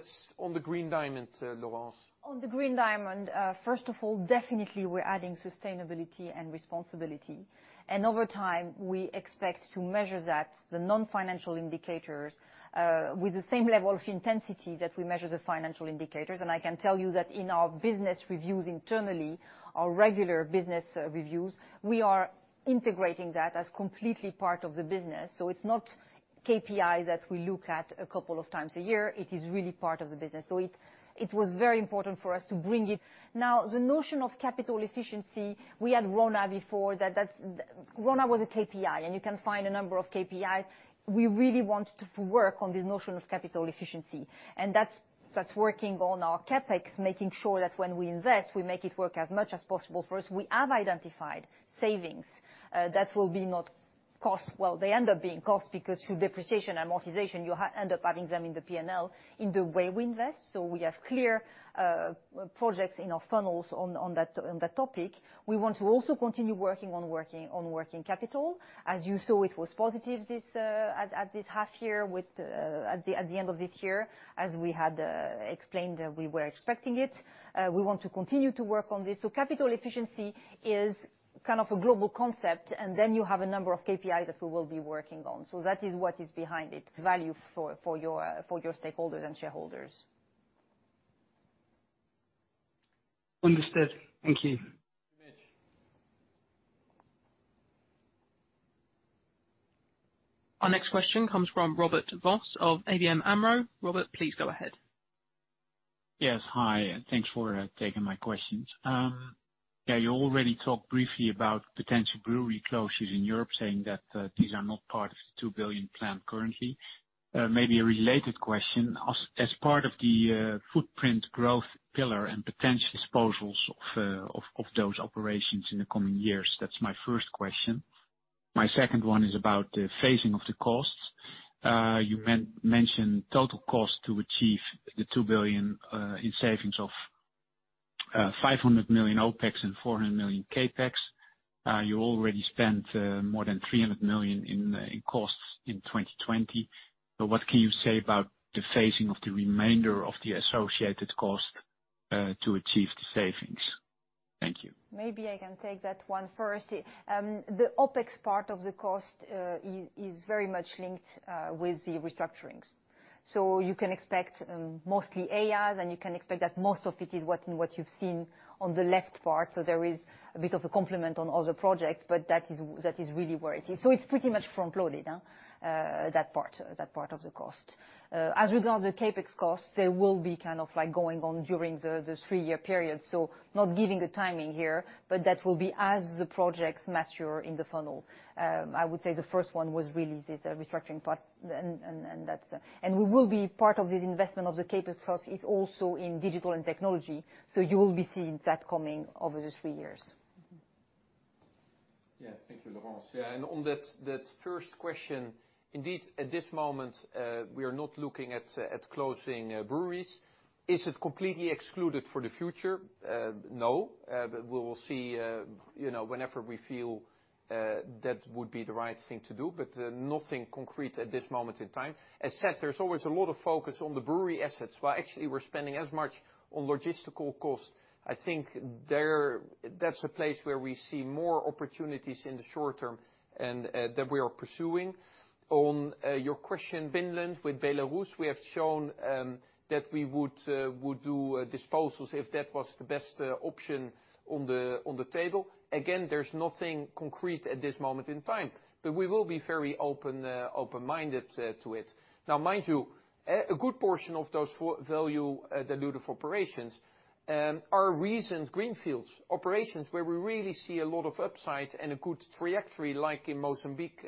the Green Diamond, Laurence? On the Green Diamond, first of all, definitely we're adding sustainability and responsibility. Over time, we expect to measure that, the non-financial indicators, with the same level of intensity that we measure the financial indicators. I can tell you that in our business reviews internally, our regular business reviews, we are integrating that as completely part of the business. It's not KPI that we look at a couple of times a year. It is really part of the business. It was very important for us to bring it. Now, the notion of capital efficiency, we had RONA before that. RONA was a KPI, you can find a number of KPI. We really want to work on the notion of capital efficiency, that's working on our CapEx, making sure that when we invest, we make it work as much as possible for us. We have identified savings that will be not costs, well, they end up being costs because through depreciation amortization, you end up having them in the P&L in the way we invest. We have clear projects in our funnels on that topic. We want to also continue working on working capital. As you saw, it was positive at this half year at the end of this year as we had explained that we were expecting it. We want to continue to work on this. Capital efficiency is a global concept, and then you have a number of KPIs that we will be working on. That is what is behind it, value for your stakeholders and shareholders. Understood. Thank you. Our next question comes from Robert Vos of ABN AMRO. Robert, please go ahead. Yes. Hi. Thanks for taking my questions. You already talked briefly about potential brewery closures in Europe, saying that these are not part of the 2 billion plan currently. Maybe a related question. As part of the footprint growth pillar and potential disposals of those operations in the coming years, that's my first question. My second one is about the phasing of the costs. You mentioned total cost to achieve the 2 billion in savings of 500 million OpEx and 400 million CapEx. You already spent more than 300 million in costs in 2020. What can you say about the phasing of the remainder of the associated cost to achieve the savings? Thank you. Maybe I can take that one first. The OpEx part of the cost is very much linked with the restructurings. You can expect mostly EI, then you can expect that most of it is what you've seen on the left part. There is a bit of a complement on other projects, but that is really where it is. It's pretty much front-loaded, that part of the cost. As regards the CapEx costs, they will be going on during the three-year period. Not giving a timing here, but that will be as the projects mature in the funnel. I would say the first one was really this restructuring part. Part of this investment of the CapEx cost is also in Digital and Technology. You will be seeing that coming over the three years. Yes, thank you, Laurence. On that first question, indeed, at this moment, we are not looking at closing breweries. Is it completely excluded for the future? No. We will see whenever we feel that would be the right thing to do, but nothing concrete at this moment in time. As said, there's always a lot of focus on the brewery assets. Well, actually, we're spending as much on logistical costs. I think that's a place where we see more opportunities in the short term, and that we are pursuing. On your question, Finland with Belarus, we have shown that we would do disposals if that was the best option on the table. Again, there's nothing concrete at this moment in time, but we will be very open-minded to it. Now mind you, a good portion of those value dilutive operations are recent greenfields. Operations where we really see a lot of upside and a good trajectory like in Mozambique,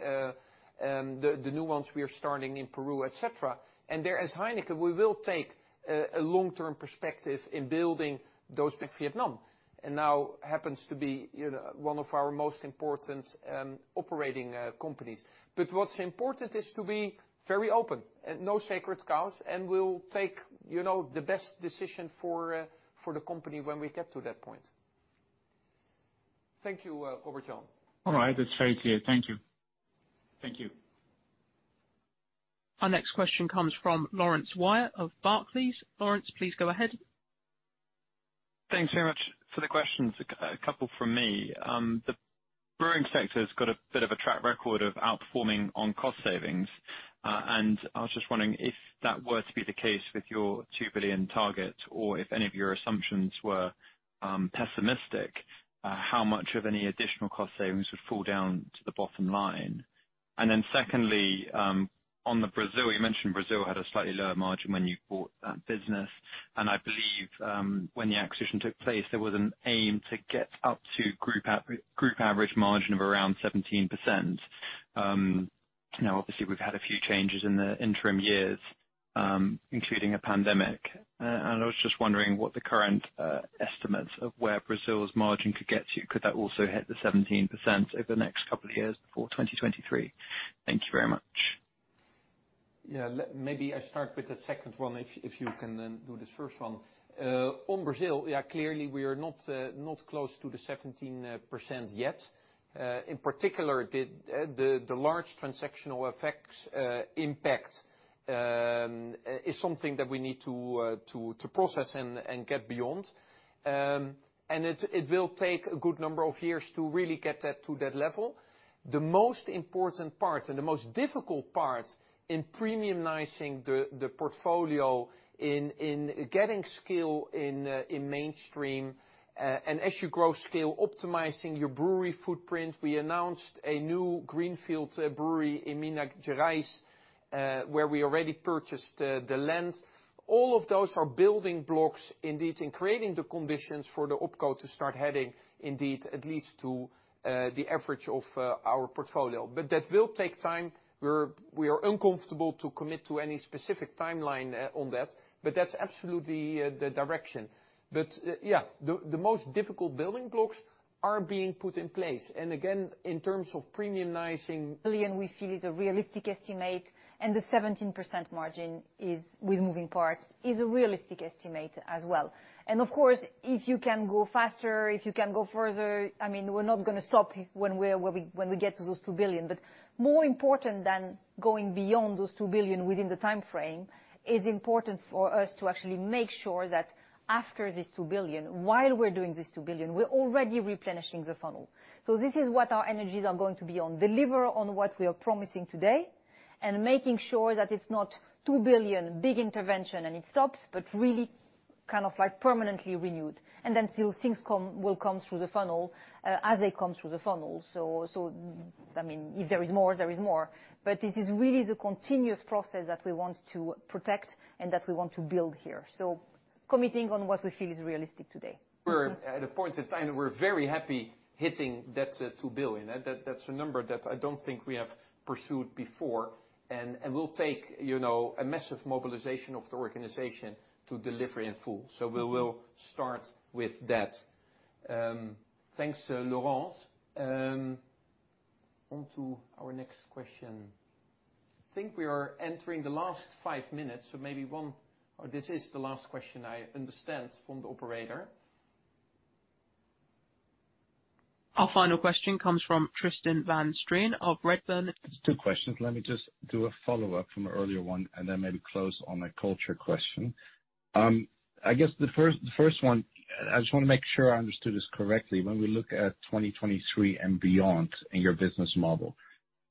the new ones we are starting in Peru, et cetera. There, as Heineken, we will take a long-term perspective in building those back. Vietnam now happens to be one of our most important operating companies. What's important is to be very open. No sacred cows, we'll take the best decision for the company when we get to that point. Thank you, Robert Vos. All right. That's very clear. Thank you. Thank you. Our next question comes from Laurence Whyatt of Barclays. Laurence, please go ahead. Thanks very much for the questions. A couple from me. The brewing sector's got a bit of a track record of outperforming on cost savings. I was just wondering if that were to be the case with your 2 billion target, or if any of your assumptions were pessimistic, how much of any additional cost savings would fall down to the bottom line? Secondly, on Brazil, you mentioned Brazil had a slightly lower margin when you bought that business. I believe when the acquisition took place, there was an aim to get up to group average margin of around 17%. Now, obviously, we've had a few changes in the interim years, including a pandemic. I was just wondering what the current estimates of where Brazil's margin could get to. Could that also hit the 17% over the next couple of years before 2023? Thank you very much. Yeah, maybe I start with the second one if you can then do the first one. On Brazil, yeah, clearly we are not close to the 17% yet. In particular, the large transactional effects impact is something that we need to process and get beyond. It will take a good number of years to really get that to that level. The most important part and the most difficult part in premiumizing the portfolio, in getting scale in mainstream, and as you grow scale, optimizing your brewery footprint. We announced a new greenfield brewery in Minas Gerais, where we already purchased the land. All of those are building blocks, indeed, in creating the conditions for the OpCo to start heading, indeed, at least to the average of our portfolio. That will take time. We are uncomfortable to commit to any specific timeline on that, but that's absolutely the direction. Yeah, the most difficult building blocks are being put in place. Again, in terms of premiumizing. billion, we feel, is a realistic estimate, and the 17% margin with moving parts is a realistic estimate as well. Of course, if you can go faster, if you can go further, we are not going to stop when we get to those 2 billion. More important than going beyond those 2 billion within the timeframe, is important for us to actually make sure that after this 2 billion, while we are doing this 2 billion, we are already replenishing the funnel. This is what our energies are going to be on. Deliver on what we are promising today, and making sure that it is not 2 billion, big intervention, and it stops, but really permanently renewed. Still things will come through the funnel as they come through the funnel. If there is more, there is more. It is really the continuous process that we want to protect and that we want to build here. Committing on what we feel is realistic today. We're at a point in time that we're very happy hitting that 2 billion. That's a number that I don't think we have pursued before, and will take a massive mobilization of the organization to deliver in full. We will start with that. Thanks, Laurence. On to our next question. I think we are entering the last five minutes. This is the last question, I understand, from the operator. Our final question comes from Tristan van Strien of Redburn. Two questions. Let me just do a follow-up from an earlier one, and then maybe close on a culture question. I guess the first one, I just want to make sure I understood this correctly. When we look at 2023 and beyond in your business model,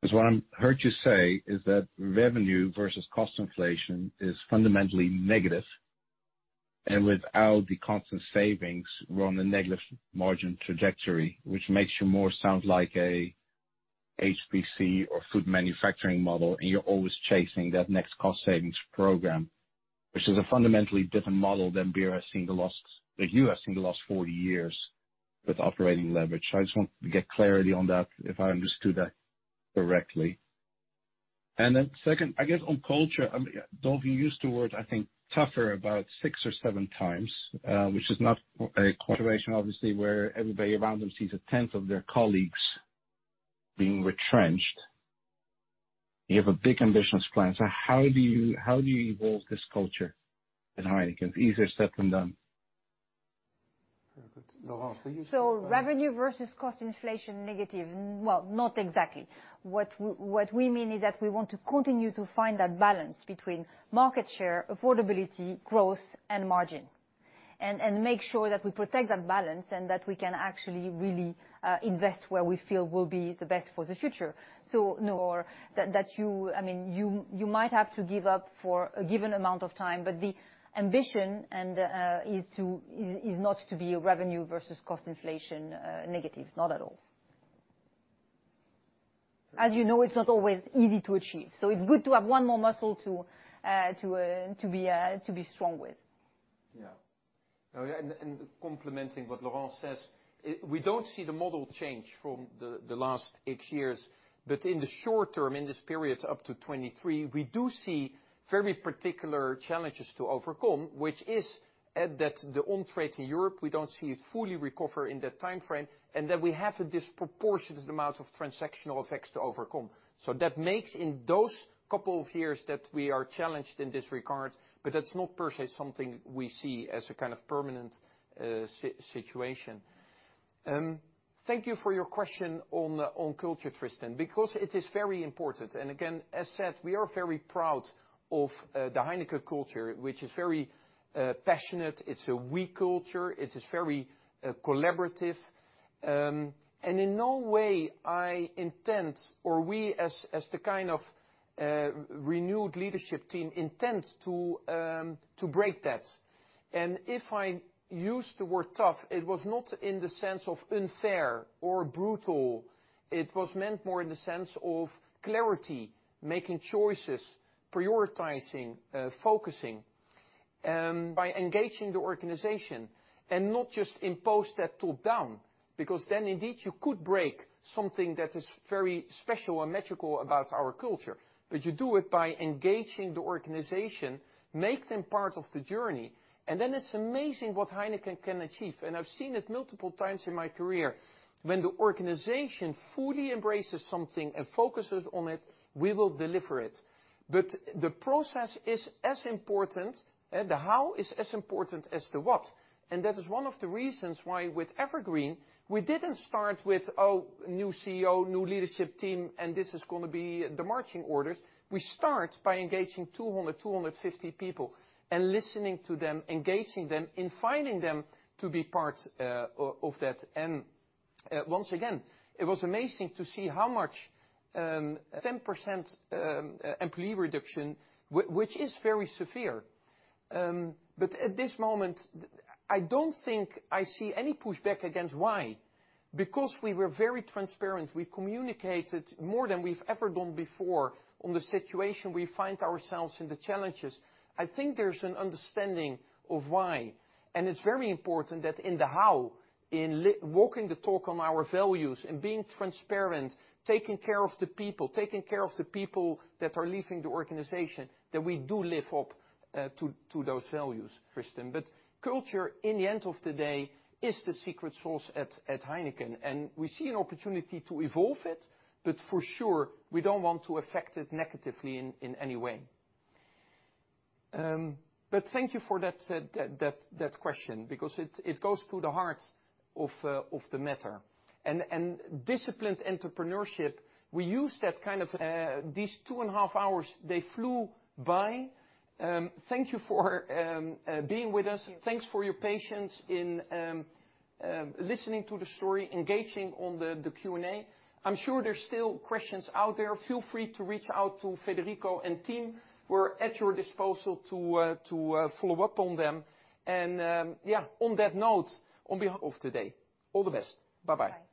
because what I heard you say is that revenue versus cost inflation is fundamentally negative, and without the constant savings, we're on a negative margin trajectory, which makes you more sound like a HBC or food manufacturing model, and you're always chasing that next cost savings program, which is a fundamentally different model than Heineken has seen the last 40 years with operating leverage. I just want to get clarity on that, if I understood that correctly. Second, I guess on culture, Dolf, you used the word, I think, tougher about six or seven times, which is not a situation, obviously, where everybody around them sees a tenth of their colleagues being retrenched. You have a big ambitious plan. How do you evolve this culture at Heineken? It's easier said than done. Very good. Laurence, will you take that one? Revenue versus cost inflation negative. Well, not exactly. What we mean is that we want to continue to find that balance between market share, affordability, growth, and margin, and make sure that we protect that balance and that we can actually really invest where we feel will be the best for the future. No, you might have to give up for a given amount of time, but the ambition is not to be a revenue versus cost inflation negative. Not at all. As you know, it's not always easy to achieve, so it's good to have one more muscle to be strong with. Complementing what Laurence says, we don't see the model change from the last eight years. In the short term, in this period up to 2023, we do see very particular challenges to overcome, which is that the on-trade in Europe, we don't see it fully recover in that timeframe, and that we have a disproportionate amount of transactional effects to overcome. That makes in those couple of years that we are challenged in this regard, but that's not per se something we see as a kind of permanent situation. Thank you for your question on culture, Tristan, because it is very important. Again, as said, we are very proud of the Heineken culture, which is very passionate. It's a we culture. It is very collaborative. In no way I intend, or we as the kind of renewed leadership team intend to break that. If I used the word tough, it was not in the sense of unfair or brutal. It was meant more in the sense of clarity, making choices, prioritizing, focusing. By engaging the organization and not just impose that top-down, because then indeed you could break something that is very special and magical about our culture. You do it by engaging the organization, make them part of the journey, and then it's amazing what Heineken can achieve. I've seen it multiple times in my career. When the organization fully embraces something and focuses on it, we will deliver it. The process is as important, the how is as important as the what. That is one of the reasons why with EverGreen, we didn't start with, oh, new CEO, new leadership team, and this is going to be the marching orders. We start by engaging 200, 250 people and listening to them, engaging them, inviting them to be part of that. Once again, it was amazing to see how much 10% employee reduction, which is very severe. At this moment, I don't think I see any pushback against why. We were very transparent. We communicated more than we've ever done before on the situation we find ourselves and the challenges. I think there's an understanding of why, and it's very important that in the how, in walking the talk on our values and being transparent, taking care of the people, taking care of the people that are leaving the organization, that we do live up to those values, Tristan. Culture, in the end of the day, is the secret sauce at Heineken, and we see an opportunity to evolve it, but for sure, we don't want to affect it negatively in any way. Thank you for that question because it goes to the heart of the matter. Disciplined entrepreneurship. These two and a half hours, they flew by. Thank you for being with us. Yeah. Thanks for your patience in listening to the story, engaging on the Q&A. I'm sure there's still questions out there. Feel free to reach out to Federico and team, who are at your disposal to follow up on them. Yeah, on that note, on behalf of today, all the best. Bye-bye. Bye.